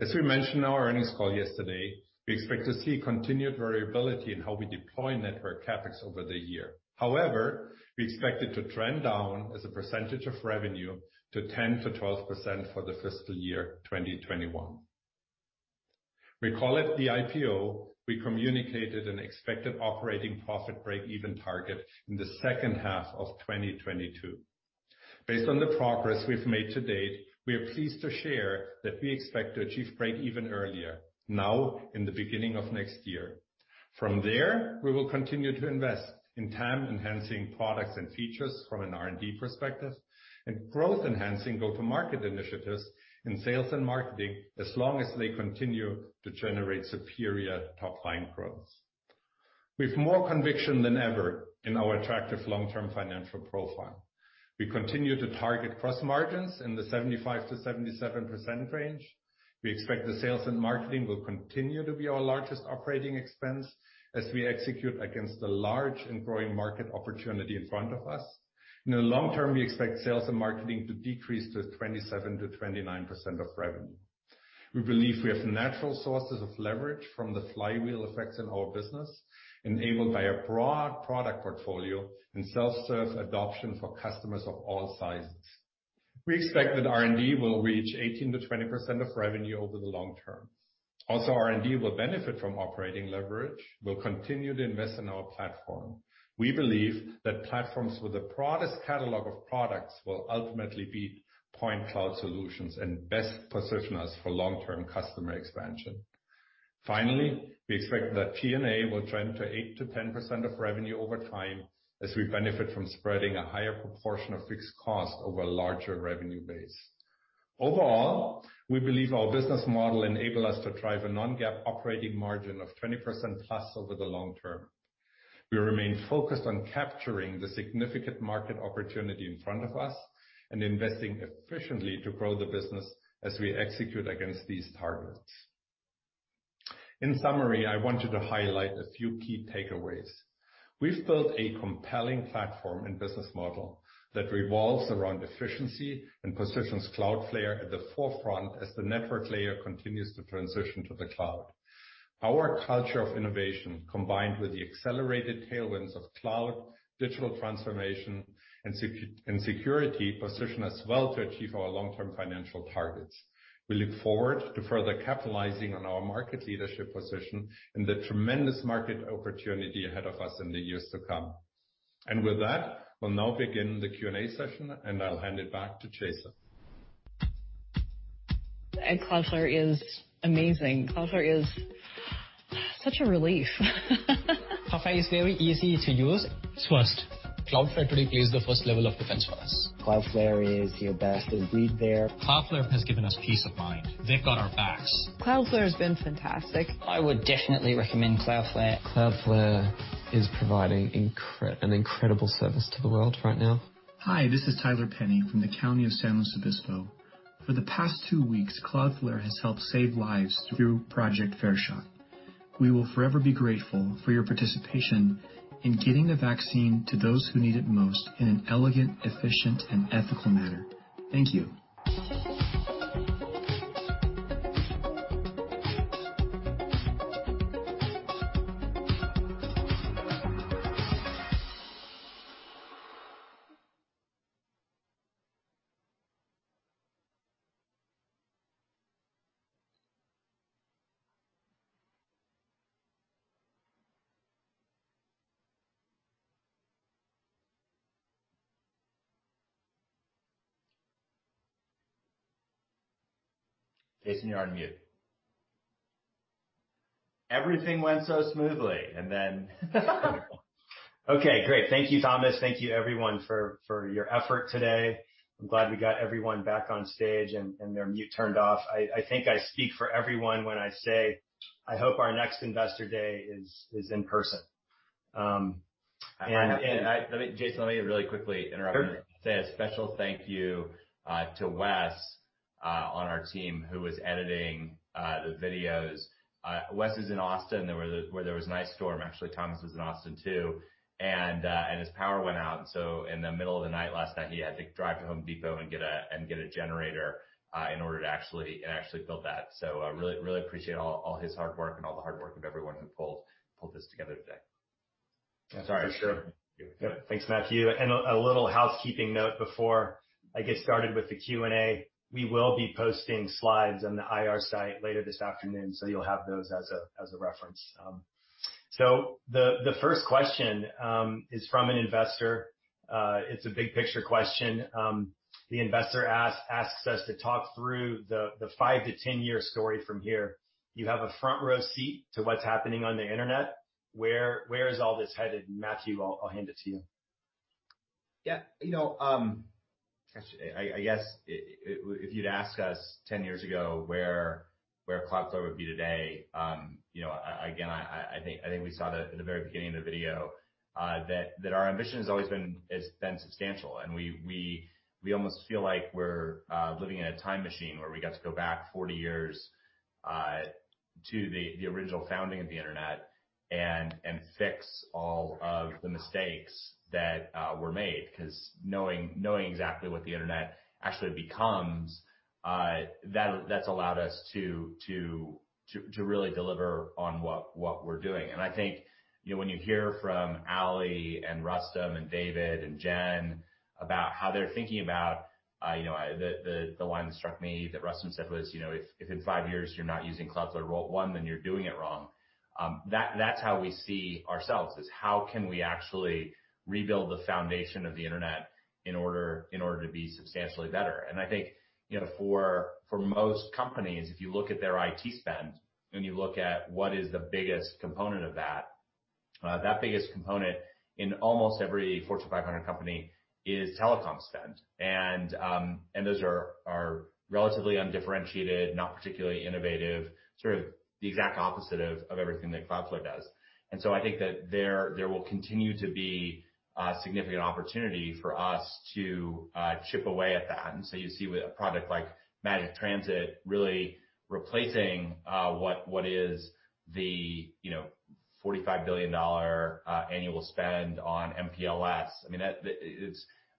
As we mentioned in our earnings call yesterday, we expect to see continued variability in how we deploy network CapEx over the year. However, we expect it to trend down as a percentage of revenue to 10%-12% for the fiscal year 2021. Recall at the IPO, we communicated an expected operating profit break-even target in the second half of 2022. Based on the progress we've made to date, we are pleased to share that we expect to achieve break even earlier, now in the beginning of next year. From there, we will continue to invest in TAM enhancing products and features from an R&D perspective, and growth enhancing go-to-market initiatives in sales and marketing as long as they continue to generate superior top-line growth. We have more conviction than ever in our attractive long-term financial profile. We continue to target gross margins in the 75%-77% range. We expect that sales and marketing will continue to be our largest operating expense as we execute against the large and growing market opportunity in front of us. In the long term, we expect sales and marketing to decrease to 27%-29% of revenue. We believe we have natural sources of leverage from the flywheel effects in our business, enabled by a broad product portfolio and self-serve adoption for customers of all sizes. We expect that R&D will reach 18%-20% of revenue over the long term. R&D will benefit from operating leverage. We'll continue to invest in our platform. We believe that platforms with the broadest catalog of products will ultimately beat point cloud solutions and best position us for long-term customer expansion. Finally, we expect that G&A will trend to 8%-10% of revenue over time as we benefit from spreading a higher proportion of fixed cost over a larger revenue base. Overall, we believe our business model enable us to drive a non-GAAP operating margin of 20% plus over the long term. We remain focused on capturing the significant market opportunity in front of us and investing efficiently to grow the business as we execute against these targets. In summary, I want you to highlight a few key takeaways. We've built a compelling platform and business model that revolves around efficiency and positions Cloudflare at the forefront as the network layer continues to transition to the cloud. Our culture of innovation, combined with the accelerated tailwinds of cloud, digital transformation, and security, position us well to achieve our long-term financial targets. We look forward to further capitalizing on our market leadership position and the tremendous market opportunity ahead of us in the years to come. With that, we'll now begin the Q&A session, and I'll hand it back to Jayson. Cloudflare is amazing. Cloudflare is such a relief. Cloudflare is very easy to use. It's fast. Cloudflare today plays the first level of defense for us. Cloudflare is your best of breed there. Cloudflare has given us peace of mind. They've got our backs. Cloudflare has been fantastic. I would definitely recommend Cloudflare. Cloudflare is providing an incredible service to the world right now. Hi, this is Tyler Penny from the County of San Luis Obispo. For the past two weeks, Cloudflare has helped save lives through Project Fair Shot. We will forever be grateful for your participation in getting the vaccine to those who need it most in an elegant, efficient, and ethical manner. Thank you. Jayson, you're on mute. Everything went so smoothly, and then-- Wonderful. Okay, great. Thank you, Thomas. Thank you, everyone, for your effort today. I'm glad we got everyone back on stage and their mute turned off. I think I speak for everyone when I say, I hope our next Investor Day is in person. Jayson, let me really quickly interrupt. Sure. Say a special thank you to Wes on our team who was editing the videos. Wes is in Austin, where there was an ice storm. Actually, Thomas was in Austin, too. His power went out. In the middle of the night last night, he had to drive to Home Depot and get a generator, and actually build that. I really appreciate all his hard work and all the hard work of everyone who pulled this together today. That's our show. Yep. Thanks, Matthew. A little housekeeping note before I get started with the Q&A. We will be posting slides on the IR site later this afternoon, so you'll have those as a reference. The first question is from an investor. It's a big picture question. The investor asks us to talk through the 5-10 year story from here. You have a front row seat to what's happening on the Internet. Where is all this headed? Matthew, I'll hand it to you. Yeah. I guess if you'd asked us 10 years ago where Cloudflare would be today, again, I think we saw that at the very beginning of the video, that our ambition has always been substantial. We almost feel like we're living in a time machine where we got to go back 40 years to the original founding of the Internet and fix all of the mistakes that were made. Knowing exactly what the Internet actually becomes, that's allowed us to really deliver on what we're doing. I think when you hear from Aly and Rustam and David and Jen about how they're thinking about the line that struck me that Rustam said was, "If in five years you're not using Cloudflare Area 1, then you're doing it wrong." That's how we see ourselves, is how can we actually rebuild the foundation of the Internet in order to be substantially better? I think, for most companies, if you look at their IT spend, and you look at what is the biggest component of that biggest component in almost every Fortune 500 company is telecom spend. Those are relatively undifferentiated, not particularly innovative, sort of the exact opposite of everything that Cloudflare does. I think that there will continue to be significant opportunity for us to chip away at that. You see with a product like Magic Transit really replacing what is the $45 billion annual spend on MPLS.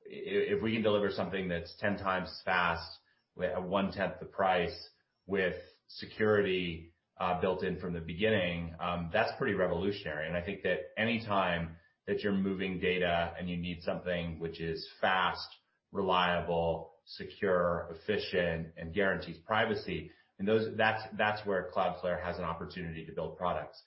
If we can deliver something that's 10x fast at one-tenth the price with security built in from the beginning, that's pretty revolutionary. I think that any time that you're moving data and you need something which is fast, reliable, secure, efficient, and guarantees privacy, that's where Cloudflare has an opportunity to build products.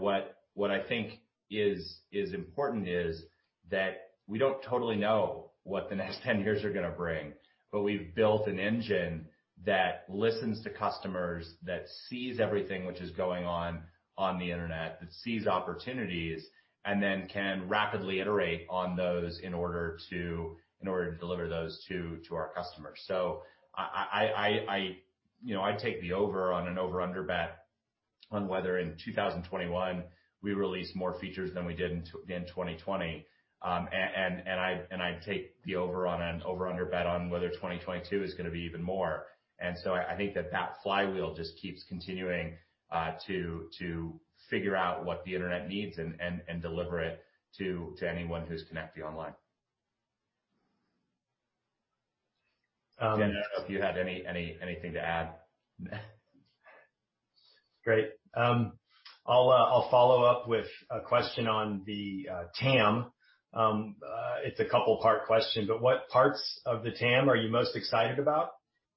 what I think is important is that we don't totally know what the next 10 years are going to bring, but we've built an engine that listens to customers, that sees everything which is going on on the Internet, that sees opportunities, and then can rapidly iterate on those in order to deliver those to our customers. I'd take the over on an over-under bet on whether in 2021 we release more features than we did in 2020. I'd take the over on an over-under bet on whether 2022 is going to be even more. I think that that flywheel just keeps continuing to figure out what the Internet needs and deliver it to anyone who's connected online. Jen, I don't know if you had anything to add. Great. I'll follow up with a question on the TAM. It's a couple part question, but what parts of the TAM are you most excited about,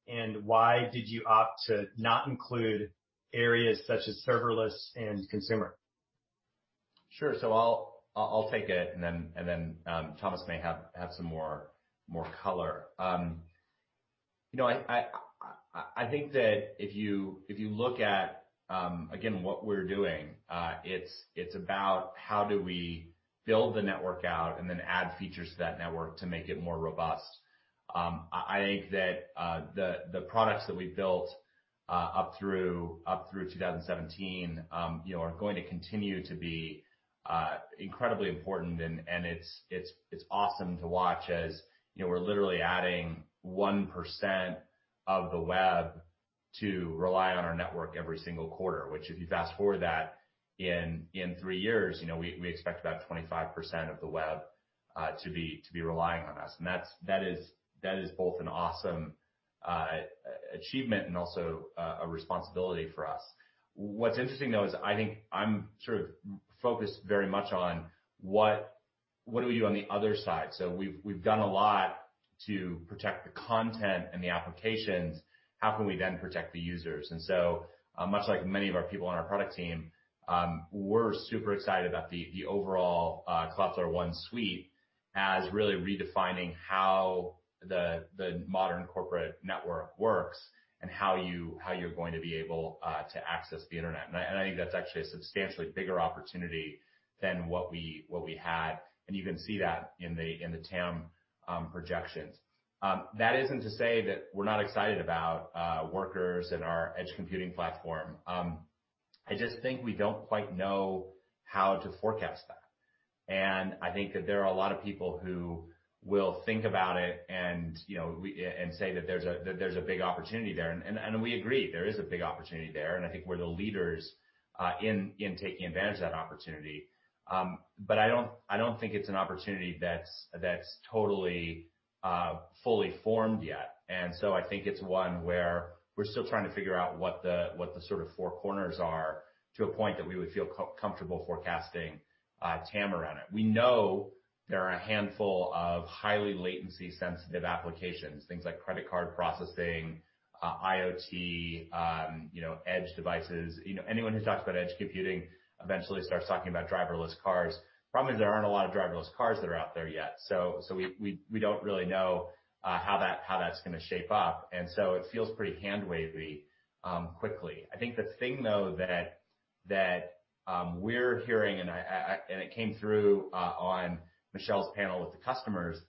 and why did you opt to not include areas such as serverless and consumer? Sure. I'll take it and then Thomas may have some more color. I think that if you look at, again, what we're doing, it's about how do we build the network out and then add features to that network to make it more robust. I think that the products that we built up through 2017 are going to continue to be incredibly important and it's awesome to watch as we're literally adding 1% of the web to rely on our network every single quarter, which if you fast-forward that in three years, we expect about 25% of the web to be relying on us. That is both an awesome achievement and also a responsibility for us. What's interesting, though, is I think I'm sort of focused very much on what do we do on the other side. we've done a lot to protect the content and the applications, how can we then protect the users? much like many of our people on our product team, we're super excited about the overall Cloudflare One suite as really redefining how the modern corporate network works and how you're going to be able to access the Internet. I think that's actually a substantially bigger opportunity than what we had, and you can see that in the TAM projections. That isn't to say that we're not excited about Workers and our edge computing platform. I just think we don't quite know how to forecast that. I think that there are a lot of people who will think about it and say that there's a big opportunity there. We agree, there is a big opportunity there, and I think we're the leaders in taking advantage of that opportunity. I don't think it's an opportunity that's totally fully formed yet. I think it's one where we're still trying to figure out what the sort of four corners are to a point that we would feel comfortable forecasting TAM around it. We know there are a handful of highly latency-sensitive applications, things like credit card processing, IoT, edge devices. Anyone who talks about edge computing eventually starts talking about driverless cars. Problem is there aren't a lot of driverless cars that are out there yet, so we don't really know how that's going to shape up, and so it feels pretty hand-wavy quickly. I think the thing, though, that we're hearing, and it came through on Michelle's panel with the customers,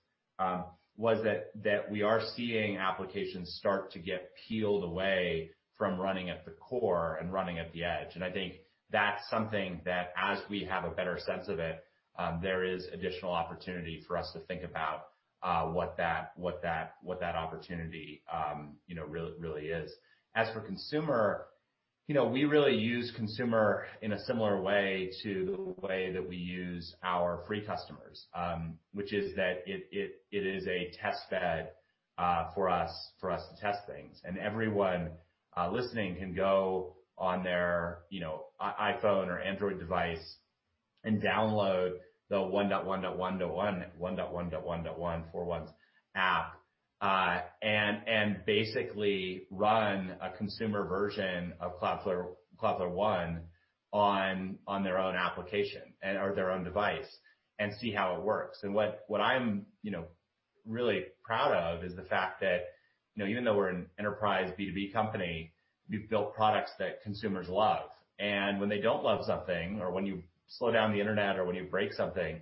was that we are seeing applications start to get peeled away from running at the core and running at the edge. I think that's something that as we have a better sense of it, there is additional opportunity for us to think about what that opportunity really is. As for consumer, we really use consumer in a similar way to the way that we use our free customers, which is that it is a test bed for us to test things. Everyone listening can go on their iPhone or Android device and download the 1.1.1.1, four 1s, app, and basically run a consumer version of Cloudflare One on their own application or their own device and see how it works. What I'm really proud of is the fact that even though we're an enterprise B2B company, we've built products that consumers love. when they don't love something, or when you slow down the Internet, or when you break something,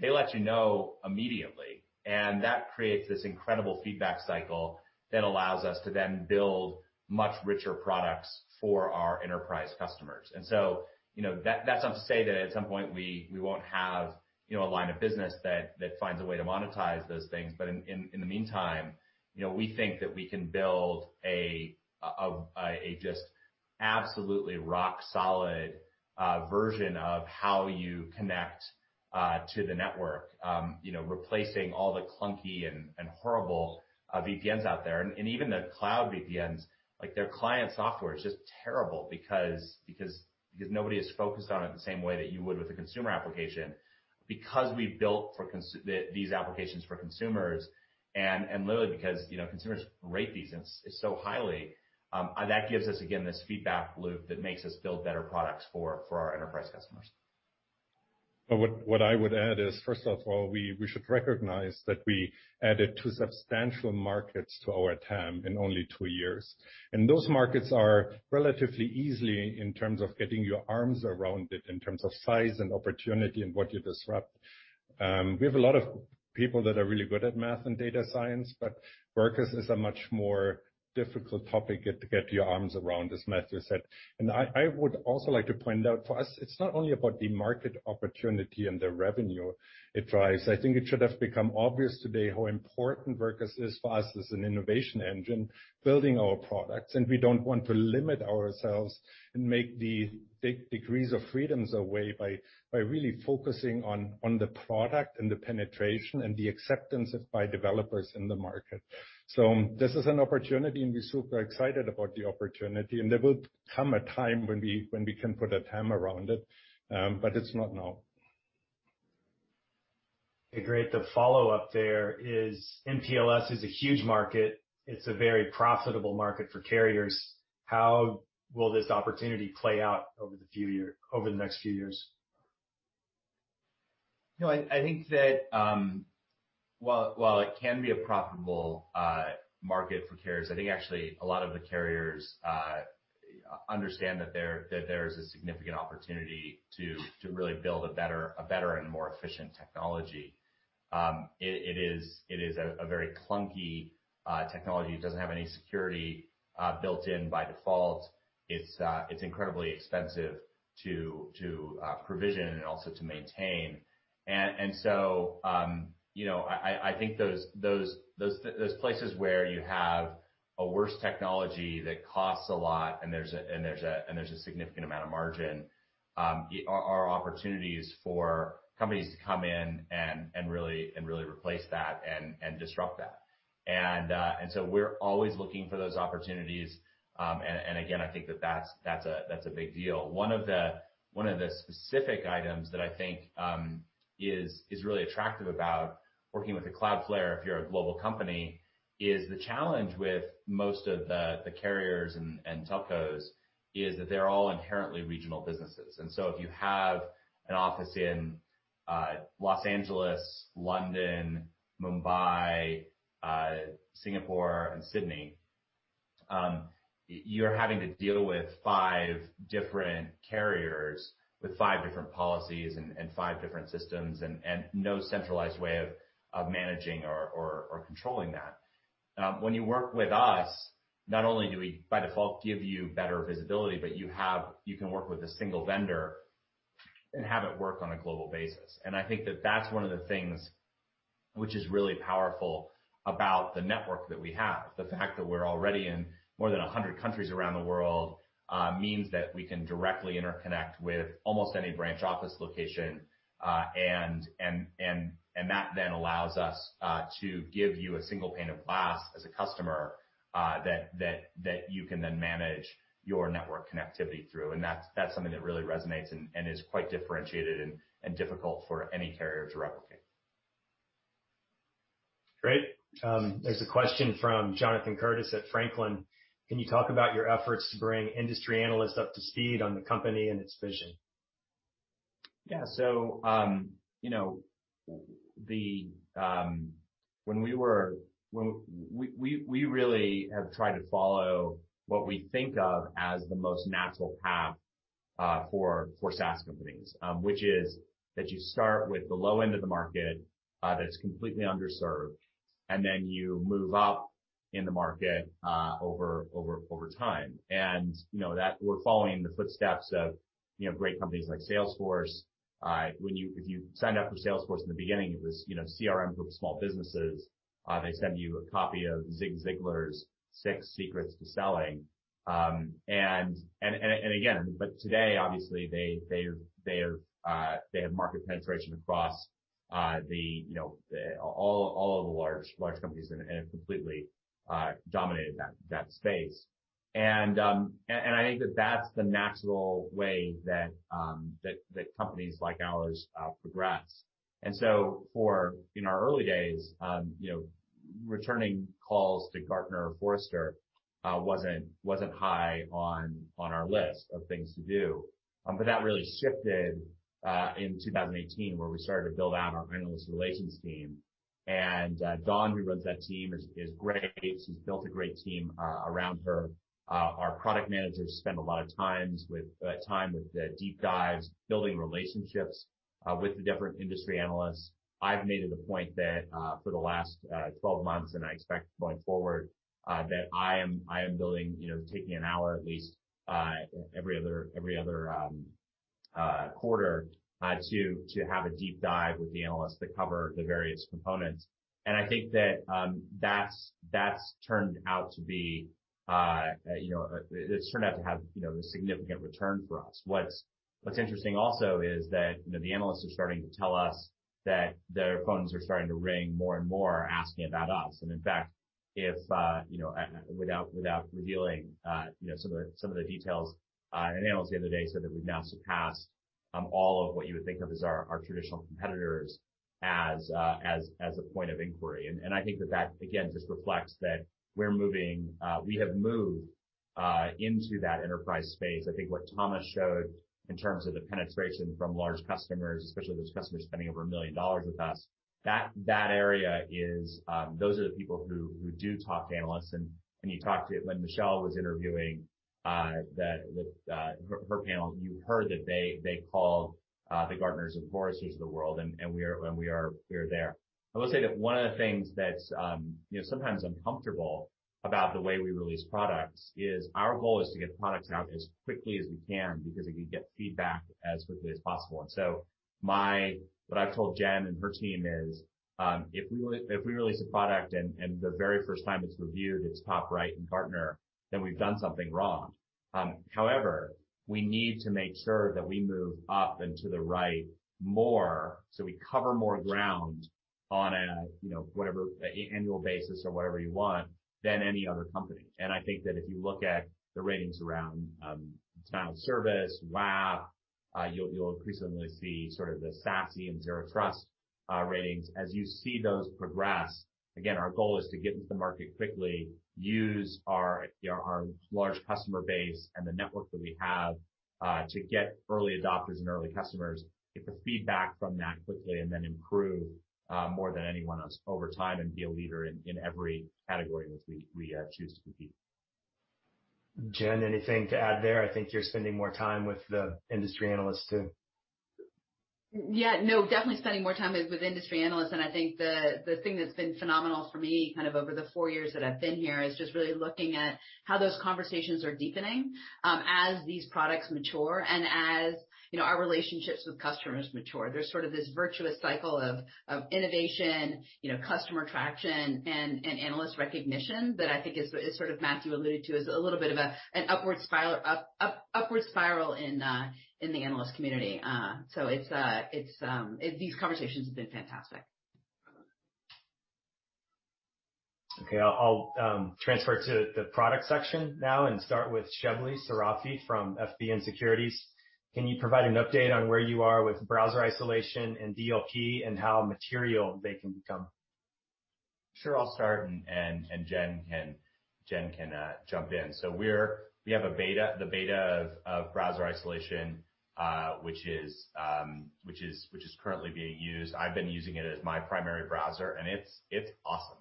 they let you know immediately. that creates this incredible feedback cycle that allows us to then build much richer products for our enterprise customers. that's not to say that at some point we won't have a line of business that finds a way to monetize those things. in the meantime, we think that we can build a just absolutely rock solid version of how you connect to the network, replacing all the clunky and horrible VPNs out there. even the cloud VPNs, their client software is just terrible because nobody is focused on it the same way that you would with a consumer application. Because we built these applications for consumers, and literally because consumers rate these so highly, that gives us, again, this feedback loop that makes us build better products for our enterprise customers. What I would add is, first of all, we should recognize that we added two substantial markets to our TAM in only two years, and those markets are relatively easy in terms of getting your arms around it, in terms of size and opportunity and what you disrupt. We have a lot of people that are really good at math and data science, but Workers is a much more difficult topic to get your arms around, as Matthew said. I would also like to point out, for us, it's not only about the market opportunity and the revenue it drives. I think it should have become obvious today how important Workers is for us as an innovation engine, building our products. We don't want to limit ourselves and take degrees of freedoms away by really focusing on the product and the penetration and the acceptance by developers in the market. This is an opportunity, and we're super excited about the opportunity, and there will come a time when we can put a TAM around it, but it's not now. Great. The follow-up there is MPLS is a huge market. It's a very profitable market for carriers. How will this opportunity play out over the next few years? I think that while it can be a profitable market for carriers, I think actually a lot of the carriers understand that there's a significant opportunity to really build a better and more efficient technology. It is a very clunky technology. It doesn't have any security built in by default. It's incredibly expensive to provision and also to maintain. I think those places where you have a worse technology that costs a lot and there's a significant amount of margin, are opportunities for companies to come in and really replace that and disrupt that. We're always looking for those opportunities, and again, I think that that's a big deal. One of the specific items that I think is really attractive about working with a Cloudflare if you're a global company, is the challenge with most of the carriers and telcos is that they're all inherently regional businesses. If you have an office in Los Angeles, London, Mumbai, Singapore, and Sydney, you're having to deal with five different carriers with five different policies and five different systems and no centralized way of managing or controlling that. When you work with us, not only do we by default give you better visibility, but you can work with a single vendor and have it work on a global basis. I think that that's one of the things which is really powerful about the network that we have. The fact that we're already in more than 100 countries around the world means that we can directly interconnect with almost any branch office location. That then allows us to give you a single pane of glass as a customer that you can then manage your network connectivity through, and that's something that really resonates and is quite differentiated and difficult for any carrier to replicate. Great. There's a question from Jonathan Curtis at Franklin. Can you talk about your efforts to bring industry analysts up to speed on the company and its vision? Yeah. You know, we really have tried to follow what we think of as the most natural path for SaaS companies, which is that you start with the low end of the market that's completely underserved, and then you move up in the market over time. We're following the footsteps of great companies like Salesforce. If you signed up for Salesforce in the beginning, it was CRM for small businesses. They send you a copy of Zig Ziglar's Six Secrets to Selling. Today, obviously, they have market penetration across all of the large companies and have completely dominated that space. I think that that's the natural way that companies like ours progress. In our early days, returning calls to Gartner or Forrester wasn't high on our list of things to do. That really shifted in 2018, where we started to build out our analyst relations team. Dawn, who runs that team, is great. She's built a great team around her. Our product managers spend a lot of time with the deep dives, building relationships with the different industry analysts. I've made it a point that for the last 12 months, and I expect going forward, that I am taking an hour at least every other quarter to have a deep dive with the analysts that cover the various components. I think that's turned out to have a significant return for us. What's interesting also is that the analysts are starting to tell us that their phones are starting to ring more and more asking about us. In fact, without revealing some of the details, an analyst the other day said that we've now surpassed all of what you would think of as our traditional competitors as a point of inquiry. I think that again, just reflects that we have moved into that enterprise space. I think what Thomas showed in terms of the penetration from large customers, especially those customers spending over $1 million with us, those are the people who do talk to analysts. When Michelle was interviewing her panel, you heard that they call the Gartners and Forresters of the world, and we are there. I will say that one of the things that's sometimes uncomfortable about the way we release products is our goal is to get the products out as quickly as we can because we can get feedback as quickly as possible. What I've told Jen and her team is, if we release a product and the very first time it's reviewed, it's top right in Gartner, then we've done something wrong. However, we need to make sure that we move up and to the right more so we cover more ground on a whatever annual basis or whatever you want, than any other company. I think that if you look at the ratings around managed service, WAF, you'll increasingly see sort of the SASE and Zero Trust ratings. As you see those progress, again, our goal is to get into the market quickly, use our large customer base and the network that we have, to get early adopters and early customers, get the feedback from that quickly, and then improve more than anyone else over time and be a leader in every category that we choose to compete. Jen, anything to add there? I think you're spending more time with the industry analysts too. Yeah. No, definitely spending more time with industry analysts. I think the thing that's been phenomenal for me over the four years that I've been here is just really looking at how those conversations are deepening as these products mature and as our relationships with customers mature. There’s sort of this virtuous cycle of innovation, customer traction, and analyst recognition that I think as Matthew alluded to, is a little bit of an upward spiral in the analyst community. These conversations have been fantastic. Okay. I'll transfer to the product section now and start with Shebly Seyrafi from FBN Securities. Can you provide an update on where you are with browser isolation and DLP and how material they can become? Sure. I'll start and Jen can jump in. We have the beta of Browser Isolation, which is currently being used. I've been using it as my primary browser, and it's awesome.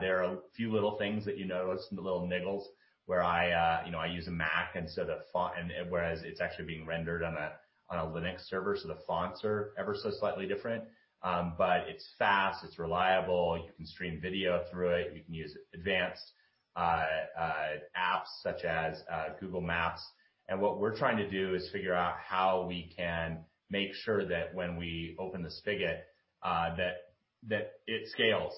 There are a few little things that you notice, the little niggles, where I use a Mac, and whereas it's actually being rendered on a Linux server, so the fonts are ever so slightly different. It's fast, it's reliable. You can stream video through it. You can use advanced apps such as Google Maps. What we're trying to do is figure out how we can make sure that when we open the spigot, that it scales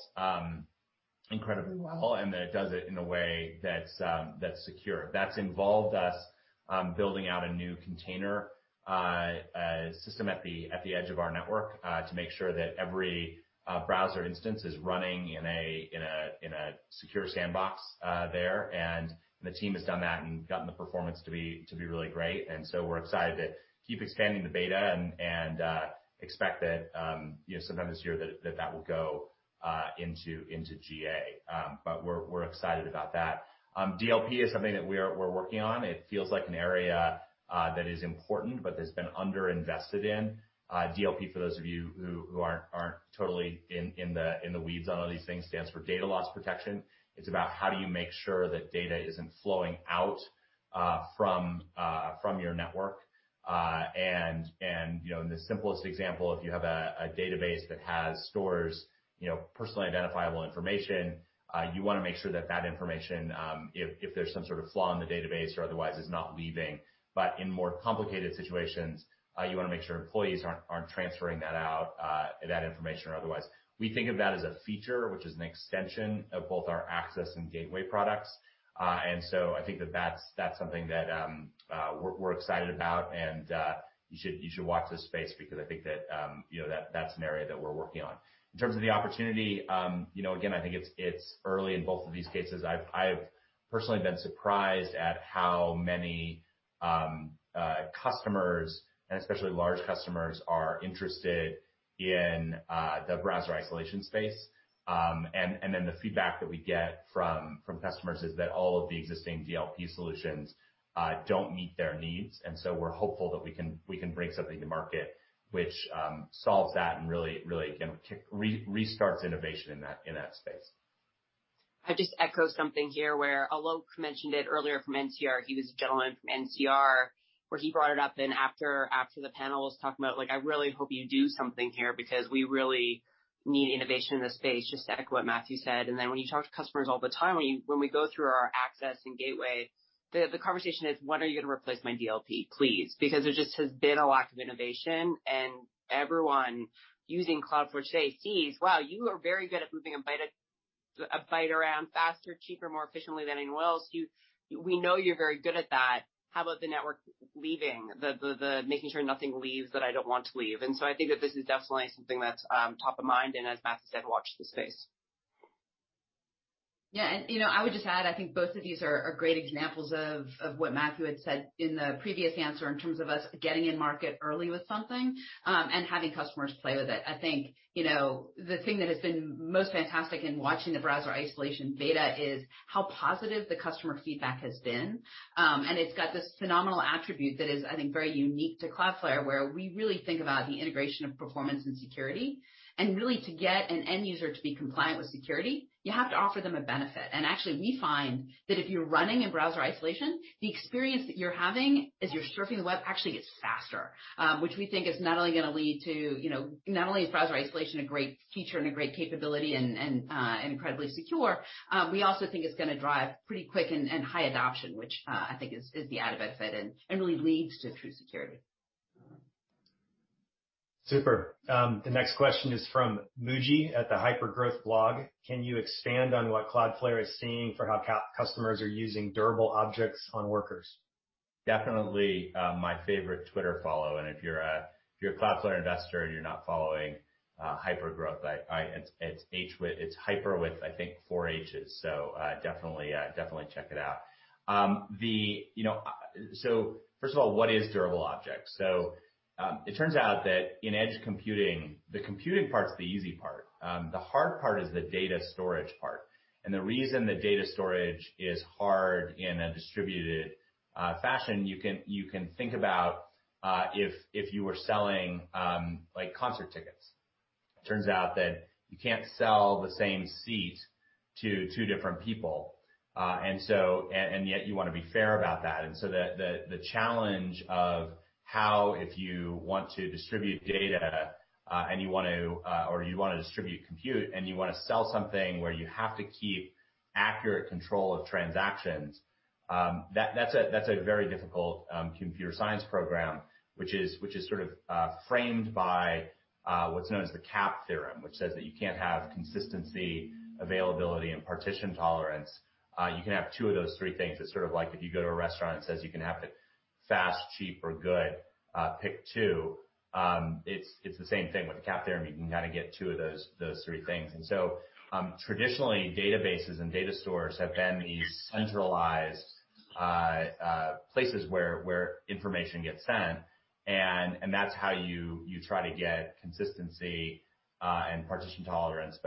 incredibly well and that it does it in a way that's secure. That's involved us building out a new container system at the edge of our network, to make sure that every browser instance is running in a secure sandbox there. The team has done that and gotten the performance to be really great. We're excited to keep expanding the beta and expect that sometime this year that will go into GA. We're excited about that. DLP is something that we're working on. It feels like an area that is important, but that's been under-invested in. DLP, for those of you who aren't totally in the weeds on all these things, stands for data loss protection. It's about how do you make sure that data isn't flowing out from your network. In the simplest example, if you have a database that stores personally identifiable information, you want to make sure that that information, if there's some sort of flaw in the database or otherwise, is not leaving. In more complicated situations, you want to make sure employees aren't transferring that out, that information or otherwise. We think of that as a feature, which is an extension of both our Cloudflare Access and Gateway products. I think that's something that we're excited about, and you should watch this space because I think that's an area that we're working on. In terms of the opportunity, again, I think it's early in both of these cases. I've personally been surprised at how many customers, and especially large customers, are interested in the Browser Isolation space. The feedback that we get from customers is that all of the existing DLP solutions don't meet their needs. We're hopeful that we can bring something to market which solves that and really restarts innovation in that space. I'll just echo something here where Alok mentioned it earlier from NCR. He was a gentleman from NCR, where he brought it up, and after the panel was talking about, like, I really hope you do something here because we really need innovation in this space, just to echo what Matthew said. When you talk to customers all the time, when we go through our Access and Gateway. The conversation is, "When are you going to replace my DLP, please?" Because there just has been a lot of innovation and everyone using Cloudflare today sees, wow, you are very good at moving a byte around faster, cheaper, more efficiently than anyone else. We know you're very good at that. How about the network leaving, the making sure nothing leaves that I don't want to leave? I think that this is definitely something that's top of mind, and as Matthew said, watch this space. Yeah, I would just add, I think both of these are great examples of what Matthew had said in the previous answer in terms of us getting in market early with something, and having customers play with it. I think, the thing that has been most fantastic in watching the Browser Isolation beta is how positive the customer feedback has been. It's got this phenomenal attribute that is, I think, very unique to Cloudflare, where we really think about the integration of performance and security. Really to get an end user to be compliant with security, you have to offer them a benefit. Actually, we find that if you're running in Browser Isolation, the experience that you're having as you're surfing the web actually gets faster, which we think is not only Browser Isolation a great feature and a great capability and incredibly secure, we also think it's going to drive pretty quick and high adoption, which I think is the added benefit and really leads to true security. Super. The next question is from Muji at the Hypergrowth blog. Can you expand on what Cloudflare is seeing for how customers are using Durable Objects on Workers? Definitely my favorite Twitter follow. If you're a Cloudflare investor, and you're not following Hypergrowth, it's Hyper with, I think, four Hs. Definitely check it out. First of all, what is Durable Objects? It turns out that in edge computing, the computing part's the easy part. The hard part is the data storage part. The reason that data storage is hard in a distributed fashion, you can think about, if you were selling concert tickets. It turns out that you can't sell the same seat to two different people. Yet you want to be fair about that. The challenge of how, if you want to distribute data, or you want to distribute compute, and you want to sell something where you have to keep accurate control of transactions, that's a very difficult computer science program, which is sort of framed by what's known as the CAP theorem. Which says that you can't have Consistency, Availability, and Partition Tolerance. You can have two of those three things. It's sort of like if you go to a restaurant, it says you can have it fast, cheap, or good, pick two. It's the same thing with the CAP theorem. You can kind of get two of those three things. Traditionally, databases and data stores have been these centralized places where information gets sent, and that's how you try to get Consistency, and Partition Tolerance.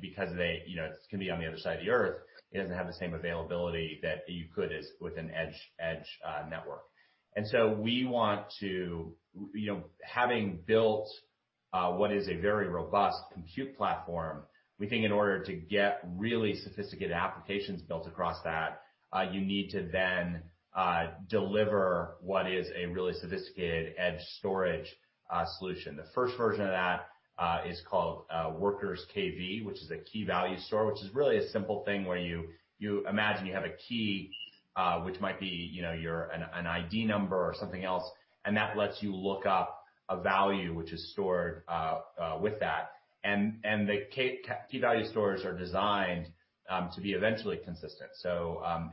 Because it can be on the other side of the Earth, it doesn't have the same availability that you could with an edge network. We want to, having built what is a very robust compute platform, we think in order to get really sophisticated applications built across that, you need to then deliver what is a really sophisticated edge storage solution. The first version of that is called Workers KV, which is a key value store. Which is really a simple thing where you imagine you have a key, which might be an ID number or something else, and that lets you look up a value which is stored with that. The key value stores are designed to be eventually consistent.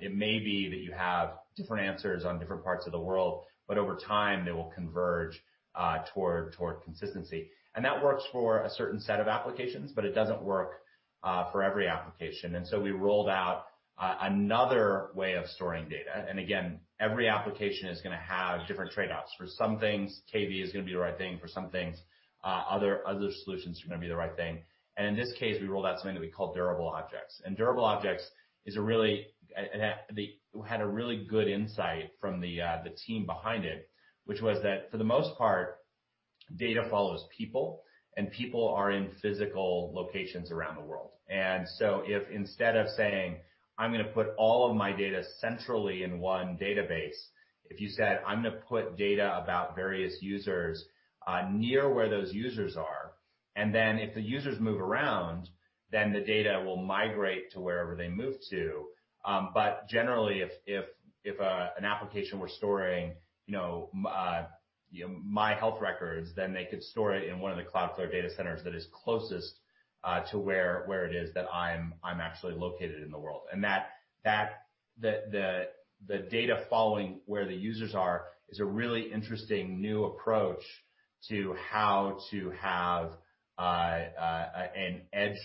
It may be that you have different answers on different parts of the world, but over time, they will converge toward consistency. That works for a certain set of applications, but it doesn't work for every application. We rolled out another way of storing data. Again, every application is going to have different trade-offs. For some things, KV is going to be the right thing. For some things, other solutions are going to be the right thing. In this case, we rolled out something that we call Durable Objects. Durable Objects had a really good insight from the team behind it, which was that for the most part, data follows people, and people are in physical locations around the world. If instead of saying, "I'm going to put all of my data centrally in one database," if you said, "I'm going to put data about various users near where those users are," and then if the users move around, then the data will migrate to wherever they move to. Generally, if an application were storing my health records, then they could store it in one of the Cloudflare data centers that is closest to where it is that I'm actually located in the world. The data following where the users are is a really interesting new approach to how to have an edge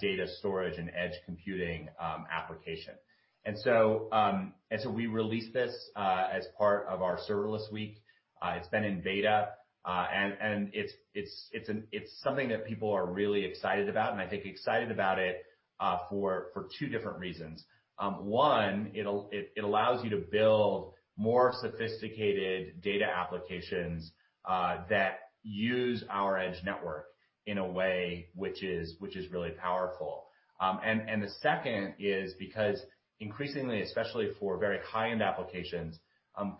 data storage and edge computing application. We released this as part of our serverless week. It's been in beta, and it's something that people are really excited about, and I think excited about it for two different reasons. One, it allows you to build more sophisticated data applications that use our Edge network in a way which is really powerful. The second is because increasingly, especially for very high-end applications,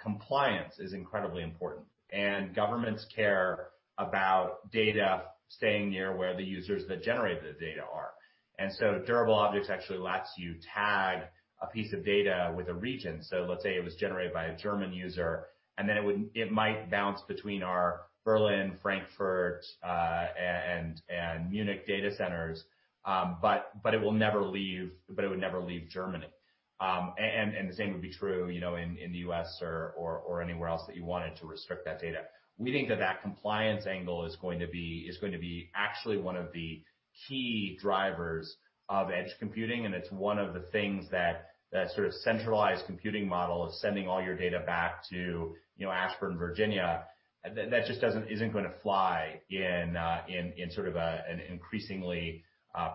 compliance is incredibly important, and governments care about data staying near where the users that generate the data are. Durable Objects actually lets you tag a piece of data with a region. Let's say it was generated by a German user, and then it might bounce between our Berlin, Frankfurt, and Munich data centers. It would never leave Germany. The same would be true in the U.S. or anywhere else that you wanted to restrict that data. We think that compliance angle is going to be actually one of the key drivers of Edge computing, and it's one of the things that sort of centralized computing model of sending all your data back to Ashburn, Virginia, that just isn't going to fly in sort of an increasingly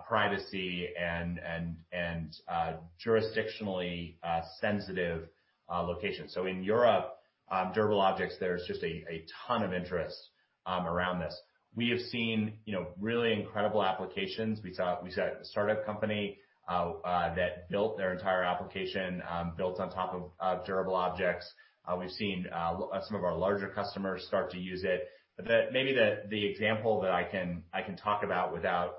privacy and jurisdictionally sensitive location. In Europe, Durable Objects, there's just a ton of interest around this. We have seen really incredible applications. We saw a startup company that built their entire application, built on top of Durable Objects. We've seen some of our larger customers start to use it. Maybe the example that I can talk about without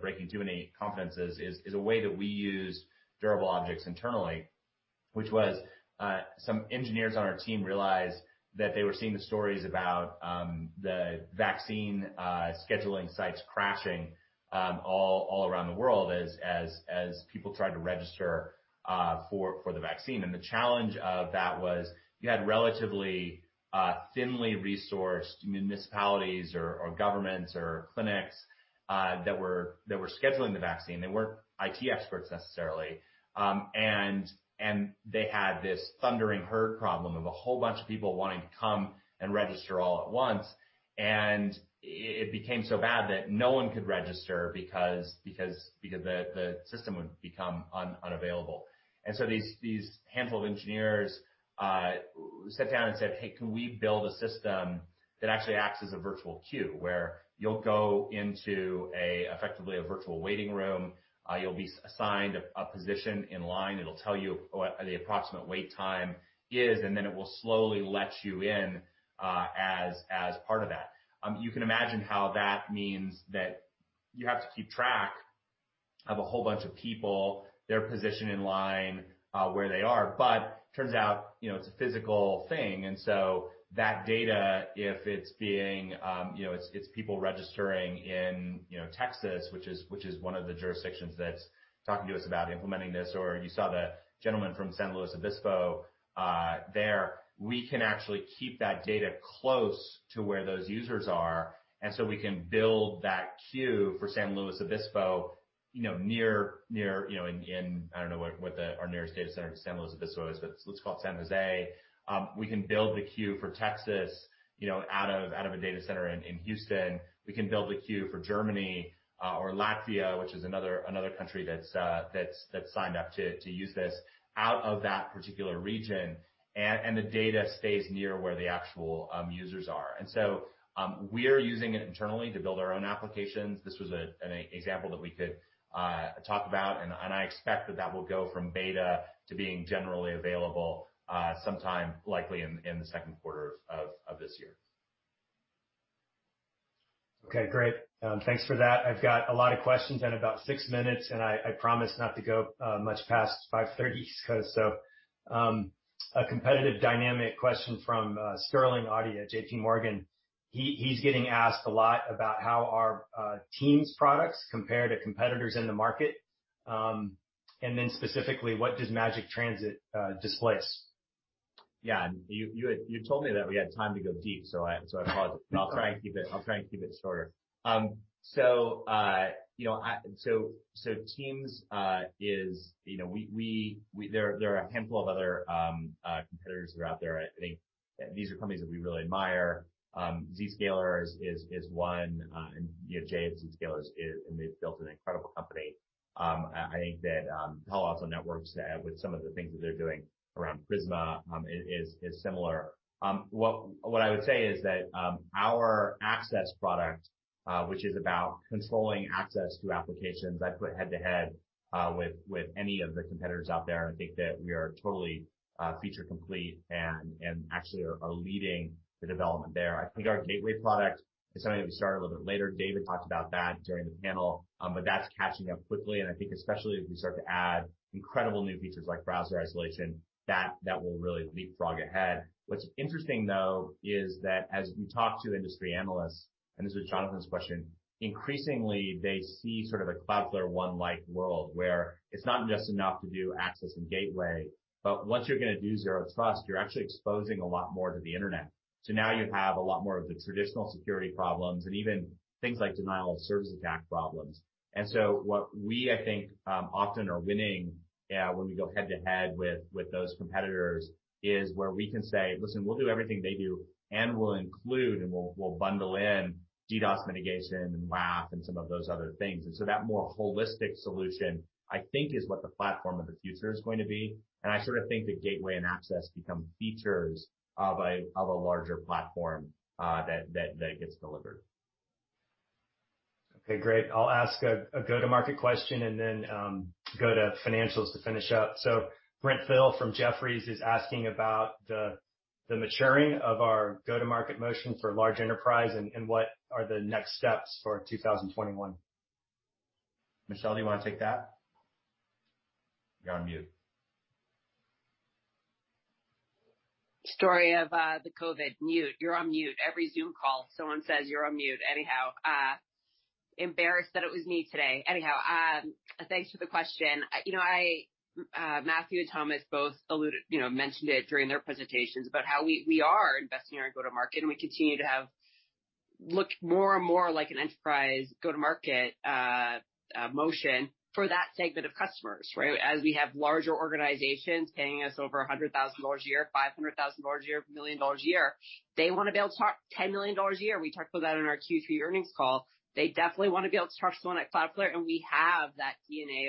breaking too many confidences is a way that we use Durable Objects internally, which was some engineers on our team realized that they were seeing the stories about the vaccine scheduling sites crashing all around the world as people tried to register for the vaccine. The challenge of that was you had relatively thinly resourced municipalities or governments or clinics that were scheduling the vaccine. They weren't IT experts necessarily. They had this thundering herd problem of a whole bunch of people wanting to come and register all at once. It became so bad that no one could register because the system would become unavailable. These handful of engineers sat down and said, "Hey, can we build a system that actually acts as a virtual queue where you'll go into effectively a virtual waiting room, you'll be assigned a position in line, it'll tell you what the approximate wait time is, and then it will slowly let you in as part of that?" You can imagine how that means that you have to keep track of a whole bunch of people, their position in line, where they are. Turns out, it's a physical thing, and so that data, if it's people registering in Texas, which is one of the jurisdictions that's talking to us about implementing this, or you saw the gentleman from San Luis Obispo there, we can actually keep that data close to where those users are, and so we can build that queue for San Luis Obispo near in, I don't know what our nearest data center to San Luis Obispo is, but let's call it San Jose. We can build the queue for Texas out of a data center in Houston. We can build the queue for Germany or Latvia, which is another country that's signed up to use this, out of that particular region. The data stays near where the actual users are. We're using it internally to build our own applications. This was an example that we could talk about, and I expect that will go from beta to being generally available sometime likely in the second quarter of this year. Okay, great. Thanks for that. I've got a lot of questions and about six minutes, and I promise not to go much past 5:30 East Coast. A competitive dynamic question from Sterling Auty at J.P. Morgan. He's getting asked a lot about how our Teams products compare to competitors in the market, and then specifically, what does Magic Transit displace? Yeah. You had told me that we had time to go deep, so I apologize. I'll try and keep it shorter. Teams, there are a handful of other competitors that are out there. I think these are companies that we really admire. Zscaler is one. Jay at Zscaler. They've built an incredible company. I think that Palo Alto Networks, with some of the things that they're doing around Prisma is similar. What I would say is that our access product, which is about controlling access to applications, I'd put head-to-head with any of the competitors out there. I think that we are totally feature complete and actually are leading the development there. I think our gateway product is something that we started a little bit later. David talked about that during the panel. That's catching up quickly, and I think especially as we start to add incredible new features like browser isolation, that will really leapfrog ahead. What's interesting, though, is that as we talk to industry analysts, and this is Jonathan's question, increasingly, they see sort of a Cloudflare One-like world where it's not just enough to do access and gateway, but once you're going to do Zero Trust, you're actually exposing a lot more to the internet. Now you have a lot more of the traditional security problems and even things like denial-of-service attack problems. What we, I think, often are winning when we go head-to-head with those competitors is where we can say, "Listen, we'll do everything they do, and we'll include, and we'll bundle in DDoS mitigation and WAF, and some of those other things that more holistic solution, I think, is what the platform of the future is going to be. I sort of think that gateway and access become features of a larger platform that gets delivered. Okay, great. I'll ask a go-to-market question and then go to financials to finish up. Brent Thill from Jefferies is asking about the maturing of our go-to-market motion for large enterprise and what are the next steps for 2021. Michelle, do you want to take that? You're on mute. Story of the COVID, mute. You're on mute. Every Zoom call, someone says, "You're on mute." Anyhow, embarrassed that it was me today. Anyhow, thanks for the question. Matthew and Thomas both mentioned it during their presentations about how we are investing in our go-to-market, and we continue to look more and more like an enterprise go-to-market motion for that segment of customers, right? As we have larger organizations paying us over $100,000 a year, $500,000 a year, $1 million a year. They want to be able to talk $10 million a year. We talked about that in our Q3 earnings call. They definitely want to be able to talk to someone at Cloudflare, and we have that DNA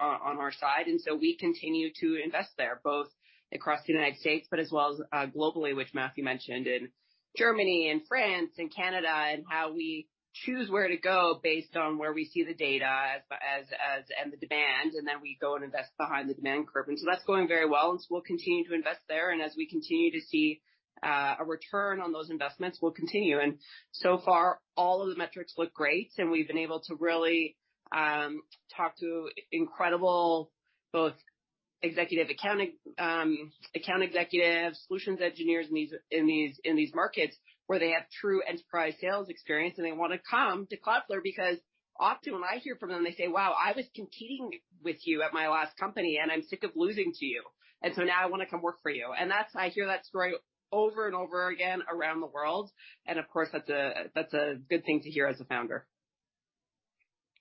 on our side. We continue to invest there, both across the United States, but as well as globally, which Matthew mentioned, in Germany and France and Canada. How we choose where to go based on where we see the data and the demand, and then we go and invest behind the demand curve. That's going very well, and so we'll continue to invest there. As we continue to see a return on those investments, we'll continue. So far, all of the metrics look great, and we've been able to really talk to incredible both executive accounting, account executives, solutions engineers in these markets, where they have true enterprise sales experience, and they want to come to Cloudflare because often when I hear from them, they say, "Wow, I was competing with you at my last company, and I'm sick of losing to you. Now I want to come work for you." I hear that story over and over again around the world, and of course, that's a good thing to hear as a Founder.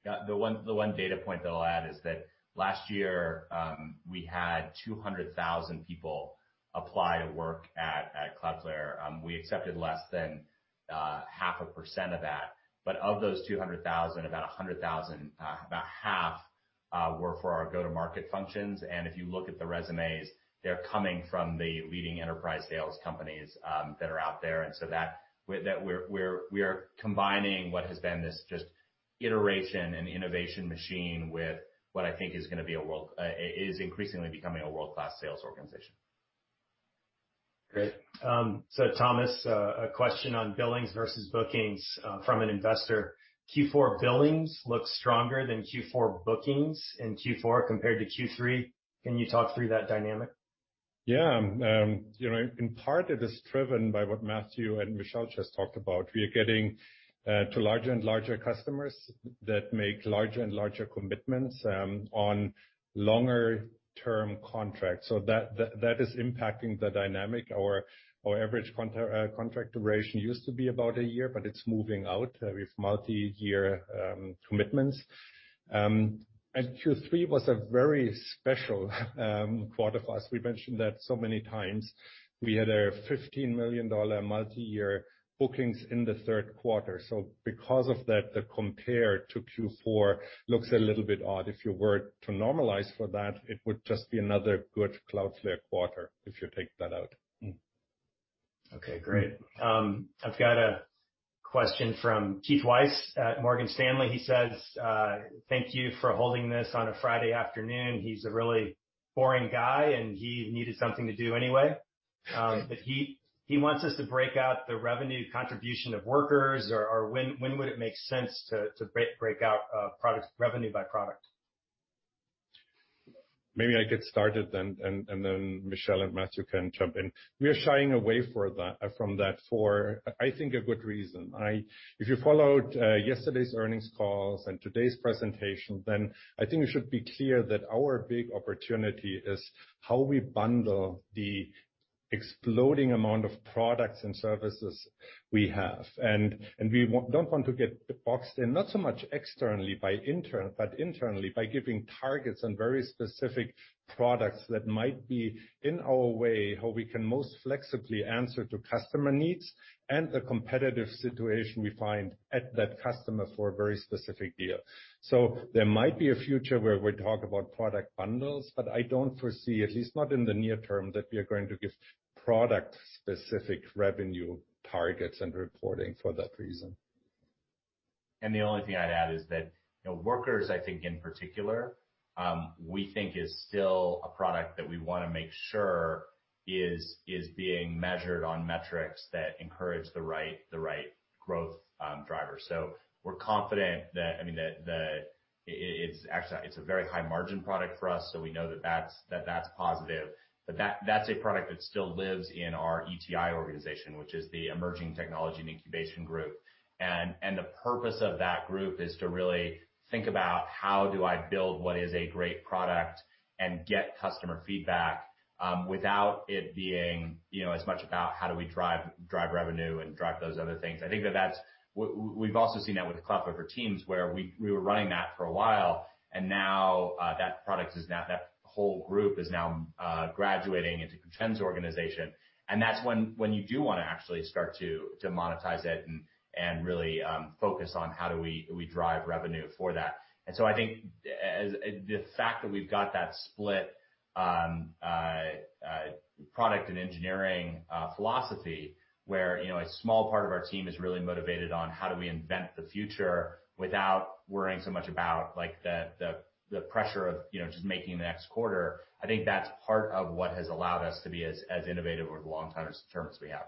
The one data point that I'll add is that last year, we had 200,000 people apply to work at Cloudflare. We accepted less than half a percent of that. Of those 200,000, about 100,000, about half, were for our go-to-market functions. If you look at the resumes, they're coming from the leading enterprise sales companies that are out there. We are combining what has been this just iteration and innovation machine with what I think is increasingly becoming a world-class sales organization. Great. Thomas, a question on billings versus bookings from an investor. Q4 billings looks stronger than Q4 bookings in Q4 compared to Q3. Can you talk through that dynamic? Yeah. In part, it is driven by what Matthew and Michelle just talked about. We are getting to larger and larger customers that make larger and larger commitments on longer term contracts. That is impacting the dynamic. Our average contract duration used to be about a year, but it's moving out with multi-year commitments. Q3 was a very special quarter for us. We've mentioned that so many times. We had a $15 million multi-year bookings in the third quarter. Because of that, the compare to Q4 looks a little bit odd. If you were to normalize for that, it would just be another good Cloudflare quarter if you take that out. Okay, great. I've got a question from Keith Weiss at Morgan Stanley. He says, "Thank you for holding this on a Friday afternoon." He's a really boring guy, and he needed something to do anyway. He wants us to break out the revenue contribution of Workers or when would it make sense to break out revenue by product? Maybe I could start it, and then Michelle and Matthew can jump in. We are shying away from that for, I think, a good reason. If you followed yesterday's earnings calls and today's presentation, then I think it should be clear that our big opportunity is how we bundle the exploding amount of products and services we have. We don't want to get boxed in, not so much externally, but internally, by giving targets on very specific products that might be in our way, how we can most flexibly answer to customer needs and the competitive situation we find at that customer for a very specific deal. There might be a future where we talk about product bundles, but I don't foresee, at least not in the near term, that we are going to give product-specific revenue targets and reporting for that reason. The only thing I'd add is that, Workers, I think, in particular, we think is still a product that we want to make sure is being measured on metrics that encourage the right growth drivers. We're confident that it's a very high margin product for us, so we know that that's positive. That's a product that still lives in our ETI organization, which is the Emerging Technology and Incubation group. The purpose of that group is to really think about how do I build what is a great product and get customer feedback, without it being as much about how do we drive revenue and drive those other things. We've also seen that with the Cloudflare for Teams, where we were running that for a while, and now that whole group is now graduating into ETI's organization. That's when you do want to actually start to monetize it and really focus on how do we drive revenue for that. I think the fact that we've got that split product and engineering philosophy where a small part of our team is really motivated on how do we invent the future without worrying so much about the pressure of just making the next quarter, I think that's part of what has allowed us to be as innovative over the long term as we have.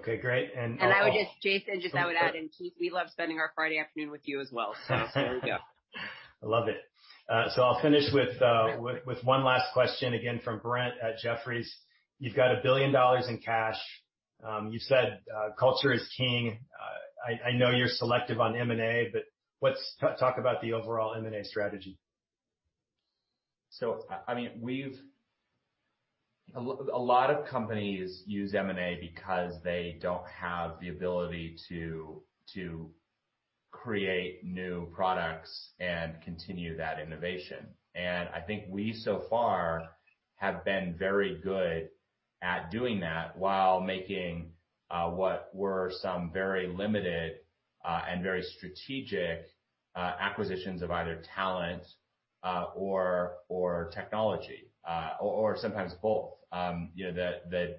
Okay, great. I would just, Jayson, just I would add in, Keith, we love spending our Friday afternoon with you as well. there we go. I love it. I'll finish with one last question again from Brent at Jefferies. You've got $1 billion in cash. You said culture is king. I know you're selective on M&A, but let's talk about the overall M&A strategy. A lot of companies use M&A because they don't have the ability to create new products and continue that innovation. I think we, so far, have been very good at doing that while making what were some very limited, and very strategic acquisitions of either talent, or technology, or sometimes both. The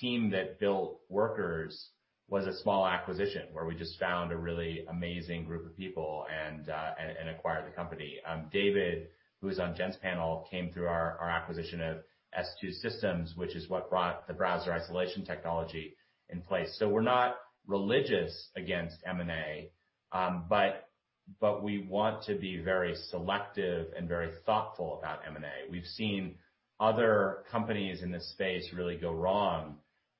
team that built Workers was a small acquisition where we just found a really amazing group of people and acquired the company. David, who's on Jen's panel, came through our acquisition of S2 Systems, which is what brought the Browser Isolation technology in place. We're not religious against M&A, but we want to be very selective and very thoughtful about M&A. We've seen other companies in this space really go wrong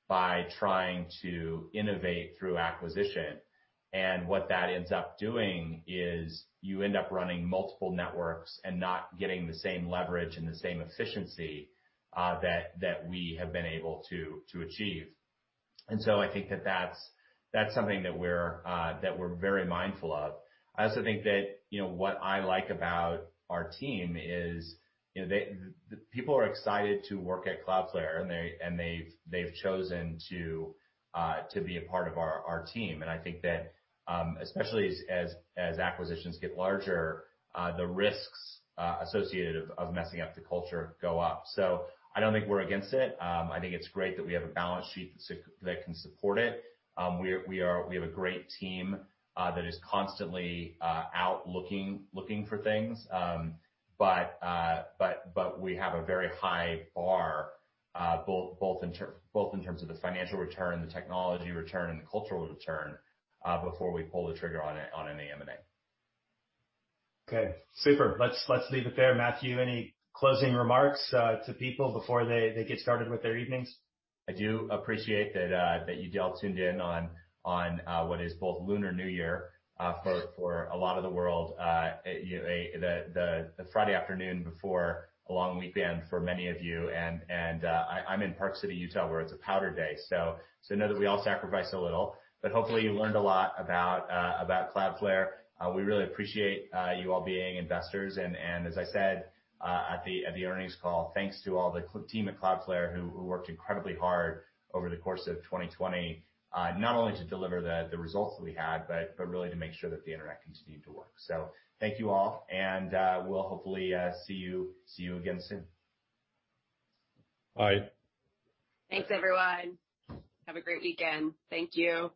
by trying to innovate through acquisition. What that ends up doing is you end up running multiple networks and not getting the same leverage and the same efficiency that we have been able to achieve. I think that's something that we're very mindful of. I also think that what I like about our team is people are excited to work at Cloudflare, and they've chosen to be a part of our team. I think that, especially as acquisitions get larger, the risks associated of messing up the culture go up. I don't think we're against it. I think it's great that we have a balance sheet that can support it. We have a great team that is constantly out looking for things. We have a very high bar, both in terms of the financial return, the technology return, and the cultural return, before we pull the trigger on any M&A. Okay. Super. Let's leave it there. Matthew, any closing remarks to people before they get started with their evenings? I do appreciate that you all tuned in on what is both Lunar New Year for a lot of the world, the Friday afternoon before a long weekend for many of you, and I'm in Park City, Utah, where it's a powder day, so know that we all sacrifice a little, but hopefully you learned a lot about Cloudflare. We really appreciate you all being investors and, as I said at the earnings call, thanks to all the team at Cloudflare who worked incredibly hard over the course of 2020, not only to deliver the results that we had, but really to make sure that the internet continued to work. Thank you all, and we'll hopefully see you again soon. Bye. Thanks, everyone. Have a great weekend. Thank you.